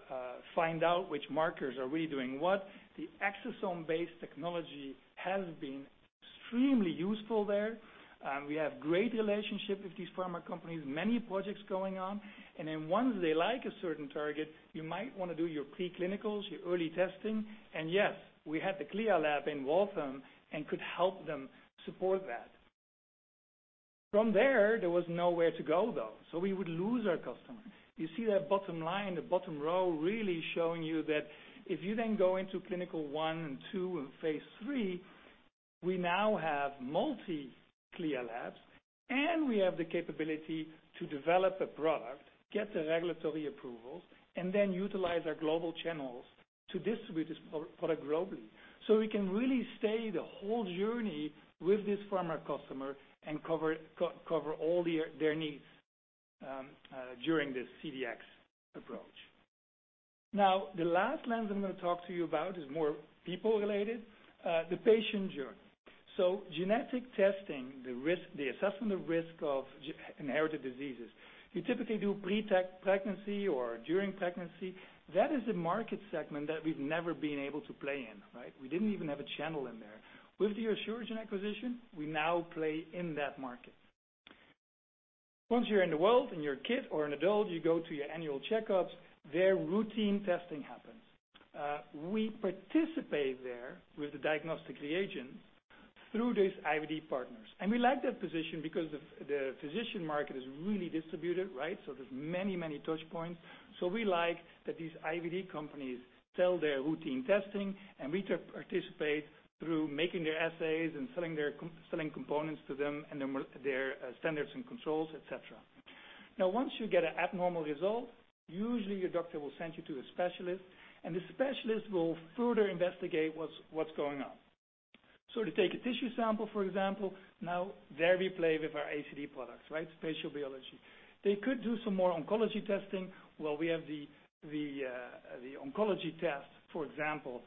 [SPEAKER 3] find out which markers are really doing what. The exosome-based technology has been extremely useful there. We have great relationships with these pharma companies, many projects going on. Once they like a certain target, you might want to do your pre-clinicals, your early testing. Yes, we have the CLIA lab in Waltham and could help them support that. From there was nowhere to go, though. We would lose our customer. You see that bottom line, the bottom row really showing you that if you go into clinical 1 and 2 and phase III, we now have multi CLIA labs and we have the capability to develop a product, get the regulatory approvals, utilize our global channels to distribute this product globally. We can really stay the whole journey with this pharma customer and cover all their needs during this CDx approach. The last lens I'm going to talk to you about is more people related, the patient journey. Genetic testing, the assessment of risk of inherited diseases. You typically do pre-pregnancy or during pregnancy. That is a market segment that we've never been able to play in, right? We didn't even have a channel in there. With the Asuragen acquisition, we now play in that market. Once you're in the world and you're a kid or an adult, you go to your annual checkups, their routine testing happens. We participate there with the diagnostic reagents through these IVD partners. We like that position because the physician market is really distributed, right? There's many touch points. We like that these IVD companies sell their routine testing, and we participate through making their assays and selling components to them and their standards and controls, et cetera. Once you get an abnormal result, usually your doctor will send you to a specialist, and the specialist will further investigate what's going on. To take a tissue sample, for example, now there we play with our ACD products, spatial biology. They could do some more oncology testing. We have the oncology test. For example,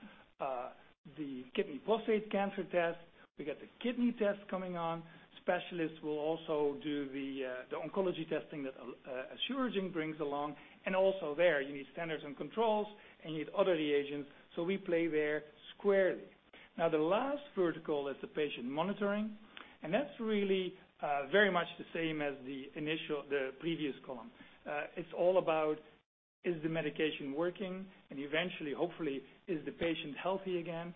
[SPEAKER 3] the kidney prostate cancer test. We got the kidney test coming on. Specialists will also do the oncology testing that Asuragen brings along. Also there, you need standards and controls, and you need other reagents, so we play there squarely. The last vertical is the patient monitoring, and that's really very much the same as the previous column. It's all about, is the medication working? Eventually, hopefully, is the patient healthy again?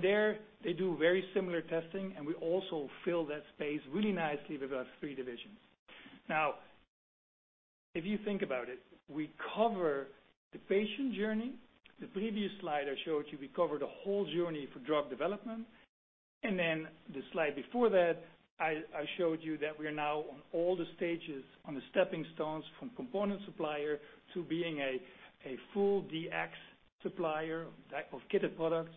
[SPEAKER 3] There, they do very similar testing, and we also fill that space really nicely with our three divisions. Now, if you think about it, we cover the patient journey. The previous slide I showed you, we covered a whole journey for drug development. Then the slide before that, I showed you that we're now on all the stages, on the stepping stones from component supplier to being a full DX supplier of kitted products.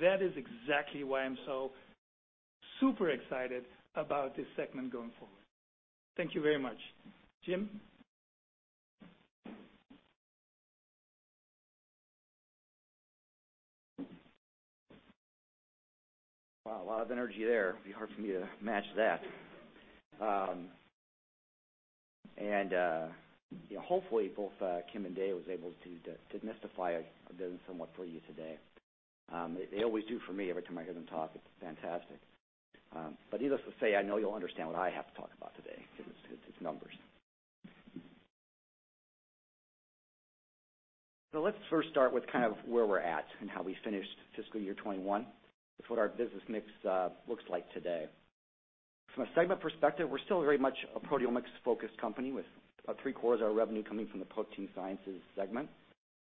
[SPEAKER 3] That is exactly why I'm so super excited about this segment going forward. Thank you very much. Jim.
[SPEAKER 4] Wow, a lot of energy there. It'd be hard for me to match that. Hopefully, both Kim and Dave was able to demystify our business somewhat for you today. They always do for me every time I hear them talk. It's fantastic. Needless to say, I know you'll understand what I have to talk about today, it's numbers. Let's first start with where we're at and how we finished fiscal year 2021 with what our business mix looks like today. From a segment perspective, we're still very much a proteomics-focused company with 3/4 of our revenue coming from the Protein Sciences segment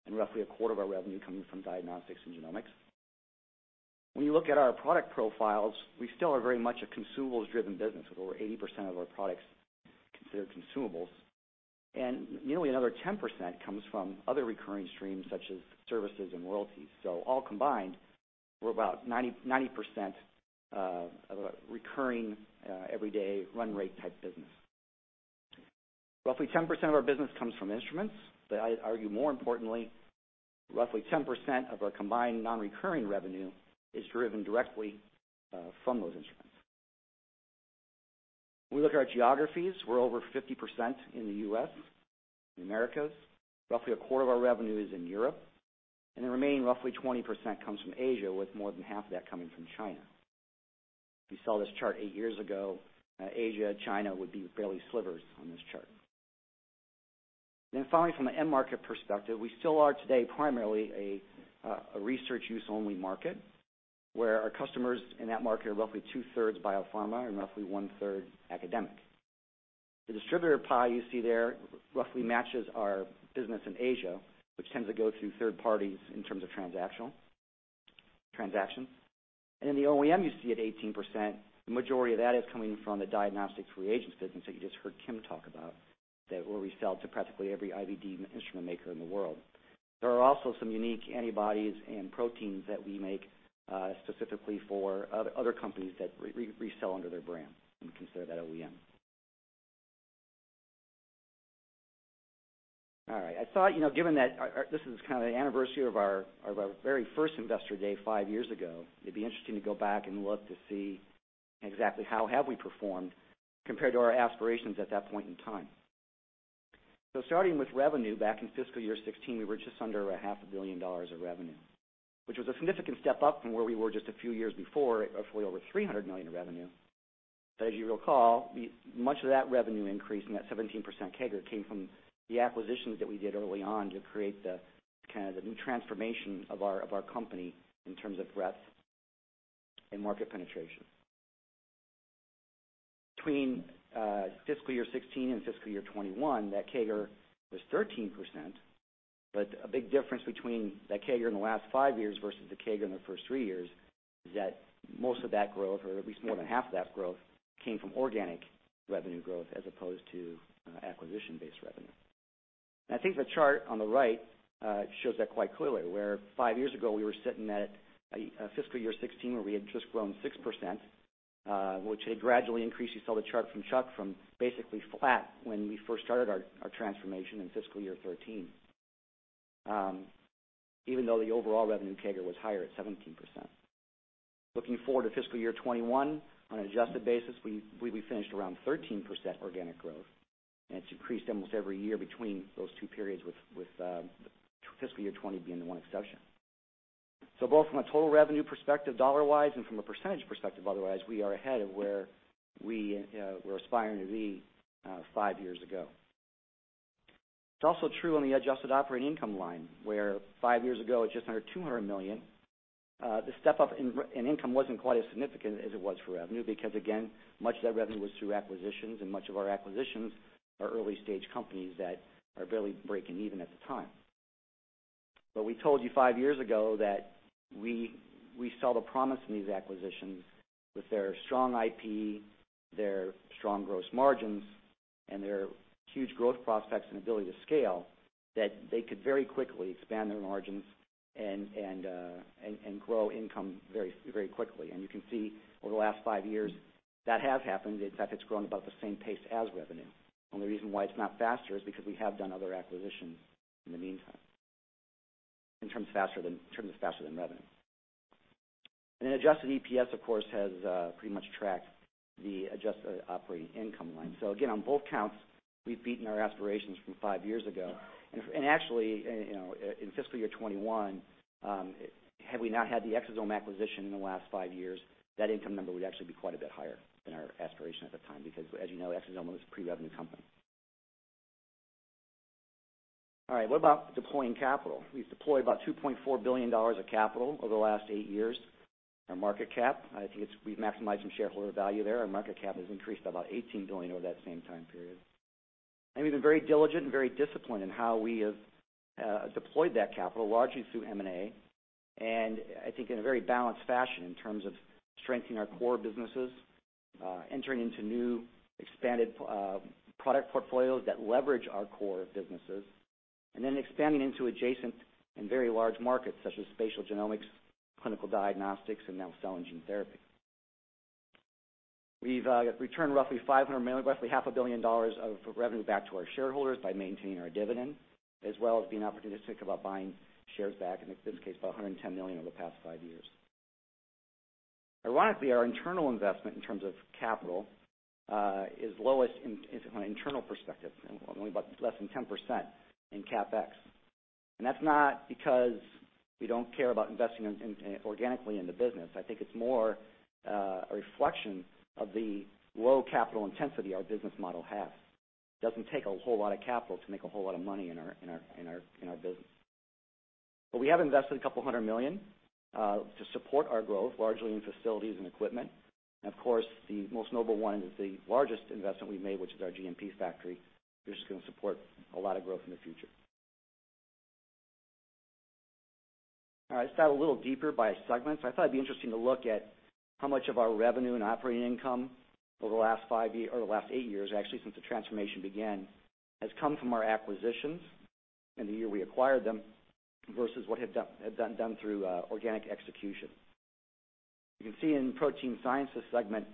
[SPEAKER 4] and roughly 1/4 of our revenue coming from Diagnostics and Genomics. When you look at our product profiles, we still are very much a consumables-driven business, with over 80% of our products considered consumables, and nearly another 10% comes from other recurring streams such as services and royalties. All combined, we're about 90% of a recurring, everyday run rate type business. Roughly 10% of our business comes from instruments, but I'd argue more importantly, roughly 10% of our combined non-recurring revenue is driven directly from those instruments. When we look at our geographies, we're over 50% in the U.S., in Americas. Roughly a quarter of our revenue is in Europe, and the remaining roughly 20% comes from Asia, with more than half of that coming from China. If you saw this chart eight years ago, Asia, China would be barely slivers on this chart. Finally, from an end market perspective, we still are today primarily a research use only market, where our customers in that market are roughly 2/3 biopharma and roughly 1/3 academic. The distributor pie you see there roughly matches our business in Asia, which tends to go through third parties in terms of transactions. In the OEM, you see at 18%, the majority of that is coming from the diagnostics reagents business that you just heard Kim talk about, where we sell to practically every IVD instrument maker in the world. There are also some unique antibodies and proteins that we make specifically for other companies that resell under their brand, and we consider that OEM. I thought, given that this is the anniversary of our very first Investor Day five years ago, it would be interesting to go back and look to see exactly how have we performed compared to our aspirations at that point in time. Starting with revenue, back in fiscal year 2016, we were just under a $0.5 billion of revenue, which was a significant step up from where we were just a few years before, roughly over $300 million of revenue. As you recall, much of that revenue increase and that 17% CAGR came from the acquisitions that we did early on to create the new transformation of our company in terms of breadth and market penetration. Between fiscal year 2016 and fiscal year 2021, that CAGR was 13%. A big difference between that CAGR in the last five years versus the CAGR in the first three years is that most of that growth, or at least more than half of that growth, came from organic revenue growth as opposed to acquisition-based revenue. I think the chart on the right shows that quite clearly, where five years ago, we were sitting at fiscal year 2016, where we had just grown 6%, which had gradually increased. You saw the chart from Chuck from basically flat when we first started our transformation in fiscal year 2013, even though the overall revenue CAGR was higher at 17%. Looking forward to fiscal year 2021, on an adjusted basis, we finished around 13% organic growth, and it's increased almost every year between those two periods with fiscal year 2020 being the one exception. Both from a total revenue perspective dollar-wise and from a percentage perspective otherwise, we are ahead of where we were aspiring to be five years ago. It's also true on the adjusted operating income line, where five years ago, at just under $200 million, the step up in income wasn't quite as significant as it was for revenue because, again, much of that revenue was through acquisitions and much of our acquisitions are early-stage companies that are barely breaking even at the time. We told you five years ago that we saw the promise in these acquisitions with their strong IP, their strong gross margins, and their huge growth prospects and ability to scale that they could very quickly expand their margins and grow income very quickly. You can see over the last five years, that has happened. In fact, it's grown about the same pace as revenue. Only reason why it's not faster is because we have done other acquisitions in the meantime in terms of faster than revenue. Adjusted EPS, of course, has pretty much tracked the adjusted operating income line. Again, on both counts, we've beaten our aspirations from five years ago. Actually, in fiscal year 2021, had we not had the Exosome acquisition in the last five years, that income number would actually be quite a bit higher than our aspiration at the time, because as you know, Exosome was a pre-revenue company. All right. What about deploying capital? We've deployed about $2.4 billion of capital over the last eight years. Our market cap, I think we've maximized some shareholder value there. Our market cap has increased by about $18 billion over that same time period. We've been very diligent and very disciplined in how we have deployed that capital, largely through M&A, and I think in a very balanced fashion in terms of strengthening our core businesses, entering into new expanded product portfolios that leverage our core businesses, and then expanding into adjacent and very large markets such as spatial genomics, clinical diagnostics, and now cell and gene therapy. We've returned roughly $0.5 billion of revenue back to our shareholders by maintaining our dividend, as well as being opportunistic about buying shares back. In this case, about $110 million over the past five years. Ironically, our internal investment in terms of capital is lowest from an internal perspective, only about less than 10% in CapEx. That's not because we don't care about investing organically in the business. I think it's more a reflection of the low capital intensity our business model has. It doesn't take a whole lot of capital to make a whole lot of money in our business. We have invested $200 million to support our growth, largely in facilities and equipment. Of course, the most noble one is the largest investment we've made, which is our GMP factory, which is going to support a lot of growth in the future. Let's dive a little deeper by segment. I thought it'd be interesting to look at how much of our revenue and operating income over the last five-year or the last eight years, actually, since the transformation began, has come from our acquisitions in the year we acquired them versus what had done through organic execution. You can see in the Protein Sciences segment,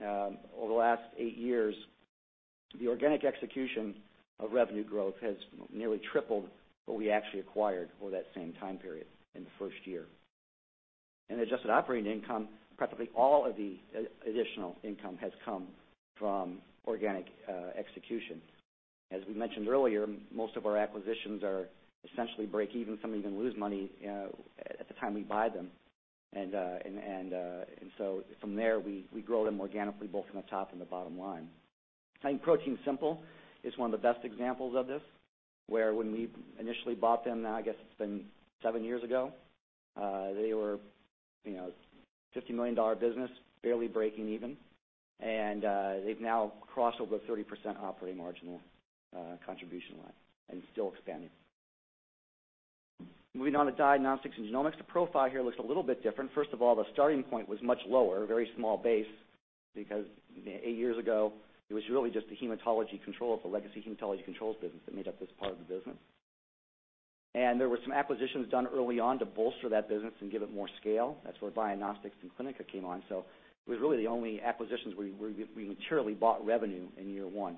[SPEAKER 4] over the last eight years, the organic execution of revenue growth has nearly tripled what we actually acquired over that same time period in the first year. In adjusted operating income, practically all of the additional income has come from organic execution. As we mentioned earlier, most of our acquisitions are essentially break even, some even lose money at the time we buy them. From there, we grow them organically, both from the top and the bottom line. I think ProteinSimple is one of the best examples of this, where when we initially bought them, now I guess it's been seven years ago, they were a $50 million business, barely breaking even, and they've now crossed over 30% operating margin contribution line and still expanding. Moving on to Diagnostics and Genomics, the profile here looks a little bit different. First of all, the starting point was much lower, very small base because eight years ago, it was really just the hematology control of the legacy hematology controls business that made up this part of the business. There were some acquisitions done early on to bolster that business and give it more scale. That's where Bionostics and Cliniqa came on. It was really the only acquisitions where we materially bought revenue in year 1.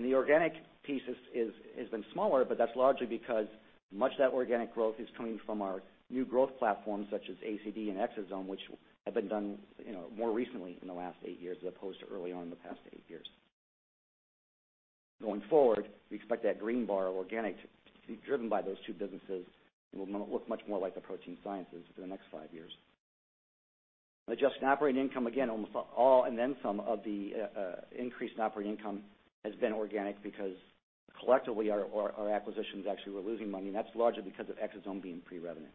[SPEAKER 4] The organic piece has been smaller, but that's largely because much of that organic growth is coming from our new growth platforms such as ACD and Exosome, which have been done more recently in the last eight years, as opposed to early on in the past eight years. Going forward, we expect that green bar of organic to be driven by those two businesses, and will look much more like the Protein Sciences for the next five years. Adjusted operating income, again, almost all and then some of the increased operating income has been organic because collectively our acquisitions actually were losing money, and that's largely because of Exosome being pre-revenue.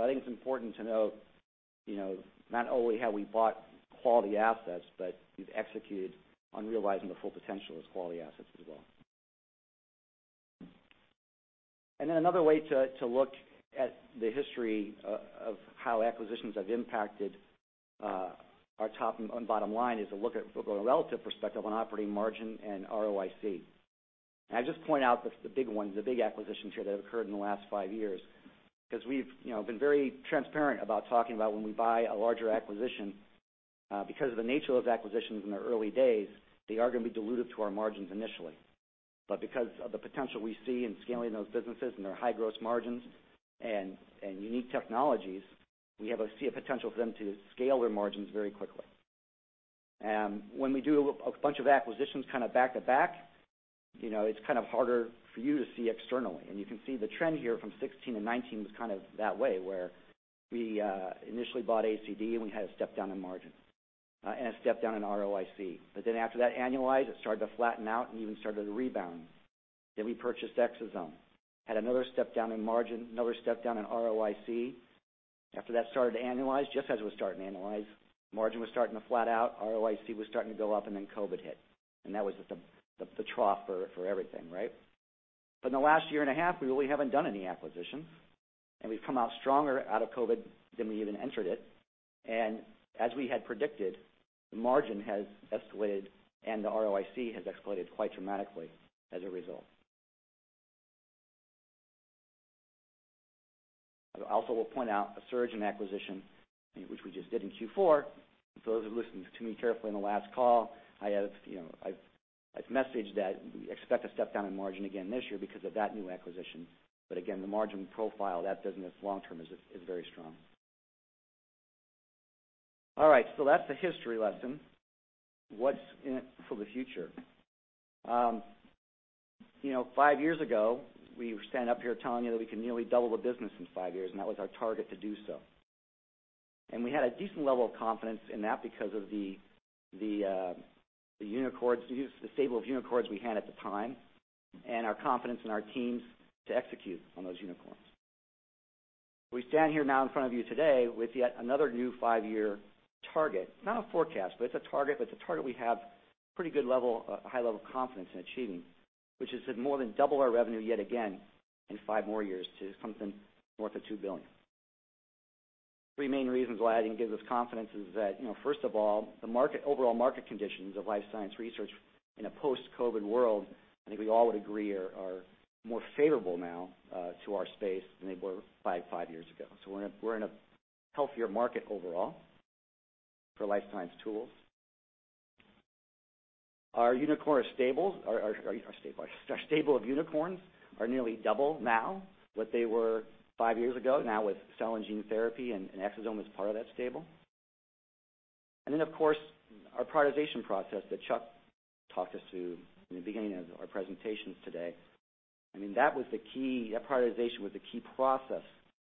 [SPEAKER 4] I think it's important to note, not only have we bought quality assets, but we've executed on realizing the full potential of those quality assets as well. Another way to look at the history of how acquisitions have impacted our top and bottom line is to look at from a relative perspective on operating margin and ROIC. I just point out the big ones, the big acquisitions here that have occurred in the last five years, because we've been very transparent about talking about when we buy a larger acquisition. Because of the nature of those acquisitions in their early days, they are going to be dilutive to our margins initially. Because of the potential we see in scaling those businesses and their high gross margins and unique technologies, we have a sea of potential for them to scale their margins very quickly. When we do a bunch of acquisitions back to back, it's harder for you to see externally. You can see the trend here from 2016 and 2019 was that way, where we initially bought ACD and we had a step down in margin and a step down in ROIC. After that annualized, it started to flatten out and even started to rebound. We purchased Exosome, had another step down in margin, another step down in ROIC. After that started to annualize, just as it was starting to annualize, margin was starting to flatten out, ROIC was starting to go up, and then COVID hit. That was just the trough for everything, right? In the last year and a half, we really haven't done any acquisitions, and we've come out stronger out of COVID than we even entered it. As we had predicted, the margin has escalated and the ROIC has escalated quite dramatically as a result. I also will point out a surge in acquisition, which we just did in Q4. For those who listened to me carefully in the last call, I've messaged that we expect a step down in margin again this year because of that new acquisition. Again, the margin profile of that business long-term is very strong. All right, that's the history lesson. What's in it for the future? Five years ago, we were standing up here telling you that we can nearly double the business in five years, and that was our target to do so. We had a decent level of confidence in that because of the stable of unicorns we had at the time and our confidence in our teams to execute on those unicorns. We stand here now in front of you today with yet another new five-year target, not a forecast, but it's a target. It's a target we have a high level of confidence in achieving, which is to more than double our revenue yet again in five more years to something north of $2 billion. Three main reasons why I think it gives us confidence is that, first of all, the overall market conditions of life science research in a post-COVID world, I think we all would agree are more favorable now to our space than they were five years ago. We're in a healthier market overall for life science tools. Our stable of unicorns are nearly double now what they were five years ago, now with cell and gene therapy, and exosome is part of that stable. Then, of course, our prioritization process that Chuck talked us through in the beginning of our presentations today. That prioritization was the key process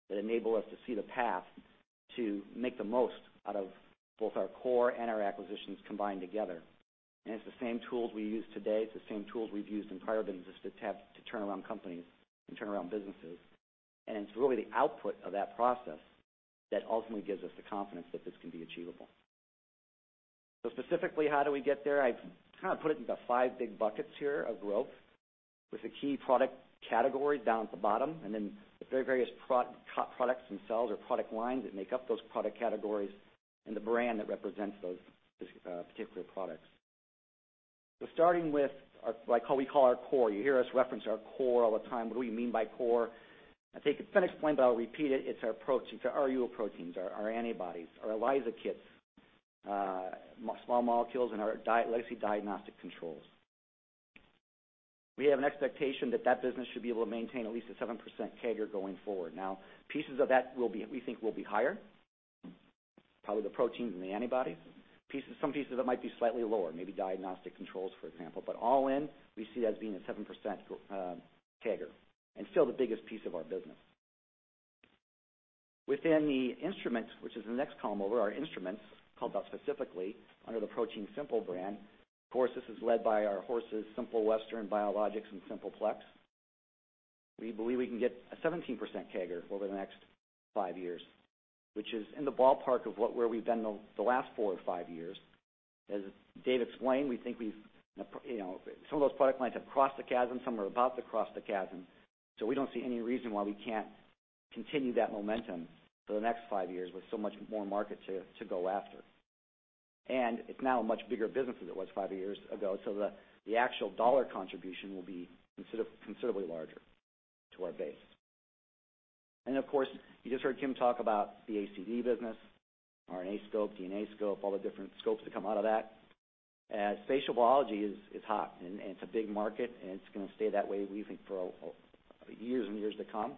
[SPEAKER 4] that enabled us to see the path to make the most out of both our core and our acquisitions combined together. It's the same tools we use today. It's the same tools we've used in prior businesses to turn around companies and turn around businesses. It's really the output of that process that ultimately gives us the confidence that this can be achievable. Specifically, how do we get there? I've put it into five big buckets here of growth, with the key product categories down at the bottom, and then the various top products themselves or product lines that make up those product categories and the brand that represents those particular products. Starting with what we call our core. You hear us reference our core all the time. What do we mean by core? I think it's been explained, but I'll repeat it. It's our proteins, our RUO proteins, our antibodies, our ELISA kits, small molecules, and our legacy diagnostic controls. We have an expectation that business should be able to maintain at least a 7% CAGR going forward. Now, pieces of that we think will be higher, probably the protein and the antibody. Some pieces of it might be slightly lower, maybe diagnostic controls, for example. All in, we see it as being a 7% CAGR, and still the biggest piece of our business. Within the instruments, which is the next column over, our instruments, called out specifically under the ProteinSimple brand. Of course, this is led by our horses, Simple Western, Biologics, and Simple Plex. We believe we can get a 17% CAGR over the next five years, which is in the ballpark of where we've been the last four or five years. As Dave explained, some of those product lines have crossed the chasm, some are about to cross the chasm. We don't see any reason why we can't continue that momentum for the next five years with so much more market to go after. It's now a much bigger business than it was five years ago, so the actual dollar contribution will be considerably larger to our base. Of course, you just heard Kim talk about the ACD business, RNAscope, DNAscope, all the different scopes that come out of that. Spatial biology is hot, and it's a big market, and it's going to stay that way, we think, for years and years to come.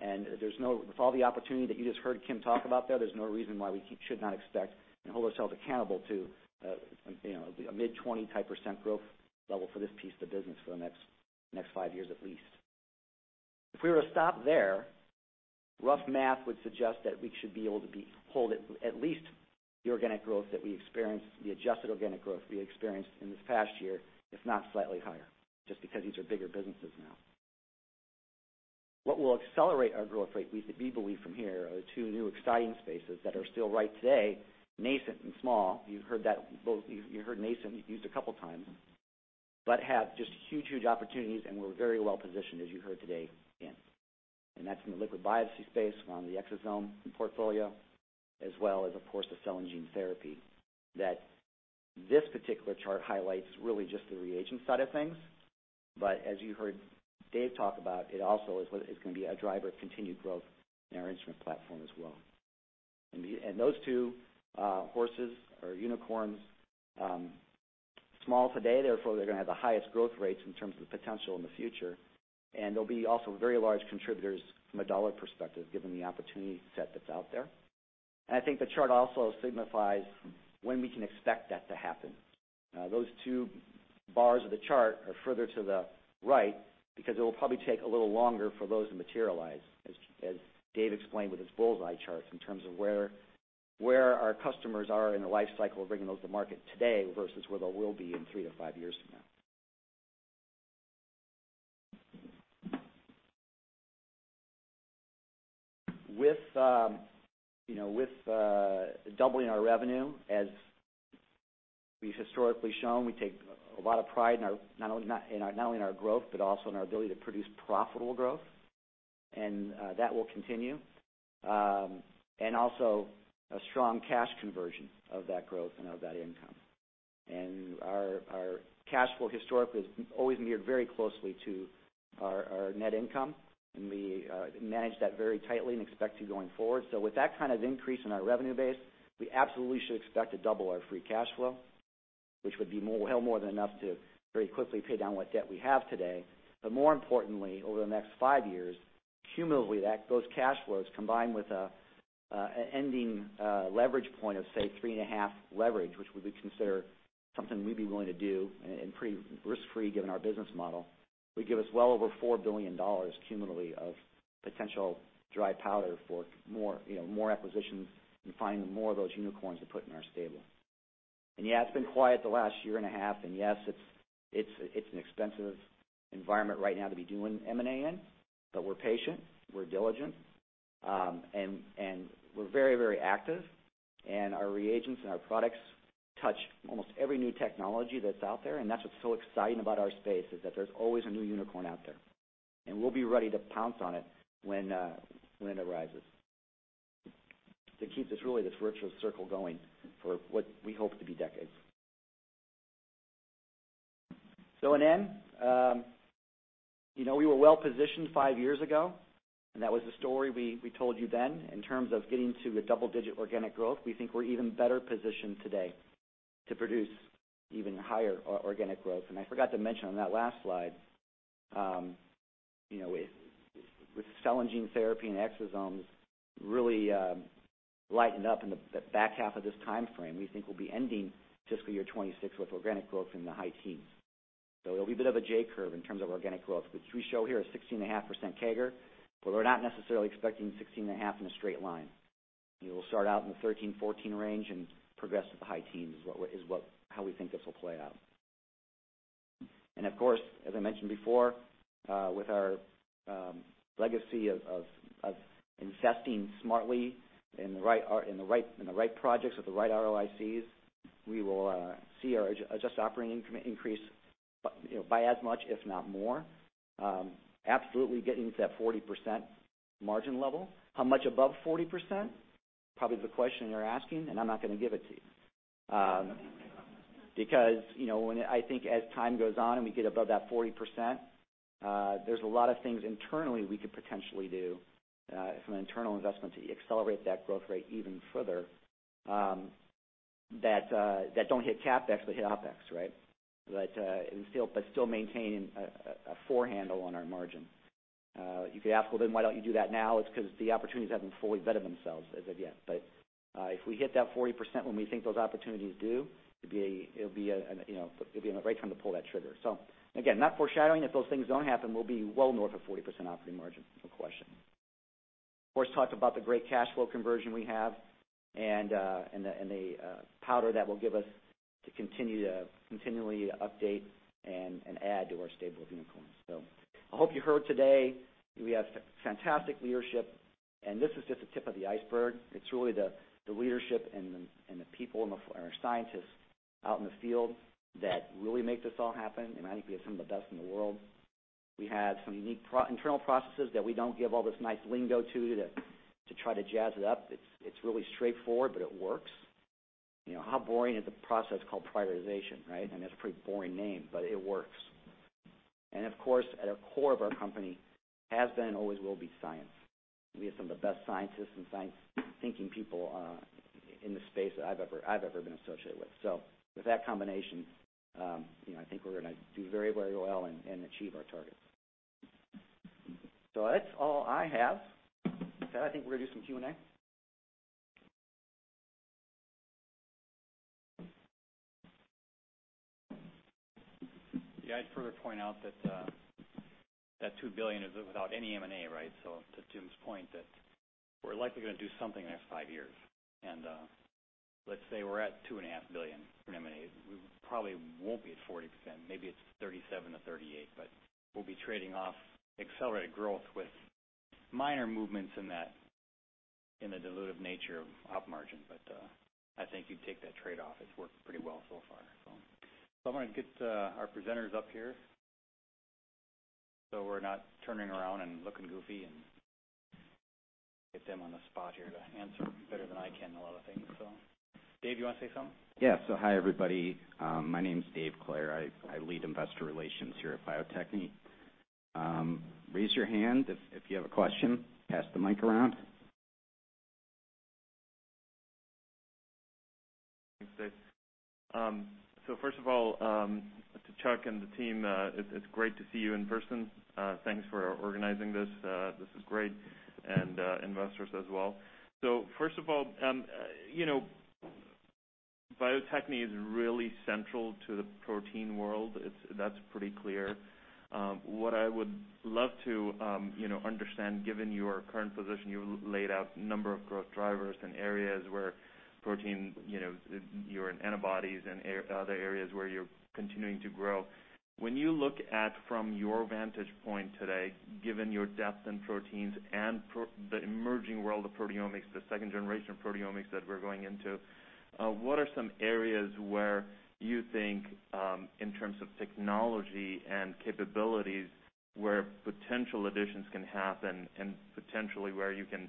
[SPEAKER 4] With all the opportunity that you just heard Kim talk about there's no reason why we should not expect and hold ourselves accountable to a mid-20% type growth level for this piece of the business for the next five years, at least. If we were to stop there, rough math would suggest that we should be able to hold at least the organic growth that we experienced, the adjusted organic growth we experienced in this past year, if not slightly higher, just because these are bigger businesses now. What will accelerate our growth rate, we believe from here, are two new exciting spaces that are still right today, nascent and small. You've heard nascent used a couple of times, but have just huge opportunities, and we're very well-positioned, as you heard today, in. That's in the liquid biopsy space around the exosome portfolio, as well as, of course, the cell and gene therapy, that this particular chart highlights really just the reagent side of things. As you heard Dave talk about, it also is going to be a driver of continued growth in our instrument platform as well. Those two horses or unicorns, small today, therefore they're going to have the highest growth rates in terms of the potential in the future, and they'll be also very large contributors from a dollar perspective, given the opportunity set that's out there. I think the chart also signifies when we can expect that to happen. Those two bars of the chart are further to the right because it will probably take a little longer for those to materialize, as Dave explained with his bullseye charts, in terms of where our customers are in the life cycle of bringing those to market today versus where they will be in three to five years from now. With doubling our revenue, as we've historically shown, we take a lot of pride not only in our growth, but also in our ability to produce profitable growth, and that will continue. Also a strong cash conversion of that growth and of that income. Our cash flow historically has always mirrored very closely to our net income, and we manage that very tightly and expect to going forward. With that kind of increase in our revenue base, we absolutely should expect to double our free cash flow, which would be well more than enough to very quickly pay down what debt we have today. More importantly, over the next five years, cumulatively, those cash flows, combined with an ending leverage point of, say, three and a half leverage, which would be considered something we'd be willing to do and pretty risk-free given our business model, would give us well over $4 billion cumulatively of potential dry powder for more acquisitions and finding more of those unicorns to put in our stable. Yeah, it's been quiet the last year and a half, and yes, it's an expensive environment right now to be doing M&A in. We're patient, we're diligent, and we're very active. Our reagents and our products touch almost every new technology that's out there, and that's what's so exciting about our space is that there's always a new unicorn out there. We'll be ready to pounce on it when it arises to keep this virtuos circle going for what we hope to be decades. In end, we were well-positioned five years ago, and that was the story we told you then in terms of getting to a double-digit organic growth. We think we're even better positioned today to produce even higher organic growth. I forgot to mention on that last slide. With cell and gene therapy and exosomes really lighten up in the back half of this timeframe, we think we'll be ending fiscal year 2026 with organic growth in the high teens. It'll be a bit of a J curve in terms of organic growth, which we show here is 16.5% CAGR. We're not necessarily expecting 16.5% in a straight line. You will start out in the 13, 14 range and progress to the high teens, is how we think this will play out. Of course, as I mentioned before, with our legacy of investing smartly in the right projects with the right ROICs, we will see our adjusted operating income increase by as much, if not more. Absolutely getting to that 40% margin level. How much above 40%? Probably the question you're asking. I'm not going to give it to you. I think as time goes on and we get above that 40%, there's a lot of things internally we could potentially do from an internal investment to accelerate that growth rate even further, that don't hit CapEx, but hit OpEx, right? Still maintaining a firm hand on our margin. If you ask, "Well, then why don't you do that now?" It's because the opportunities haven't fully vetted themselves as of yet. If we hit that 40% when we think those opportunities do, it'll be a great time to pull that trigger. Again, not foreshadowing, if those things don't happen, we'll be well north of 40% operating margin, no question. Of course, talked about the great cash flow conversion we have and the powder that will give us to continually update and add to our stable of unicorns. I hope you heard today we have fantastic leadership, and this is just the tip of the iceberg. It's really the leadership and the people and our scientists out in the field that really make this all happen, and I think we have some of the best in the world. We have some unique internal processes that we don't give all this nice lingo to try to jazz it up. It's really straightforward, but it works. How boring is a process called prioritization, right? I mean, that's a pretty boring name, but it works. Of course, at our core of our company, has been and always will be science. We have some of the best scientists and science-thinking people in the space that I've ever been associated with. With that combination, I think we're going to do very well and achieve our targets. That's all I have. With that, I think we're going to do some Q&A.
[SPEAKER 1] Yeah, I'd further point out that that $2 billion is without any M&A, right? To Jim's point that we're likely going to do something in the next five years, and let's say we're at two and a half billion from M&A, we probably won't be at 40%, maybe it's 37%-38%, but we'll be trading off accelerated growth with minor movements in the dilutive nature of op margin. I think you'd take that trade-off. It's worked pretty well so far. I want to get our presenters up here so we're not turning around and looking goofy and get them on the spot here to answer better than I can a lot of things. Dave, you want to say something?
[SPEAKER 5] Yeah. Hi, everybody. My name's David Clair. I lead investor relations here at Bio-Techne. Raise your hand if you have a question, pass the mic around.
[SPEAKER 6] Thanks, Dave. First of all, to Chuck and the team it's great to see you in person. Thanks for organizing this. This is great, and investors as well. First of all, Bio-Techne is really central to the protein world. That's pretty clear. What I would love to understand, given your current position, you laid out a number of growth drivers and areas where protein, you're in antibodies and other areas where you're continuing to grow. When you look at from your vantage point today, given your depth in proteins and the emerging world of proteomics, the second generation of proteomics that we're going into, what are some areas where you think, in terms of technology and capabilities, where potential additions can happen and potentially where you can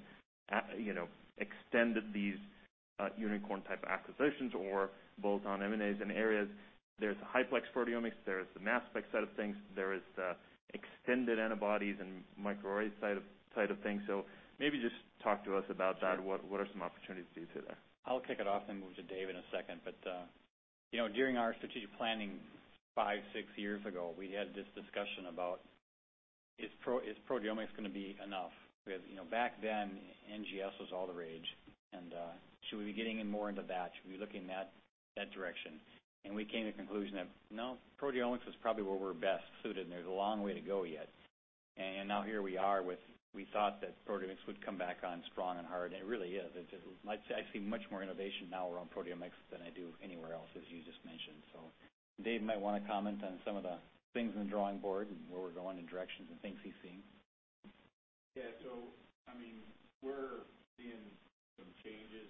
[SPEAKER 6] extend these unicorn-type acquisitions or both on M&As and areas. There's the high-plex proteomics, there's the mass spec side of things. There is the extended antibodies and microarray side of things. Maybe just talk to us about that. What are some opportunities do you see there?
[SPEAKER 4] I'll kick it off and move to Dave in a second. During our strategic planning five, six years ago, we had this discussion about is proteomics going to be enough? Back then, NGS was all the rage, and should we be getting in more into that? Should we be looking that direction? We came to the conclusion that no, proteomics is probably where we're best suited, and there's a long way to go yet. Now here we are, we thought that proteomics would come back on strong and hard, and it really is. I see much more innovation now around proteomics than I do anywhere else, as you just mentioned. Dave might want to comment on some of the things on the drawing board and where we're going in directions and things he's seeing.
[SPEAKER 2] Yeah. I mean, we're seeing some changes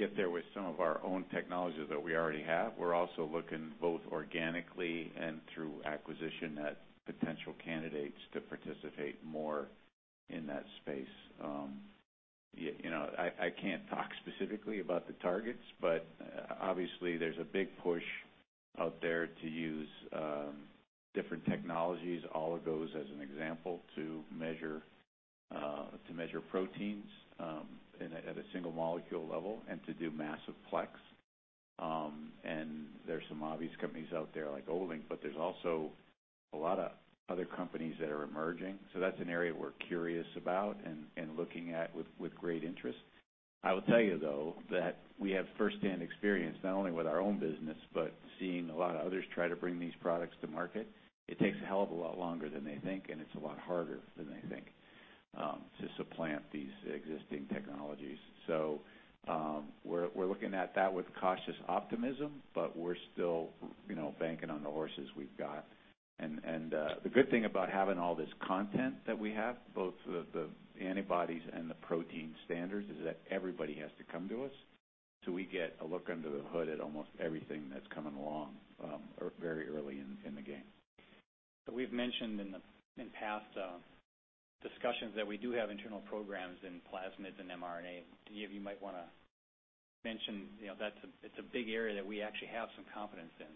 [SPEAKER 2] in the approach to think molecule connection and reflect. We'll get there with some of our own technologies that we already have. We're also looking both organically and through acquisition at potential candidates to participate more in that space. I can't talk specifically about the targets, but obviously there's a big push out there to use different technologies, all of those as an example, to measure proteins at a single molecule level and to do high-plex. There's some obvious companies out there like Olink, but there's also a lot of other companies that are emerging. That's an area we're curious about and looking at with great interest. I will tell you, though, that we have first-hand experience, not only with our own business, but seeing a lot of others try to bring these products to market. It takes a hell of a lot longer than they think, it's a lot harder than they think to supplant these existing technologies. We're looking at that with cautious optimism, but we're still banking on the horses we've got. The good thing about having all this content that we have, both the antibodies and the protein standards, is that everybody has to come to us. We get a look under the hood at almost everything that's coming along very early in the game.
[SPEAKER 1] We've mentioned in past discussions that we do have internal programs in plasmids and mRNA. Any of you might want to mention, that it's a big area that we actually have some confidence in.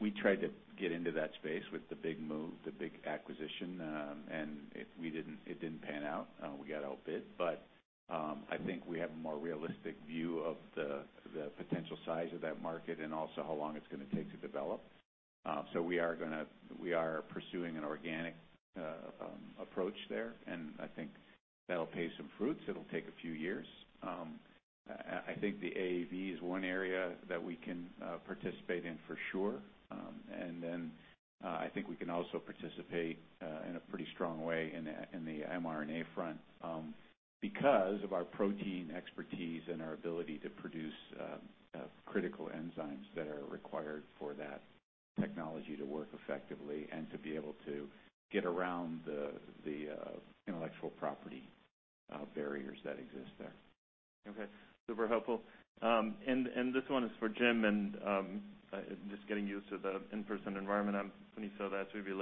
[SPEAKER 2] We tried to get into that space with the big move, the big acquisition, and it didn't pan out. We got outbid. I think we have a more realistic view of the potential size of that market and also how long it's going to take to develop. We are pursuing an organic approach there, and I think that'll pay some fruits. It'll take a few years. I think the AAV is one area that we can participate in for sure. I think we can also participate in a pretty strong way in the mRNA front because of our protein expertise and our ability to produce critical enzymes that are required for that technology to work effectively and to be able to get around the intellectual property barriers that exist there.
[SPEAKER 6] Okay. Super helpful. This one is for Jim, and just getting used to the in-person environment. When you saw that, we'd be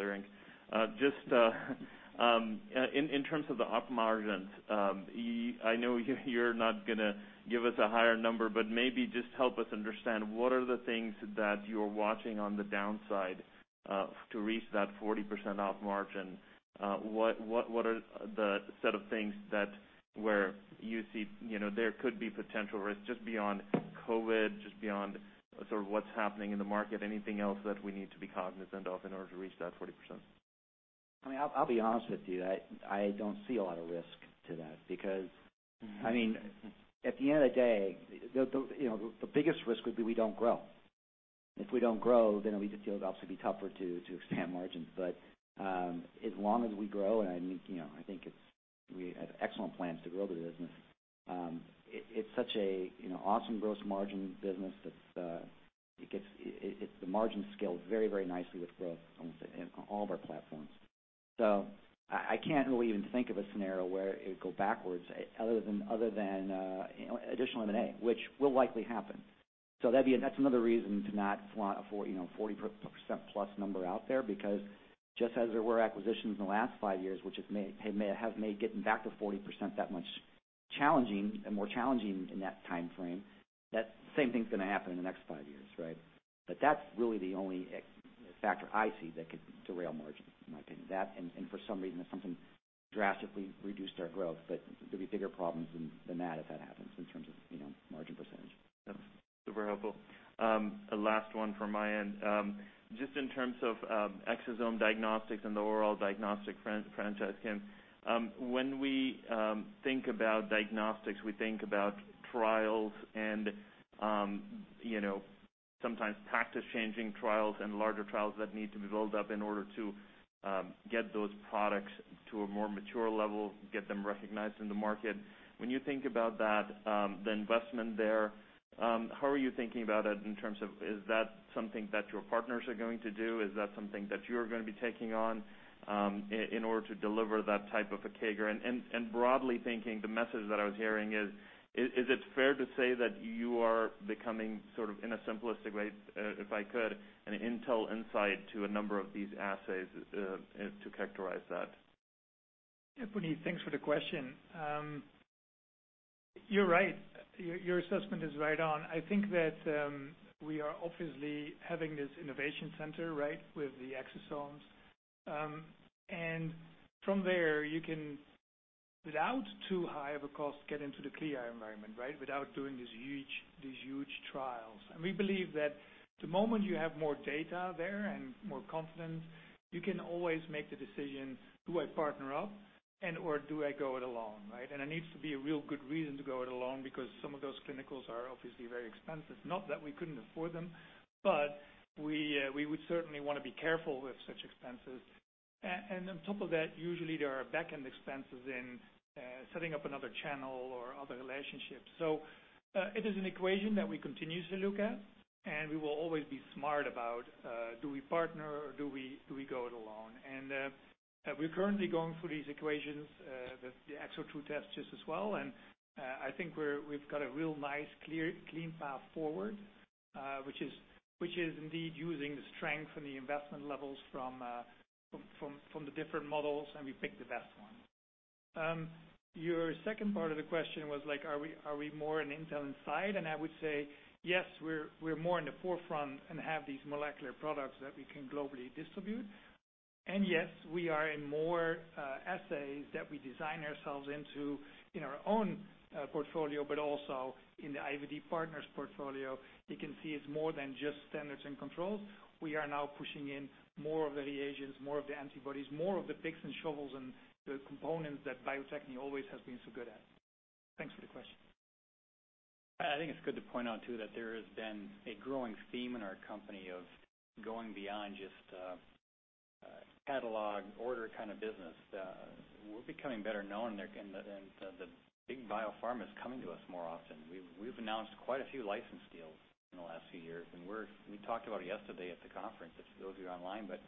[SPEAKER 6] looking. In terms of the op margins, I know you're not going to give us a higher number, but maybe just help us understand what are the things that you're watching on the downside to reach that 40% op margin. What are the set of things that where you see there could be potential risk just beyond COVID, just beyond sort of what's happening in the market, anything else that we need to be cognizant of in order to reach that 40%?
[SPEAKER 4] I'll be honest with you, I don't see a lot of risk to that because at the end of the day, the biggest risk would be we don't grow. If we don't grow, then it'd obviously be tougher to expand margins. As long as we grow, and I think we have excellent plans to grow the business. It's such an awesome gross margin business that the margin scales very nicely with growth almost in all of our platforms. I can't really even think of a scenario where it would go backwards other than additional M&A, which will likely happen. That's another reason to not flaunt a 40%+ number out there, because just as there were acquisitions in the last five years, which has made getting back to 40% that much challenging and more challenging in that timeframe, that same thing's going to happen in the next five years, right? That's really the only factor I see that could derail margin, in my opinion. That and for some reason, if something drastically reduced our growth, but there'd be bigger problems than that if that happens in terms of margin percentage.
[SPEAKER 6] That's super helpful. The last one from my end. Just in terms of Exosome Diagnostics and the overall Diagnostics franchise, Jim, when we think about diagnostics, we think about trials and sometimes practice-changing trials and larger trials that need to be built up in order to get those products to a more mature level, get them recognized in the market. When you think about that, the investment there, how are you thinking about it in terms of, is that something that your partners are going to do? Is that something that you're going to be taking on in order to deliver that type of a CAGR? Broadly thinking, the message that I was hearing is it fair to say that you are becoming sort of, in a simplistic way, if I could, an intel inside to a number of these assays to characterize that?
[SPEAKER 3] Yeah, Puneet, thanks for the question. You're right. Your assessment is right on. We are obviously having this innovation center, with the exosomes. From there, you can, without too high of a cost, get into the CLIA environment. Without doing these huge trials. We believe that the moment you have more data there and more confidence, you can always make the decision, do I partner up and/or do I go it alone, right? There needs to be a real good reason to go it alone because some of those clinicals are obviously very expensive. Not that we couldn't afford them, but we would certainly want to be careful with such expenses. On top of that, usually there are backend expenses in setting up another channel or other relationships. It is an equation that we continue to look at, and we will always be smart about, do we partner or do we go it alone? We're currently going through these equations with the ExoDx tests just as well, and I think we've got a real nice, clean path forward, which is indeed using the strength and the investment levels from the different models, and we pick the best one.
[SPEAKER 2] Your second part of the question was are we more an intel inside? I would say, yes, we're more in the forefront and have these molecular products that we can globally distribute. Yes, we are in more assays that we design ourselves into in our own portfolio, but also in the IVD partners portfolio. You can see it's more than just standards and controls. We are now pushing in more of the reagents, more of the antibodies, more of the picks and shovels and the components that Bio-Techne always has been so good at. Thanks for the question.
[SPEAKER 1] I think it's good to point out too that there has been a growing theme in our company of going beyond just a catalog order kind of business. The big biopharm is coming to us more often. We've announced quite a few license deals in the last few years. We talked about it yesterday at the conference for those of you online, but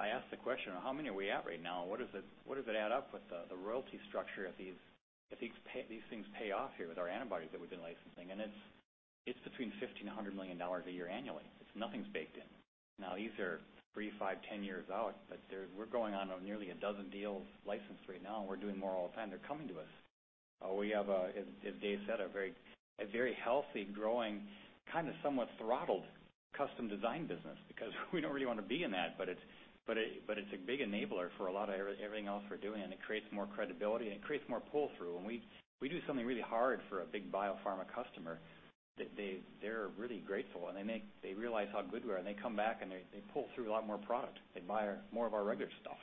[SPEAKER 1] I asked the question, how many are we at right now? What does it add up with the royalty structure if these things pay off here with our antibodies that we've been licensing? It's between $1,500 million a year annually. Nothing's baked in. These are three, five, 10 years out, but we're going on nearly a dozen deals licensed right now. We're doing more all the time. They're coming to us. We have, as Dave said, a very healthy, growing, somewhat throttled custom design business because we don't really want to be in that, but it's a big enabler for a lot of everything else we're doing, and it creates more credibility, and it creates more pull-through. When we do something really hard for a big biopharma customer, they're really grateful, and they realize how good we are, and they come back, and they pull through a lot more product. They buy more of our regular stuff.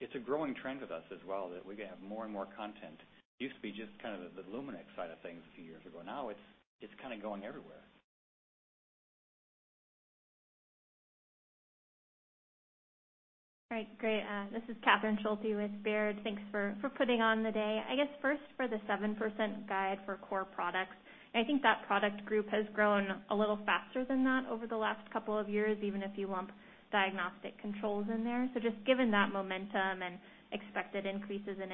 [SPEAKER 1] It's a growing trend with us as well that we have more and more content. It used to be just the Luminex side of things a few years ago. Now it's going everywhere.
[SPEAKER 7] All right. Great. This is Catherine Schulte with Baird. Thanks for putting on the day. I guess first for the 7% guide for core products, I think that product group has grown a little faster than that over the last couple of years, even if you lump diagnostic controls in there. Just given that momentum and expected increases in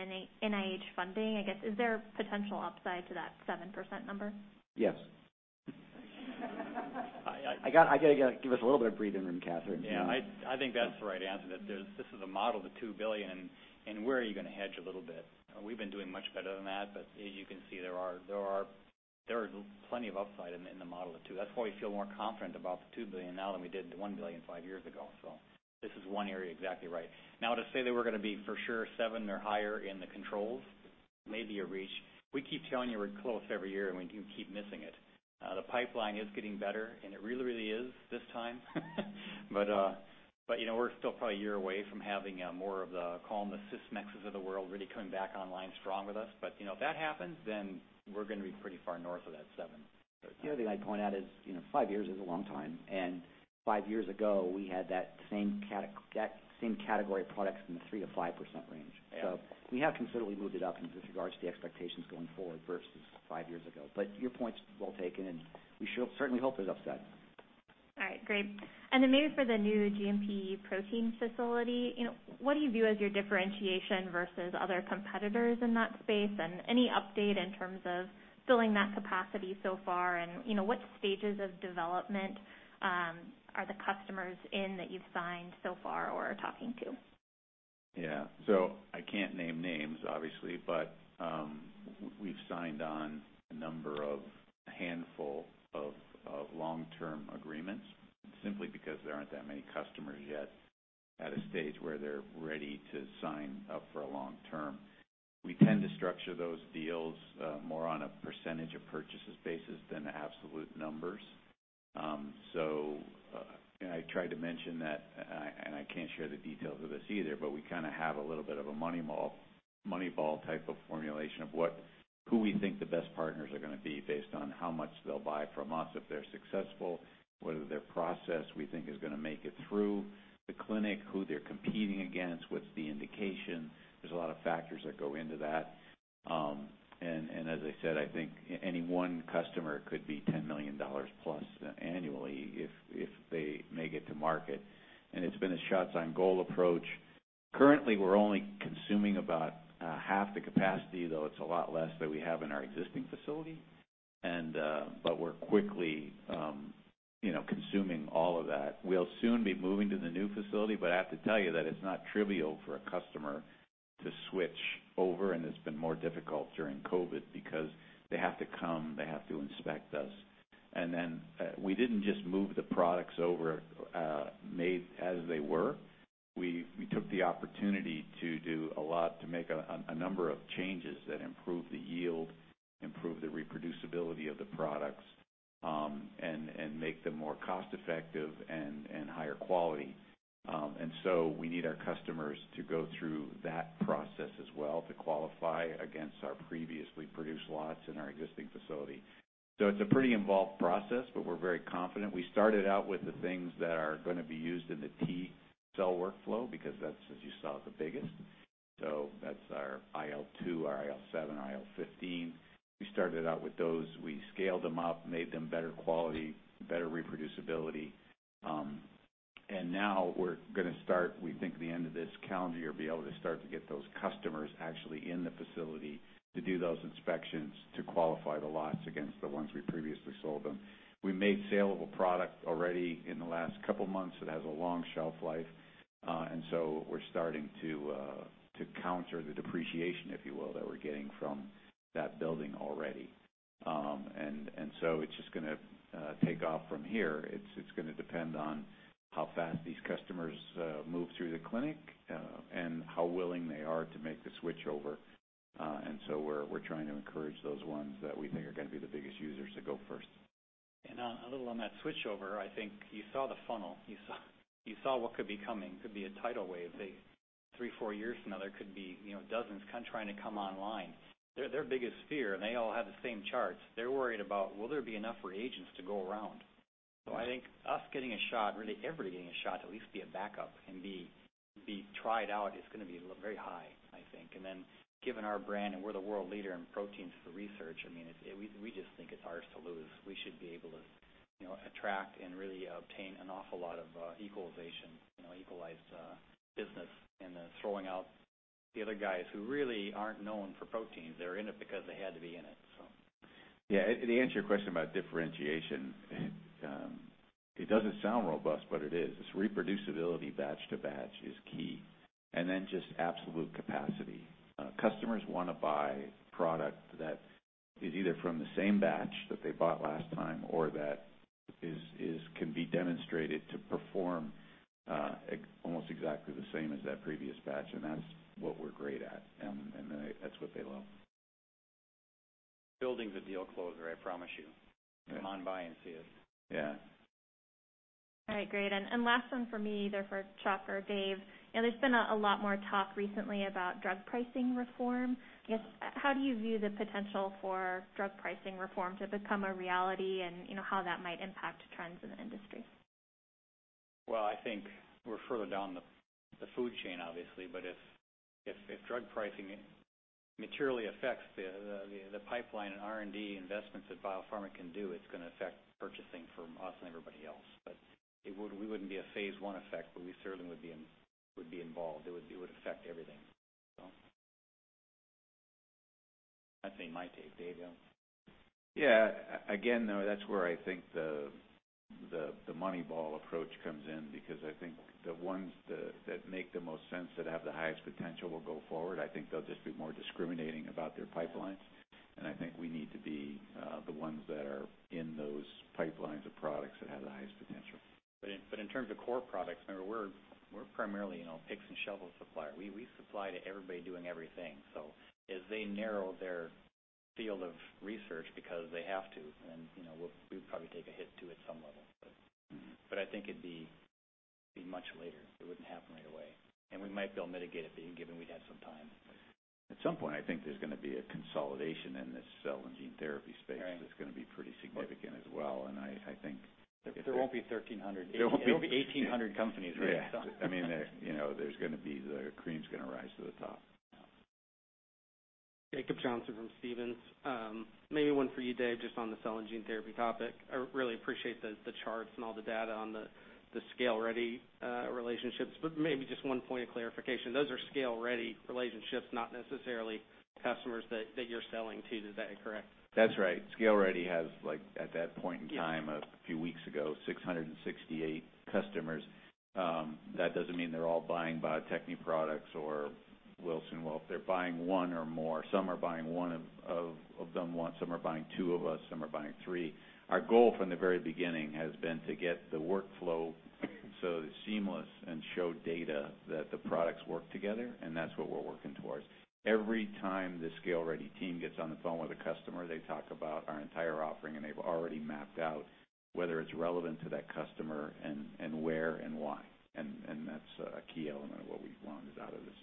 [SPEAKER 7] NIH funding, I guess, is there potential upside to that 7% number?
[SPEAKER 2] Yes.
[SPEAKER 4] I got to give us a little bit of breathing room, Catherine.
[SPEAKER 1] Yeah. I think that's the right answer, that this is a model of the $2 billion. Where are you going to hedge a little bit? We've been doing much better than that. As you can see, there are plenty of upside in the model of two. That's why we feel more confident about the $2 billion now than we did the $1 billion 5 years ago. This is 1 area exactly right. Now to say that we're going to be for sure seven or higher in the controls may be a reach. We keep telling you we're close every year. We do keep missing it. The pipeline is getting better. It really is this time. We're still probably a year away from having more of the calm, the Sysmex of the world really coming back online strong with us. If that happens, we're going to be pretty far north of that seven.
[SPEAKER 4] The other thing I'd point out is, five years is a long time, and five years ago, we had that same category of products in the 3%-5% range.
[SPEAKER 1] Yeah.
[SPEAKER 4] We have considerably moved it up in regards to the expectations going forward versus five years ago. Your point's well taken, and we certainly hope there's upside.
[SPEAKER 7] All right, great. Maybe for the new GMP protein facility, what do you view as your differentiation versus other competitors in that space, and any update in terms of filling that capacity so far, and what stages of development are the customers in that you've signed so far or are talking to?
[SPEAKER 2] I can't name names, obviously, but we've signed on a number of a handful of long-term agreements simply because there aren't that many customers yet at a stage where they're ready to sign up for a long term. We tend to structure those deals more on a percentage of purchases basis than absolute numbers. I tried to mention that, and I can't share the details of this either, but we have a little bit of a Moneyball type of formulation of who we think the best partners are going to be based on how much they'll buy from us if they're successful, whether their process, we think, is going to make it through the clinic, who they're competing against, what's the indication. There's a lot of factors that go into that. As I said, I think any one customer could be $10 million+ annually if they make it to market. It's been a shots on goal approach. Currently, we're only consuming about half the capacity, though it's a lot less than we have in our existing facility. We're quickly consuming all of that. We'll soon be moving to the new facility, but I have to tell you that it's not trivial for a customer to switch over, and it's been more difficult during COVID because they have to come, they have to inspect us. Then we didn't just move the products over made as they were. We took the opportunity to do a lot to make a number of changes that improve the yield, improve the reproducibility of the products, and make them more cost-effective and higher quality. We need our customers to go through that process as well to qualify against our previously produced lots in our existing facility. It's a pretty involved process, but we're very confident. We started out with the things that are going to be used in the T-cell workflow because that's, as you saw, the biggest. That's our IL-2, our IL-7, our IL-15. We started out with those. We scaled them up, made them better quality, better reproducibility. Now we're going to start, we think the end of this calendar year, be able to start to get those customers actually in the facility to do those inspections to qualify the lots against the ones we previously sold them. We made saleable product already in the last couple of months that has a long shelf life. We're starting to counter the depreciation, if you will, that we're getting from that building already. It's just going to take off from here. It's going to depend on how fast these customers move through the clinic and how willing they are to make the switch over. We're trying to encourage those ones that we think are going to be the biggest users to go first.
[SPEAKER 1] A little on that switchover, I think you saw the funnel. You saw what could be coming. Could be a tidal wave. Three, four years from now, there could be dozens trying to come online. Their biggest fear, and they all have the same charts, they're worried about will there be enough reagents to go around?
[SPEAKER 2] Right.
[SPEAKER 1] I think us getting a shot, really everybody getting a shot to at least be a backup and be tried out is going to be very high, I think. Given our brand, and we're the world leader in proteins for research, we just think it's ours to lose. We should be able to attract and really obtain an awful lot of equalization, equalized business in the throwing out the other guys who really aren't known for proteins. They're in it because they had to be in it.
[SPEAKER 2] Yeah. To answer your question about differentiation, it doesn't sound robust, but it is. This reproducibility batch to batch is key, and then just absolute capacity. Customers want to buy product that is either from the same batch that they bought last time or that can be demonstrated to perform almost exactly the same as that previous batch, and that's what we're great at, and that's what they love.
[SPEAKER 1] Building's a deal closer, I promise you.
[SPEAKER 2] Yeah.
[SPEAKER 1] Come on by and see us.
[SPEAKER 2] Yeah.
[SPEAKER 7] All right, great. Last one from me, either for Chuck or Dave. There's been a lot more talk recently about drug pricing reform.
[SPEAKER 1] Yes.
[SPEAKER 7] How do you view the potential for drug pricing reform to become a reality, and how that might impact trends in the industry?
[SPEAKER 1] Well, I think we're further down the food chain, obviously. If drug pricing materially affects the pipeline and R&D investments that biopharma can do, it's going to affect purchasing from us and everybody else. We wouldn't be a phase I effect, but we certainly would be involved. It would affect everything. That's my take. Dave?
[SPEAKER 2] Again, that's where I think the Moneyball approach comes in because I think the ones that make the most sense, that have the highest potential will go forward. I think they'll just be more discriminating about their pipelines. I think we need to be the ones that are in those pipelines of products that have the highest potential.
[SPEAKER 1] In terms of core products, remember, we're primarily a picks and shovels supplier. We supply to everybody doing everything. As they narrow their field of research because they have to, then we would probably take a hit too at some level. I think it'd be much later. It wouldn't happen right away, and we might be able to mitigate it being given we'd had some time.
[SPEAKER 2] At some point, I think there's going to be a consolidation in this cell and gene therapy space.
[SPEAKER 1] Right
[SPEAKER 2] that's going to be pretty significant as well.
[SPEAKER 1] There won't be 1,300-
[SPEAKER 2] There won't be.
[SPEAKER 1] There won't be 1,800 companies very soon.
[SPEAKER 2] Yeah. The cream's going to rise to the top.
[SPEAKER 1] Yeah.
[SPEAKER 8] Jacob Johnson from Stephens. Maybe one for you, Dave, just on the cell and gene therapy topic. I really appreciate the charts and all the data on the ScaleReady relationships, maybe just one point of clarification. Those are ScaleReady relationships, not necessarily customers that you're selling to. Is that correct?
[SPEAKER 2] That's right. ScaleReady has, at that point in time.
[SPEAKER 8] Yeah
[SPEAKER 2] A few weeks ago, 668 customers. That doesn't mean they're all buying Bio-Techne products or Wilson Wolf. They're buying one or more. Some are buying one of them once. Some are buying two of us. Some are buying three. Our goal from the very beginning has been to get the workflow so seamless and show data that the products work together, and that's what we're working towards. Every time the ScaleReady team gets on the phone with a customer, they talk about our entire offering, and they've already mapped out whether it's relevant to that customer and where and why. That's a key element of what we've wanted out of this.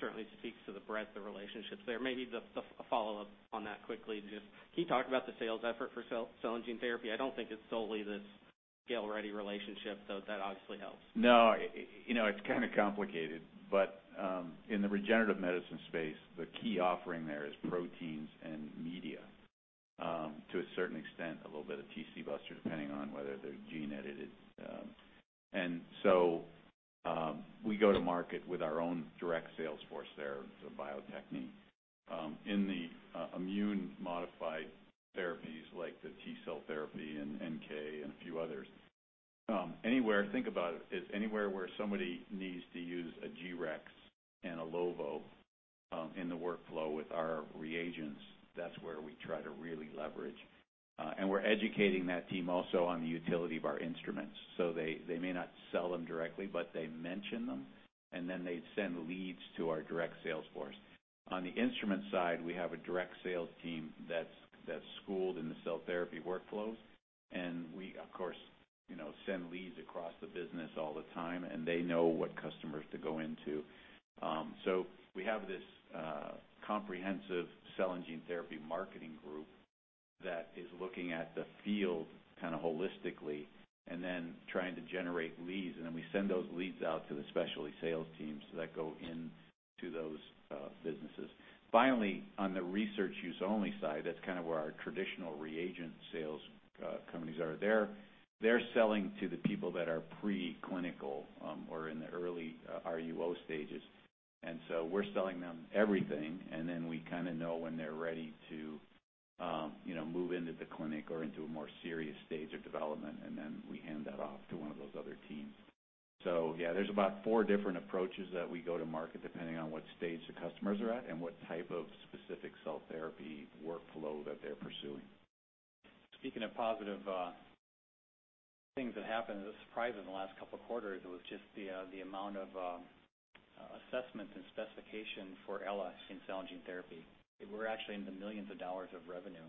[SPEAKER 8] Certainly speaks to the breadth of relationships there. Maybe just a follow-up on that quickly. Can you talk about the sales effort for cell and gene therapy? I don't think it's solely this ScaleReady relationship, though that obviously helps.
[SPEAKER 2] No. It's kind of complicated, but in the regenerative medicine space, the key offering there is proteins and media. To a certain extent, a little bit of TcBuster, depending on whether they're gene edited. We go to market with our own direct sales force there of Bio-Techne. In the immune modified therapies like the T-cell therapy and NK and a few others, think about it, is anywhere where somebody needs to use a G-Rex and a Lovo in the workflow with our reagents, that's where we try to really leverage. We're educating that team also on the utility of our instruments. They may not sell them directly, but they mention them, and then they send leads to our direct sales force. On the instrument side, we have a direct sales team that's schooled in the cell therapy workflows, and we of course send leads across the business all the time, and they know what customers to go into. We have this comprehensive cell and gene therapy marketing group that is looking at the field holistically and then trying to generate leads, and then we send those leads out to the specialty sales teams that go into those businesses. Finally, on the research use only side, that's where our traditional reagent sales companies are. They're selling to the people that are preclinical or in the early RUO stages. We're selling them everything, and then we know when they're ready to move into the clinic or into a more serious stage of development, and then we hand that off to one of those other teams. There's about four different approaches that we go to market, depending on what stage the customers are at and what type of specific cell therapy workflow that they're pursuing.
[SPEAKER 1] Speaking of positive things that happened as a surprise in the last couple of quarters was just the amount of assessments and specification for Ella in cell and gene therapy. We're actually in the millions of dollars of revenue.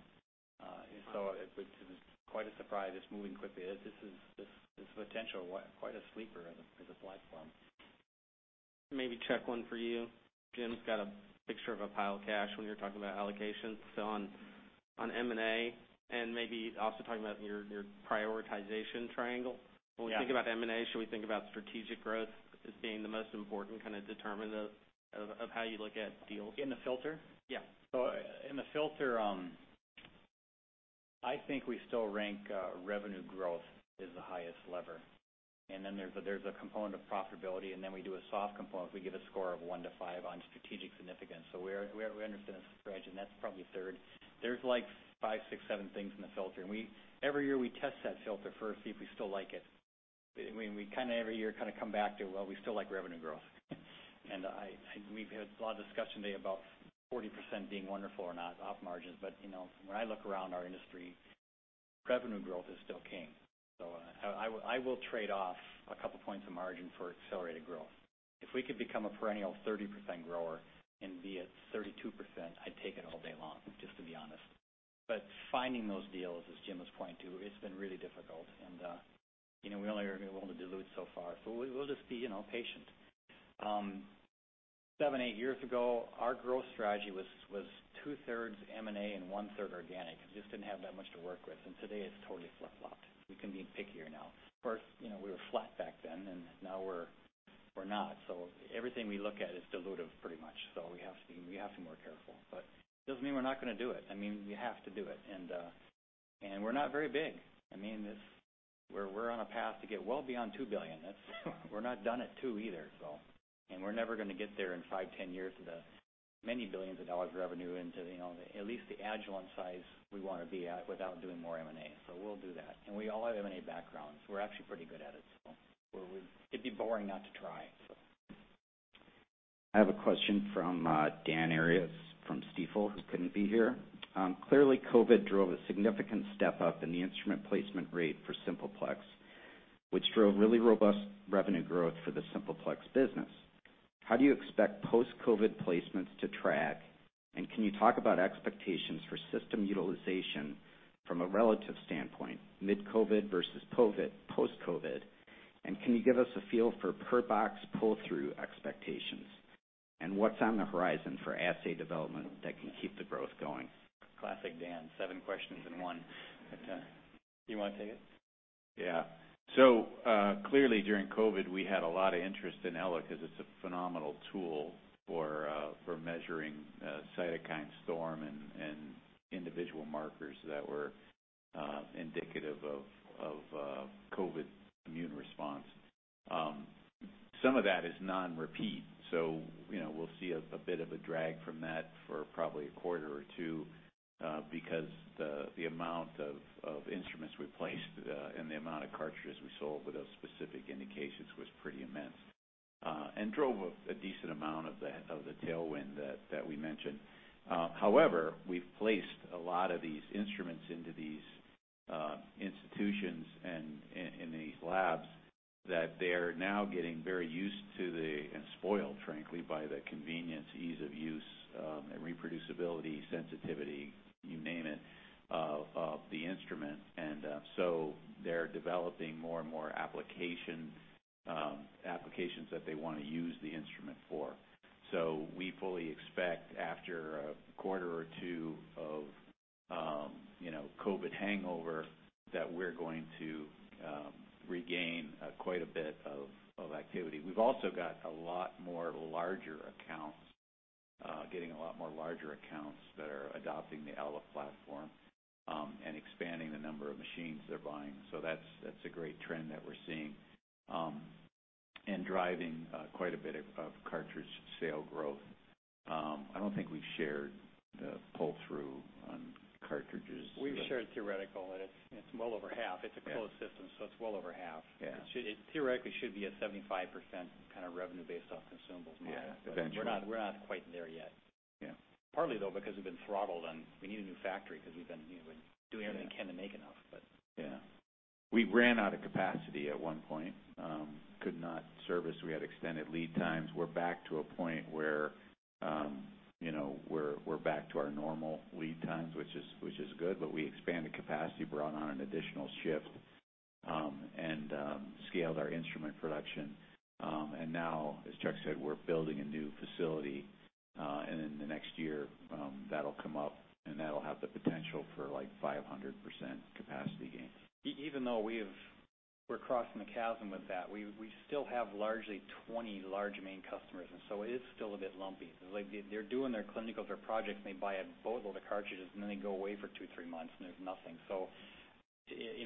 [SPEAKER 1] It was quite a surprise. It's moving quickly. This is potentially quite a sleeper as a platform.
[SPEAKER 8] Chuck, one for you. Jim's got a picture of a pile of cash when you're talking about allocations. On M&A, and maybe also talking about your prioritization triangle.
[SPEAKER 1] Yeah.
[SPEAKER 8] When we think about M&A, should we think about strategic growth as being the most important kind of determinant of how you look at deals?
[SPEAKER 1] In the filter?
[SPEAKER 8] Yeah.
[SPEAKER 1] In the filter, I think we still rank revenue growth as the highest lever. Then there's a component of profitability, and then we do a soft component. We give a score of one to five on strategic significance, so we understand that's a strategy, and that's probably third. There's five, six, seven things in the filter, and every year we test that filter for a see if we still like it. We every year kind of come back to it. We still like revenue growth. We've had a lot of discussion today about 40% being wonderful or not, op margins. When I look around our industry, revenue growth is still king. I will trade off a couple points of margin for accelerated growth. If we could become a perennial 30% grower and be at 32%, I'd take it all day long, just to be honest. Finding those deals, as Jim was pointing to, it's been really difficult, and we only are going to be able to dilute so far. We'll just be patient. Seven, eight years ago, our growth strategy was 2/3 M&A and 1/3 organic, just didn't have that much to work with. Today it's totally flip-flopped. We can be pickier now. Of course, we were flat back then, and now we're not. Everything we look at is dilutive pretty much. We have to be more careful, but it doesn't mean we're not going to do it. We have to do it. We're not very big. We're on a path to get well beyond $2 billion. We're not done at two either. We're never going to get there in five, 10 years with the many billions of dollars of revenue into at least the Agilent size we want to be at without doing more M&A. We'll do that. We all have M&A backgrounds. We're actually pretty good at it, so it'd be boring not to try.
[SPEAKER 5] I have a question from Dan Arias from Stifel, who couldn't be here. Clearly, COVID drove a significant step-up in the instrument placement rate for Simple Plex, which drove really robust revenue growth for the Simple Plex business. How do you expect post-COVID placements to track, and can you talk about expectations for system utilization from a relative standpoint, mid-COVID versus post-COVID? Can you give us a feel for per-box pull-through expectations? What's on the horizon for assay development that can keep the growth going?
[SPEAKER 1] Classic Dan, seven questions in one. Do you want to take it?
[SPEAKER 2] Yeah. Clearly, during COVID, we had a lot of interest in Ella because it's a phenomenal tool for measuring cytokine storm and individual markers that were indicative of COVID immune response. Some of that is non-repeat, so we'll see a bit of a drag from that for probably a quarter or two, because the amount of instruments we placed and the amount of cartridges we sold with those specific indications was pretty immense, and drove a decent amount of the tailwind that we mentioned. However, we've placed a lot of these instruments into these institutions and in these labs that they're now getting very used to, and spoiled, frankly, by the convenience, ease of use, and reproducibility, sensitivity, you name it, of the instrument. They're developing more and more applications that they want to use the instrument for. We fully expect after a quarter or two of COVID hangover that we're going to regain quite a bit of activity. We've also got a lot more larger accounts that are adopting the Ella platform, and expanding the number of machines they're buying. That's a great trend that we're seeing, and driving quite a bit of cartridge sale growth. I don't think we've shared the pull-through on cartridges.
[SPEAKER 1] We've shared theoretical, and it's well over half. It's a closed system, so it's well over half.
[SPEAKER 2] Yeah.
[SPEAKER 1] It theoretically should be a 75% kind of revenue based off consumables margin.
[SPEAKER 2] Yeah, eventually.
[SPEAKER 1] We're not quite there yet.
[SPEAKER 2] Yeah.
[SPEAKER 1] Partly, though, because we've been throttled and we need a new factory because we've been doing everything we can to make enough, but.
[SPEAKER 2] Yeah. We ran out of capacity at one point. Could not service. We had extended lead times. We're back to a point where we're back to our normal lead times, which is good, but we expanded capacity, brought on an additional shift, and scaled our instrument production. Now, as Chuck said, we're building a new facility, and in the next year, that'll come up, and that'll have the potential for like 500% capacity gains.
[SPEAKER 1] Even though we're crossing the chasm with that, we still have largely 20 large main customers, it is still a bit lumpy. They're doing their clinicals, their projects, they buy a boatload of cartridges, they go away for two, three months, there's nothing. It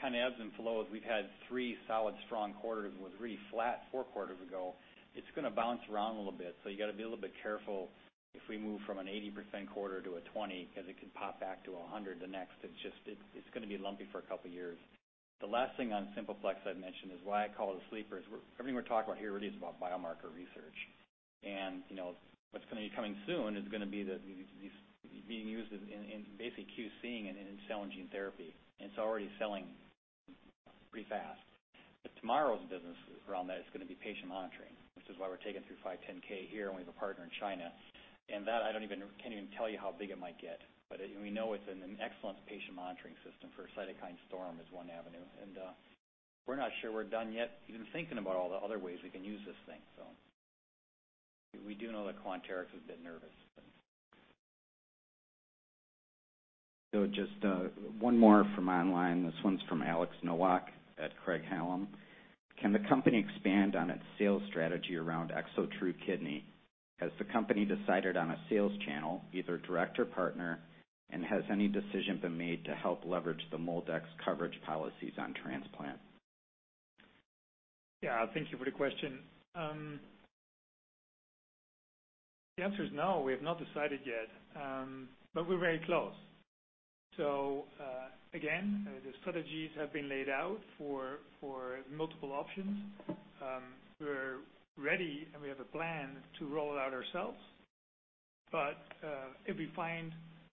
[SPEAKER 1] kind of ebbs and flows. We've had three solid, strong quarters. It was really flat four quarters ago. It's going to bounce around a little bit, you got to be a little bit careful if we move from an 80% quarter to a 20%, because it could pop back to 100% the next, it's going to be lumpy for a couple of years. The last thing on Simple Plex I'd mention is why I call it a sleeper is everything we're talking about here really is about biomarker research. What's going to be coming soon is going to be being used in basically QC-ing and in cell and gene therapy, and it's already selling pretty fast. Tomorrow's business around that is going to be patient monitoring, which is why we're taken through 510(k) here, and we have a partner in China. That I can't even tell you how big it might get. We know it's an excellent patient monitoring system for a cytokine storm as one avenue, and we're not sure we're done yet even thinking about all the other ways we can use this thing. We do know that Quanterix is a bit nervous.
[SPEAKER 5] Just one more from online. This one's from Alex Nowak at Craig-Hallum. Can the company expand on its sales strategy around ExoTRU Kidney? Has the company decided on a sales channel, either direct or partner, and has any decision been made to help leverage the MolDX coverage policies on transplant?
[SPEAKER 3] Yeah, thank you for the question. The answer is no, we have not decided yet. We're very close. Again, the strategies have been laid out for multiple options. We're ready, and we have a plan to roll it out ourselves. If we find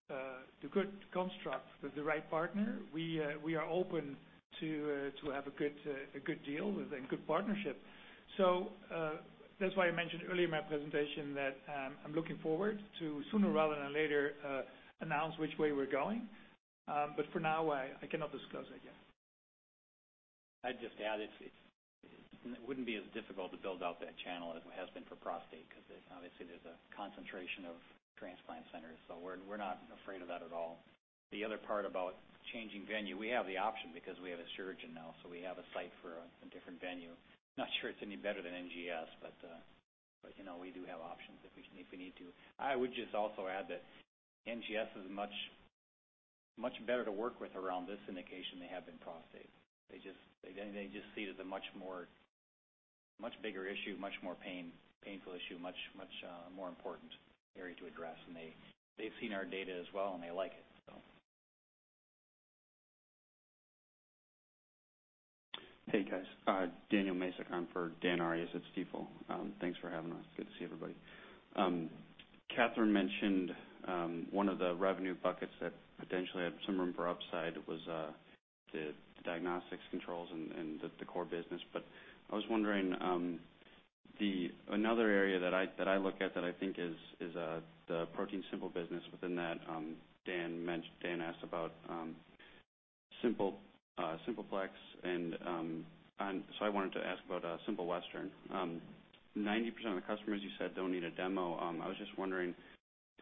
[SPEAKER 3] the good construct with the right partner, we are open to have a good deal with a good partnership. That's why I mentioned earlier in my presentation that I'm looking forward to sooner rather than later announce which way we're going. For now, I cannot disclose that yet.
[SPEAKER 1] I'd just add, it wouldn't be as difficult to build out that channel as it has been for prostate, because obviously there's a concentration of transplant centers. We're not afraid of that at all. The other part about changing venue, we have the option because we have a surgeon now, so we have a site for a different venue. Not sure it's any better than NGS, but we do have options if we need to. I would just also add that NGS is much better to work with around this indication than they have been prostate. They just see it as a much bigger issue, much more painful issue, much more important area to address. They've seen our data as well, and they like it.
[SPEAKER 9] Hey, guys. Daniel Masek. I'm for Dan Arias at Stifel. Thanks for having us. Good to see everybody. Catherine mentioned one of the revenue buckets that potentially had some room for upside was the diagnostics controls and the core business. I was wondering, another area that I look at that I think is the ProteinSimple business within that, Dan asked about Simple Plex, I wanted to ask about Simple Western. 90% of the customers you said don't need a demo. I was just wondering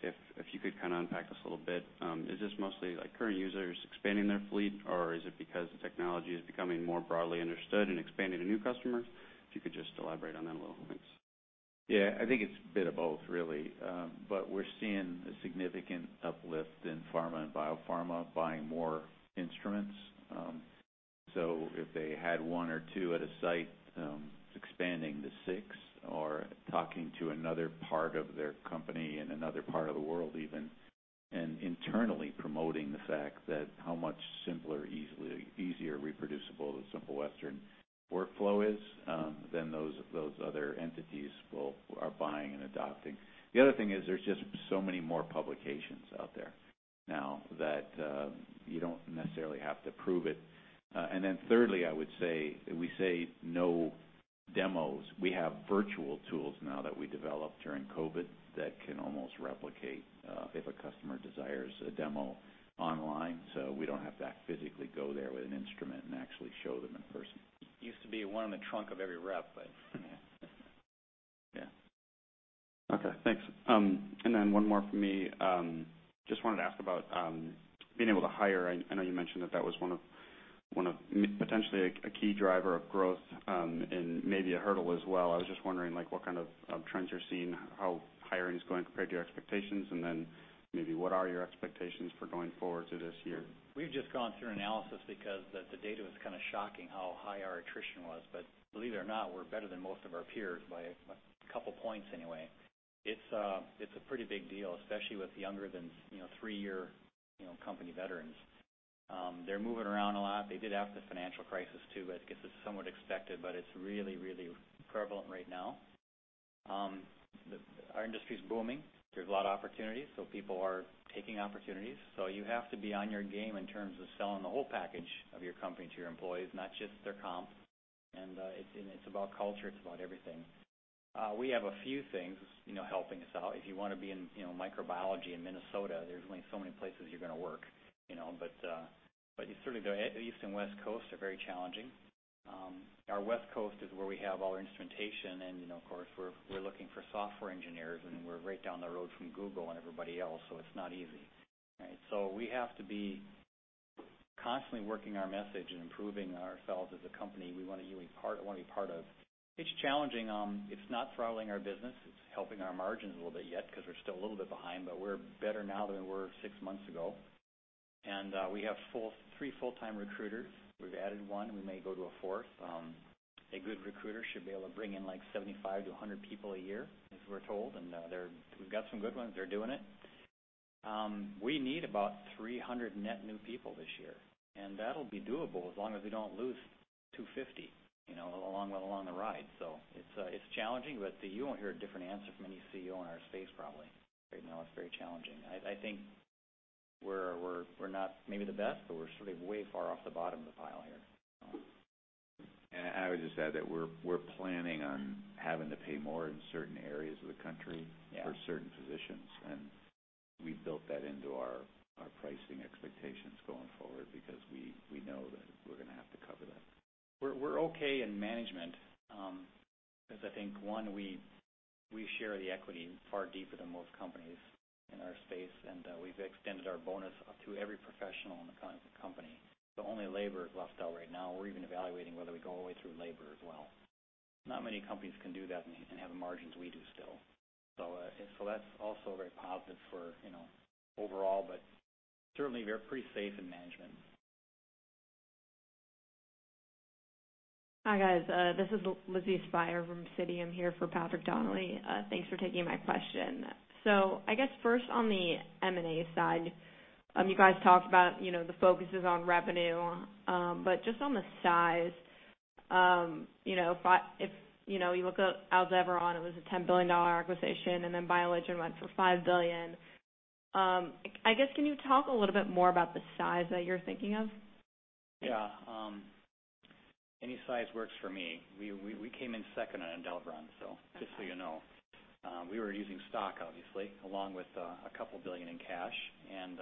[SPEAKER 9] if you could kind of unpack this a little bit. Is this mostly current users expanding their fleet, or is it because the technology is becoming more broadly understood and expanding to new customers? If you could just elaborate on that a little. Thanks.
[SPEAKER 2] Yeah, I think it's a bit of both, really. We're seeing a significant uplift in pharma and biopharma buying more instruments. If they had one or two at a site, expanding to six or talking to another part of their company in another part of the world even, internally promoting the fact that how much simpler, easier, reproducible the Simple Western workflow is, then those other entities are buying and adopting. The other thing is there's just so many more publications out there now that you don't necessarily have to prove it. Thirdly, I would say, we say no demos. We have virtual tools now that we developed during COVID that can almost replicate if a customer desires a demo online. We don't have to physically go there with an instrument and actually show them in person.
[SPEAKER 1] Used to be one in the trunk of every rep, but yeah.
[SPEAKER 9] Okay, thanks. One more from me. Just wanted to ask about being able to hire. I know you mentioned that that was potentially a key driver of growth and maybe a hurdle as well. I was just wondering what kind of trends you're seeing, how hiring is going compared to your expectations, maybe what are your expectations for going forward to this year?
[SPEAKER 1] We've just gone through analysis because the data was kind of shocking how high our attrition was. Believe it or not, we're better than most of our peers by a couple of points anyway. It's a pretty big deal, especially with younger than three-year company veterans. They're moving around a lot. They did after the financial crisis, too, but I guess it's somewhat expected, but it's really, really prevalent right now. Our industry's booming. There's a lot of opportunities, so people are taking opportunities. You have to be on your game in terms of selling the whole package of your company to your employees, not just their comp. It's about culture. It's about everything. We have a few things helping us out. If you want to be in microbiology in Minnesota, there's only so many places you're going to work. Certainly the East and West Coast are very challenging. Our West Coast is where we have all our instrumentation, of course, we're looking for software engineers, we're right down the road from Google and everybody else, it's not easy, right? We have to be constantly working our message and improving ourselves as a company you want to be part of. It's challenging. It's not throttling our business. It's helping our margins a little bit yet because we're still a little bit behind, we're better now than we were six months ago. We have three full-time recruiters. We've added one. We may go to a 4th. A good recruiter should be able to bring in 75 to 100 people a year, as we're told, we've got some good ones. They're doing it. We need about 300 net new people this year, and that'll be doable as long as we don't lose 250 along the ride. It's challenging, but you won't hear a different answer from any CEO in our space probably. Right now, it's very challenging. I think we're not maybe the best, but we're sort of way far off the bottom of the pile here.
[SPEAKER 2] I would just add that we're planning on having to pay more in certain areas of the country.
[SPEAKER 1] Yeah
[SPEAKER 2] for certain positions, and we've built that into our pricing expectations going forward because we know that we're going to have to cover that.
[SPEAKER 1] We're okay in management. I think, one, we share the equity far deeper than most companies in our space, and we've extended our bonus to every professional in the company. Only labor is left out right now. We're even evaluating whether we go all the way through labor as well. Not many companies can do that and have the margins we do still. That's also very positive overall, but certainly, we're pretty safe in management.
[SPEAKER 10] Hi, guys. This is Lizzie Speyer from Citi. I'm here for Patrick Donnelly. Thanks for taking my question. I guess first on the M&A side, you guys talked about the focus is on revenue. Just on the size, if you look at Aldevron, it was a $10 billion acquisition, and then BioLegend went for $5 billion. I guess, can you talk a little bit more about the size that you're thinking of?
[SPEAKER 1] Yeah. Any size works for me. We came in second on Aldevron, so just so you know. We were using stock, obviously, along with $2 billion in cash, and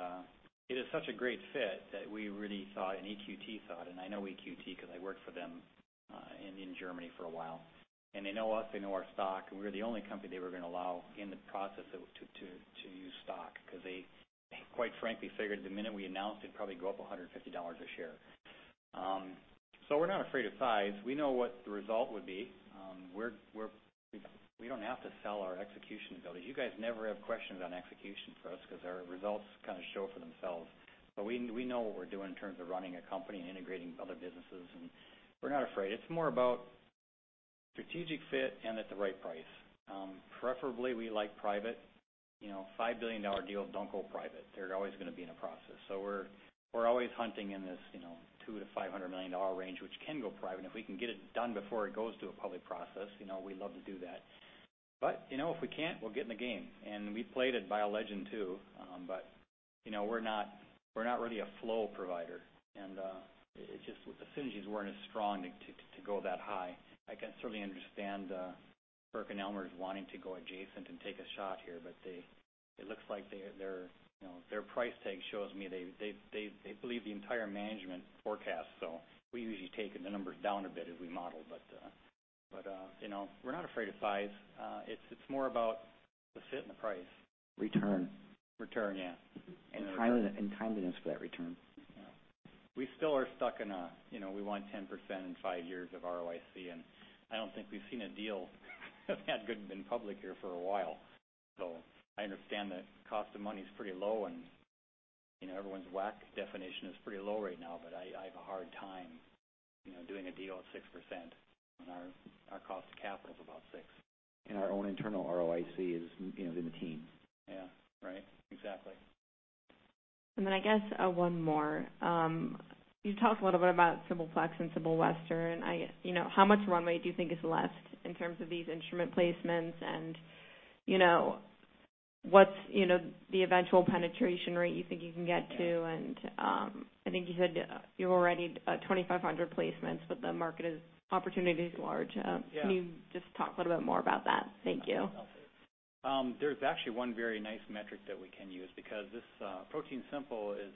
[SPEAKER 1] it is such a great fit that we really thought and EQT thought, and I know EQT because I worked for them in Germany for a while, and they know us, they know our stock, and we were the only company they were going to allow in the process to use stock because they, quite frankly, figured the minute we announced, it'd probably go up $150 a share. We're not afraid of size. We know what the result would be. We don't have to sell our execution abilities. You guys never have questions on execution for us because our results kind of show for themselves. We know what we're doing in terms of running a company and integrating other businesses, and we're not afraid. It's more about strategic fit and at the right price. Preferably, we like private. $5 billion deals don't go private. They're always going to be in a process. We're always hunting in this $200 million-$500 million range, which can go private. If we can get it done before it goes to a public process, we'd love to do that. If we can't, we'll get in the game, and we played at BioLegend, too. We're not really a flow provider, and the synergies weren't as strong to go that high. I can certainly understand PerkinElmer's wanting to go adjacent and take a shot here, but it looks like their price tag shows me they believe the entire management forecast. We usually take the numbers down a bit as we model. We're not afraid of size. It's more about the fit and the price.
[SPEAKER 2] Return.
[SPEAKER 1] Return, yeah.
[SPEAKER 2] Timeliness for that return.
[SPEAKER 1] Yeah. We still are stuck in a "We want 10% in five years of ROIC," I don't think we've seen a deal that's been public here for a while. I understand the cost of money's pretty low, and everyone's WACC definition is pretty low right now, but I have a hard time doing a deal at 6% when our cost of capital is about six.
[SPEAKER 2] Our own internal ROIC is in the teens.
[SPEAKER 1] Yeah. Right. Exactly.
[SPEAKER 10] I guess one more. You talked a little bit about Simple Plex and Simple Western. How much runway do you think is left in terms of these instrument placements and what's the eventual penetration rate you think you can get to? I think you said you're already at 2,500 placements, but the market opportunity is large.
[SPEAKER 1] Yeah.
[SPEAKER 10] Can you just talk a little bit more about that? Thank you.
[SPEAKER 1] There's actually 1 very nice metric that we can use because this ProteinSimple is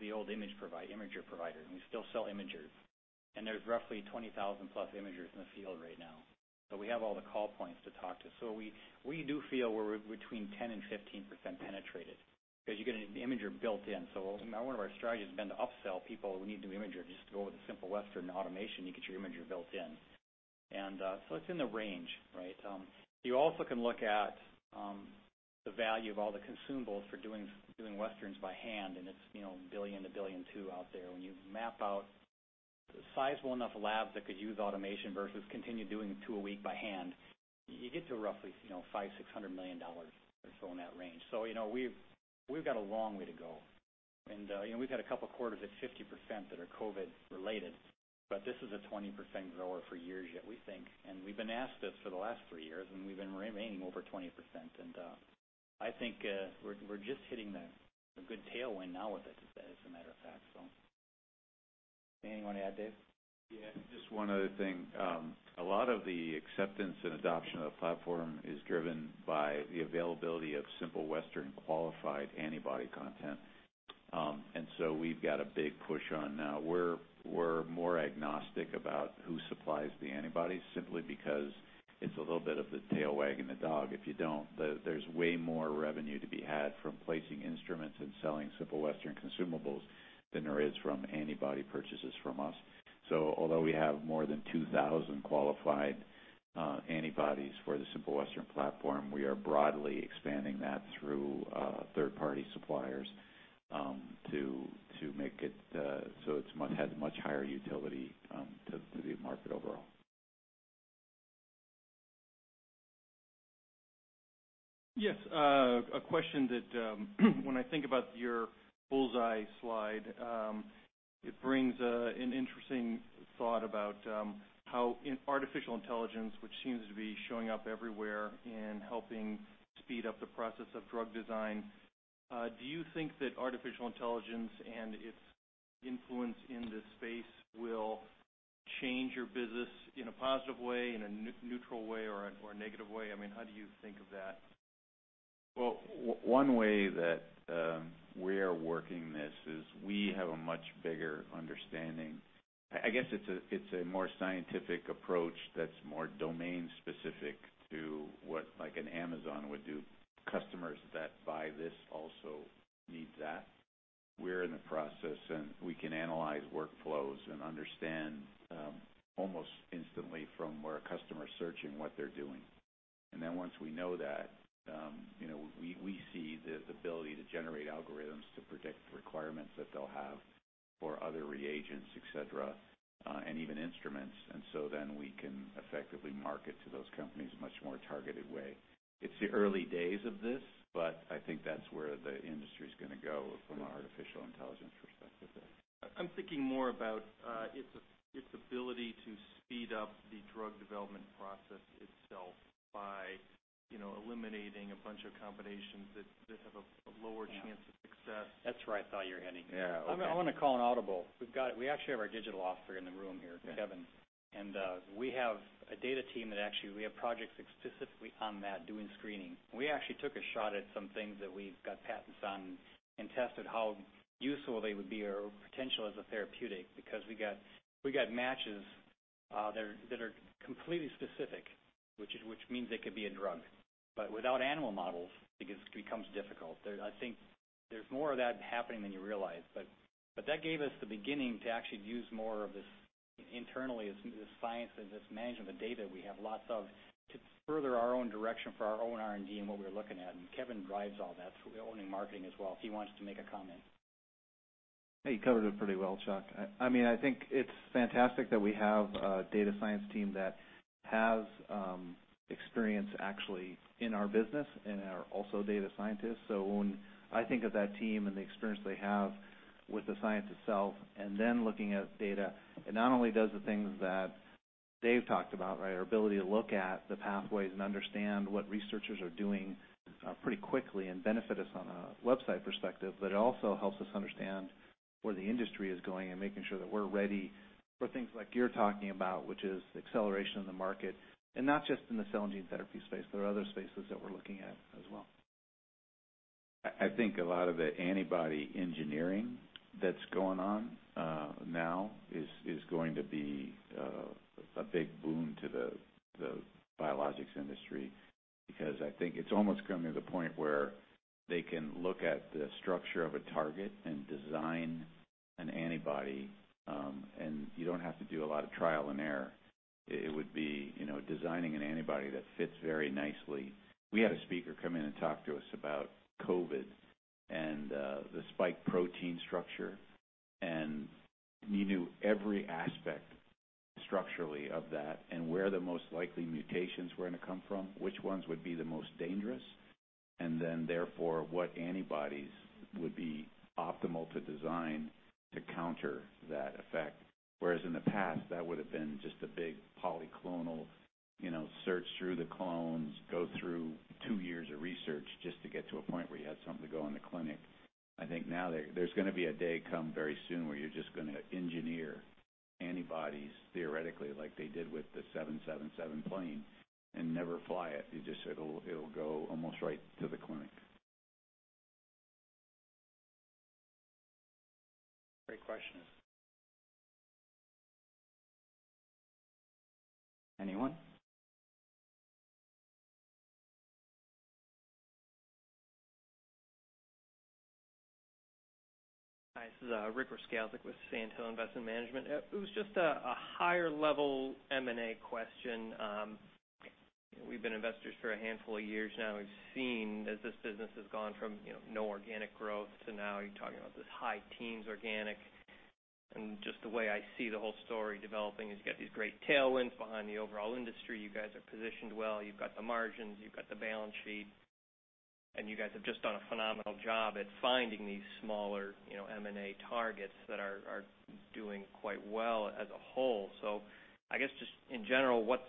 [SPEAKER 1] the old imager provider, and we still sell imagers. There's roughly 20,000+ imagers in the field right now. We have all the call points to talk to. We do feel we're between 10% and 15% penetrated because you get an imager built in. One of our strategies has been to upsell people who need a new imager just to go with the Simple Western automation. You get your imager built in. It's in the range, right? You also can look at the value of all the consumables for doing westerns by hand, and it's $1 billion-$1.2 billion out there. When you map out the sizable enough labs that could use automation versus continue doing two a week by hand, you get to roughly $500 million-$600 million or so in that range. We've got a long way to go. We've had a couple of quarters at 50% that are COVID related, this is a 20% grower for years yet, we think. We've been asked this for the last three years, we've been remaining over 20%, I think we're just hitting a good tailwind now with it, as a matter of fact. Anything you want to add, Dave?
[SPEAKER 2] Yeah, just one other thing. A lot of the acceptance and adoption of the platform is driven by the availability of Simple Western qualified antibody content. We've got a big push on now. We're more agnostic about who supplies the antibodies simply because it's a little bit of the tail wagging the dog if you don't. There's way more revenue to be had from placing instruments and selling Simple Western consumables than there is from antibody purchases from us. Although we have more than 2,000 qualified antibodies for the Simple Western platform, we are broadly expanding that through third-party suppliers to make it so it has much higher utility to the market overall.
[SPEAKER 6] Yes. A question that when I think about your bullseye slide, it brings an interesting thought about how artificial intelligence, which seems to be showing up everywhere and helping speed up the process of drug design. Do you think that artificial intelligence and its influence in this space will change your business in a positive way, in a neutral way, or a negative way? How do you think of that?
[SPEAKER 2] Well, one way that we are working this is we have a much bigger understanding. I guess it's a more scientific approach that's more domain specific to what an Amazon would do. Customers that buy this also need that. We're in the process, and we can analyze workflows and understand almost instantly from where a customer's searching, what they're doing. Then once we know that, we see the ability to generate algorithms to predict the requirements that they'll have for other reagents, et cetera, and even instruments. Then we can effectively market to those companies in a much more targeted way. It's the early days of this, but I think that's where the industry's going to go from an artificial intelligence perspective there.
[SPEAKER 6] I'm thinking more about its ability to speed up the drug development process itself by eliminating a bunch of combinations that have a lower chance of success.
[SPEAKER 1] That's where I thought you were heading.
[SPEAKER 2] Yeah. Okay.
[SPEAKER 1] I want to call an audible. We actually have our digital officer in the room here, Kevin. We have a data team that actually, we have projects specifically on that, doing screening. We actually took a shot at some things that we've got patents on and tested how useful they would be or potential as a therapeutic, because we got matches that are completely specific, which means they could be a drug. Without animal models, it becomes difficult. I think there's more of that happening than you realize. That gave us the beginning to actually use more of this internally as this science and this management of data we have lots of, to further our own direction for our own R&D and what we're looking at, and Kevin drives all that. We own in marketing as well. If he wants to make a comment.
[SPEAKER 11] Hey, you covered it pretty well, Chuck. I think it's fantastic that we have a data science team that has experience actually in our business and are also data scientists. When I think of that team and the experience they have with the science itself, and then looking at data, it not only does the things that Dave talked about, right? Our ability to look at the pathways and understand what researchers are doing pretty quickly and benefit us on a website perspective, but it also helps us understand where the industry is going and making sure that we're ready for things like you're talking about, which is acceleration of the market. Not just in the cell and gene therapy space, there are other spaces that we're looking at as well.
[SPEAKER 2] I think a lot of the antibody engineering that's going on now is going to be a big boom to the biologics industry, because I think it's almost gotten to the point where they can look at the structure of a target and design an antibody, and you don't have to do a lot of trial and error. It would be designing an antibody that fits very nicely. We had a speaker come in and talk to us about COVID and the spike protein structure, and he knew every aspect structurally of that and where the most likely mutations were going to come from, which ones would be the most dangerous, and then therefore, what antibodies would be optimal to design to counter that effect. In the past, that would've been just a big polyclonal search through the clones, go through two years of research just to get to a point where you had something to go in the clinic. I think now there's going to be a day come very soon where you're just going to engineer antibodies theoretically like they did with the 777 plane and never fly it. It'll go almost right to the clinic.
[SPEAKER 1] Great question. Anyone?
[SPEAKER 12] Hi, this is Richard Ryskalczyk with Sandhill Investment Management. It was just a higher level M&A question. We've been investors for a handful of years now. We've seen as this business has gone from no organic growth to now you're talking about this high teens organic. Just the way I see the whole story developing is you've got these great tailwinds behind the overall industry. You guys are positioned well. You've got the margins, you've got the balance sheet, and you guys have just done a phenomenal job at finding these smaller M&A targets that are doing quite well as a whole. I guess just in general, what's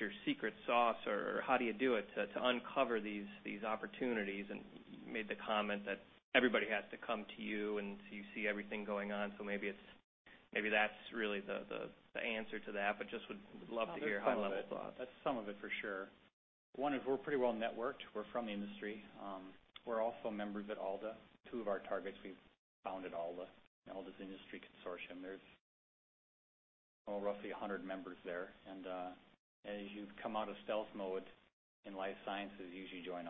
[SPEAKER 12] your secret sauce or how do you do it to uncover these opportunities and you made the comment that everybody has to come to you and you see everything going on. maybe that's really the answer to that, but just would love to hear a high level thought.
[SPEAKER 1] That's some of it for sure. One is we're pretty well networked. We're from the industry. We're also members at ELDA. Two of our targets we've founded ELDA. ELDA's an industry consortium. There's roughly 100 members there. As you come out of stealth mode in life sciences, you usually join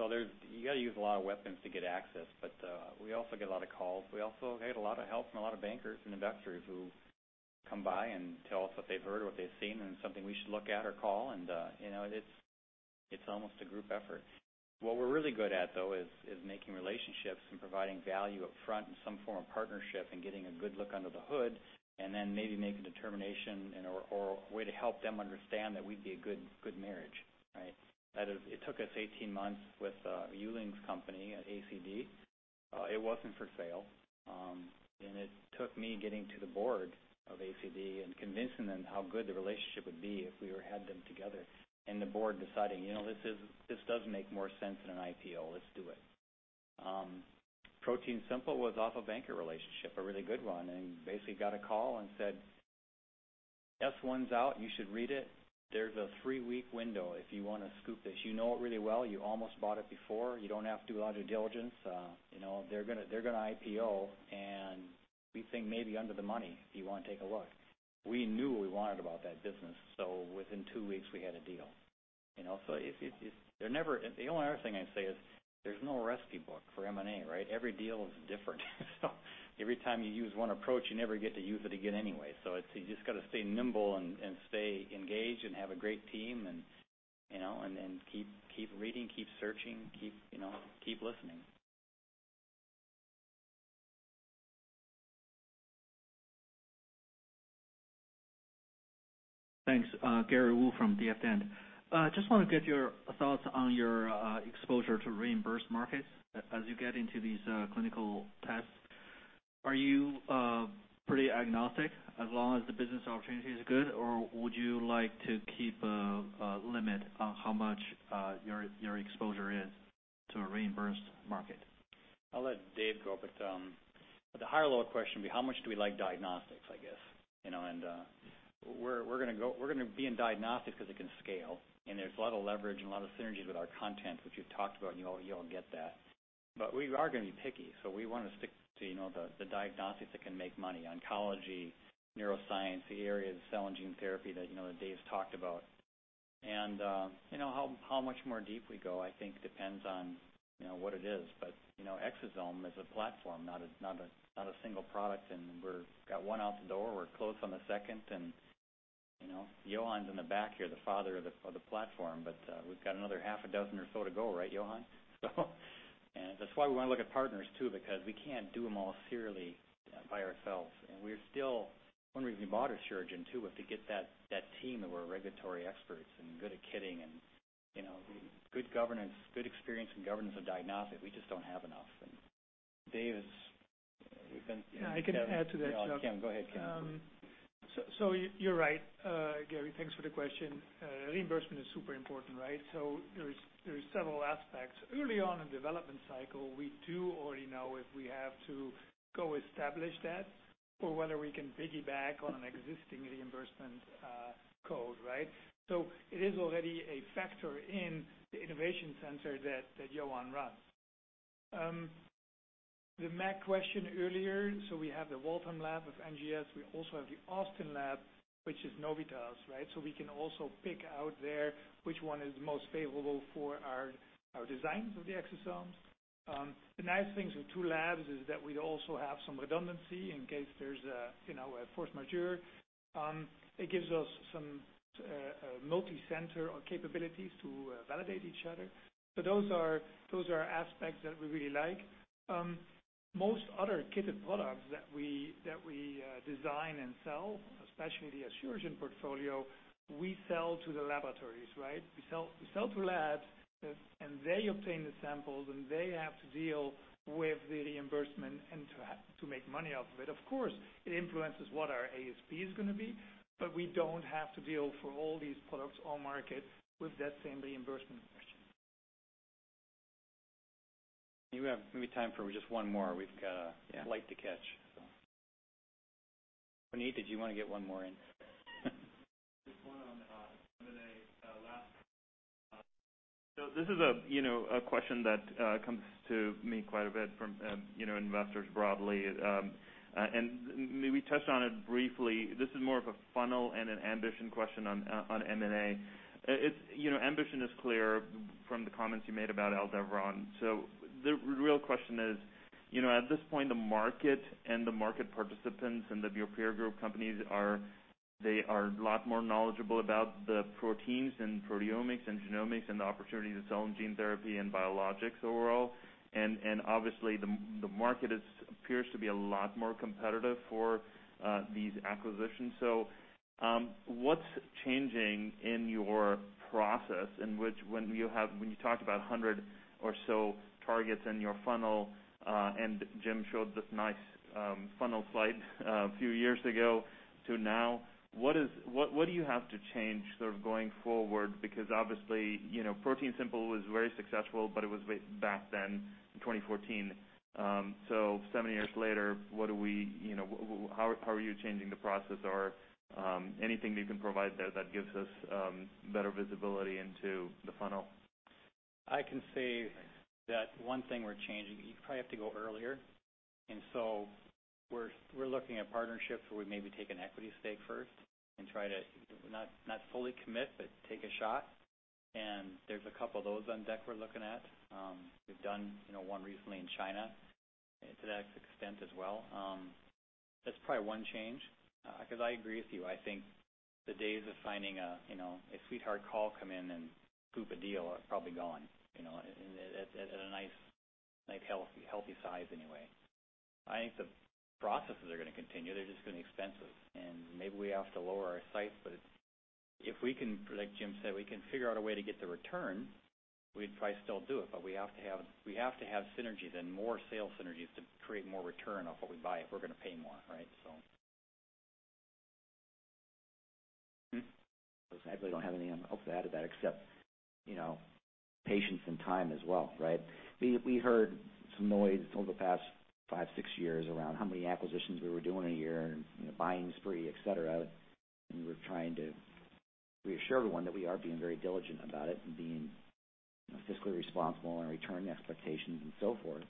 [SPEAKER 1] ELDA. You've got to use a lot of weapons to get access. We also get a lot of calls. We also get a lot of help from a lot of bankers and investors who come by and tell us what they've heard or what they've seen and something we should look at or call. It's almost a group effort. What we're really good at, though, is making relationships and providing value up front in some form of partnership and getting a good look under the hood, then maybe make a determination or a way to help them understand that we'd be a good marriage. Right? It took us 18 months with Yuling Luo's company at ACD. It wasn't for sale. It took me getting to the board of ACD and convincing them how good the relationship would be if we had them together, and the board deciding, "This does make more sense than an IPO. Let's do it." ProteinSimple was off a banker relationship, a really good one, and basically got a call and said, "S1's out. You should read it. There's a three-week window if you want to scoop this. You know it really well. You almost bought it before. You don't have to do a lot of due diligence. They're going to IPO, we think maybe under the money, if you want to take a look. We knew what we wanted about that business. Within two weeks, we had a deal. The only other thing I'd say is there's no recipe book for M&A, right? Every deal is different. Every time you use 1 approach, you never get to use it again anyway. You've just got to stay nimble and stay engaged and have a great team and then keep reading, keep searching, keep listening.
[SPEAKER 13] Thanks. Gary Wu from DFD. Just want to get your thoughts on your exposure to reimbursed markets as you get into these clinical tests. Are you pretty agnostic as long as the business opportunity is good, or would you like to keep a limit on how much your exposure is to a reimbursed market?
[SPEAKER 1] I'll let Dave go. The higher-level question would be how much do we like diagnostics, I guess. We're going to be in diagnostics because it can scale, and there's a lot of leverage and a lot of synergies with our content, which you've talked about, and you all get that. We are going to be picky, so we want to stick to the diagnostics that can make money, oncology, neuroscience, the areas of cell and gene therapy that Dave's talked about. How much more deep we go, I think depends on what it is. Exosome is a platform, not a single product, and we've got one out the door. We're close on the second, and Johan's in the back here, the father of the platform. We've got another half a dozen or so to go, right, Johan? That's why we want to look at partners, too, because we can't do them all singly by ourselves. One reason we bought Asuragen too, was to get that team that were regulatory experts and good at kitting and good experience in governance of diagnostics. We just don't have enough.
[SPEAKER 3] Yeah, I can add to that, Chuck.
[SPEAKER 1] No, Kim, go ahead, Kim.
[SPEAKER 3] You're right. Gary, thanks for the question. Reimbursement is super important, right? There are several aspects. Early on in the development cycle, we do already know if we have to go establish that or whether we can piggyback on an existing reimbursement code, right? It is already a factor in the innovation center that Johan runs. The MAC question earlier, we have the Waltham lab of NGS. We also have the Austin lab, which is Novitas, right? We can also pick out there which one is most favorable for our designs of the exosomes. The nice things with two labs is that we also have some redundancy in case there's a force majeure. It gives us some multi-center capabilities to validate each other. Those are aspects that we really like. Most other kitted products that we design and sell, especially the Asuragen portfolio, we sell to the laboratories, right? We sell to labs, and they obtain the samples, and they have to deal with the reimbursement and to make money off of it. Of course, it influences what our ASP is going to be, but we don't have to deal for all these products or market with that same reimbursement question.
[SPEAKER 1] We have maybe time for just one more. We've got a flight to catch. Puneet, did you want to get one more in?
[SPEAKER 6] Just one on M&A. This is a question that comes to me quite a bit from investors broadly. Maybe touched on it briefly. This is more of a funnel and an ambition question on M&A. Ambition is clear from the comments you made about Aldevron. The real question is, at this point, the market and the market participants and your peer group companies are a lot more knowledgeable about the proteins and proteomics and genomics and the opportunity to sell in gene therapy and biologics overall. Obviously, the market appears to be a lot more competitive for these acquisitions. What's changing in your process in which when you talked about 100 or so targets in your funnel, and Jim showed this nice funnel slide a few years ago to now, what do you have to change sort of going forward? Obviously, ProteinSimple was very successful, but it was back then in 2014. Seven years later, how are you changing the process? Anything you can provide there that gives us better visibility into the funnel?
[SPEAKER 1] I can say that one thing we're changing, you probably have to go earlier. We're looking at partnerships where we maybe take an equity stake first and try to not fully commit, but take a shot. There's a couple of those on deck we're looking at. We've done one recently in China to that extent as well. That's probably one change, because I agree with you, I think the days of finding a sweetheart call come in and scoop a deal are probably gone, at a nice healthy size anyway. I think the processes are going to continue. They're just going to be expensive, and maybe we have to lower our sights, but if we can, like Jim said, we can figure out a way to get the return, we'd probably still do it. We have to have synergies and more sales synergies to create more return off what we buy if we're going to pay more, right?
[SPEAKER 4] Hmm? I really don't have anything else to add to that except, patience and time as well, right? We heard some noise over the past five, six years around how many acquisitions we were doing a year and a buying spree, et cetera, and we're trying to reassure everyone that we are being very diligent about it and being fiscally responsible on our return expectations and so forth.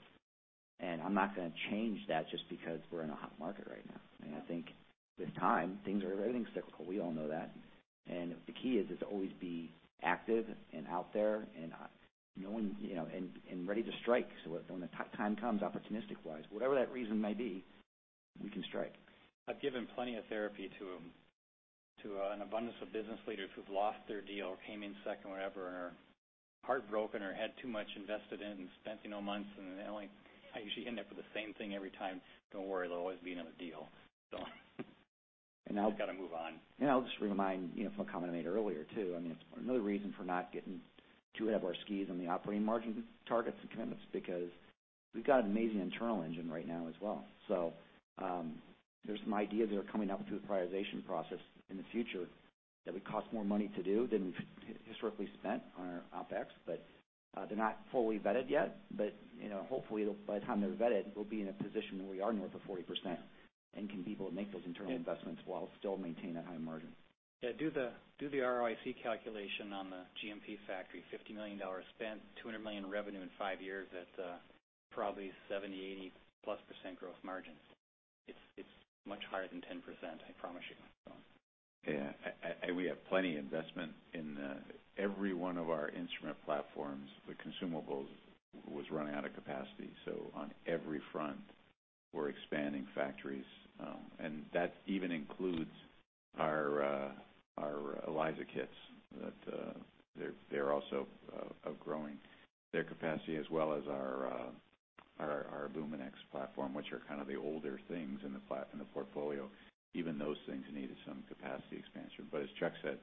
[SPEAKER 4] I'm not going to change that just because we're in a hot market right now. I think with time, everything's cyclical, we all know that, and the key is to always be active and out there and knowing and ready to strike. When the time comes, opportunistic-wise, whatever that reason may be, we can strike.
[SPEAKER 1] I've given plenty of therapy to an abundance of business leaders who've lost their deal or came in second, whatever, and are heartbroken or had too much invested in, spent months, and I usually end up with the same thing every time. "Don't worry, there'll always be another deal." You've got to move on.
[SPEAKER 4] I'll just remind you from a comment I made earlier, too, it's another reason for not getting too ahead of our skis on the operating margin targets and commitments because we've got an amazing internal engine right now as well. There's some ideas that are coming up through the prioritization process in the future that would cost more money to do than we've historically spent on our OPEX, but they're not fully vetted yet. Hopefully, by the time they're vetted, we'll be in a position where we are north of 40% and can be able to make those internal investments while still maintaining that high margin.
[SPEAKER 1] Yeah, do the ROIC calculation on the GMP factory. $50 million spent, $200 million in revenue in five years, that's probably 70%-80%+ growth margin. It's much higher than 10%, I promise you.
[SPEAKER 2] Yeah. We have plenty of investment in every one of our instrument platforms. The consumables was running out of capacity, so on every front, we're expanding factories. That even includes our ELISA kits, that they're also outgrowing their capacity as well as our Luminex platform, which are kind of the older things in the portfolio. Even those things needed some capacity expansion. As Chuck said,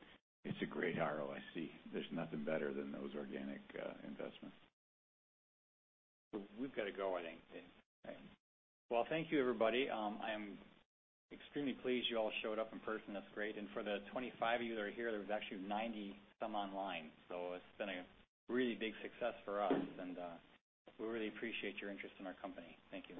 [SPEAKER 2] it's a great ROIC. There's nothing better than those organic investments.
[SPEAKER 1] We've got to go, I think. Well, thank you everybody. I'm extremely pleased you all showed up in person. That's great. For the 25 of you that are here, there was actually 90 some online. It's been a really big success for us, and we really appreciate your interest in our company. Thank you.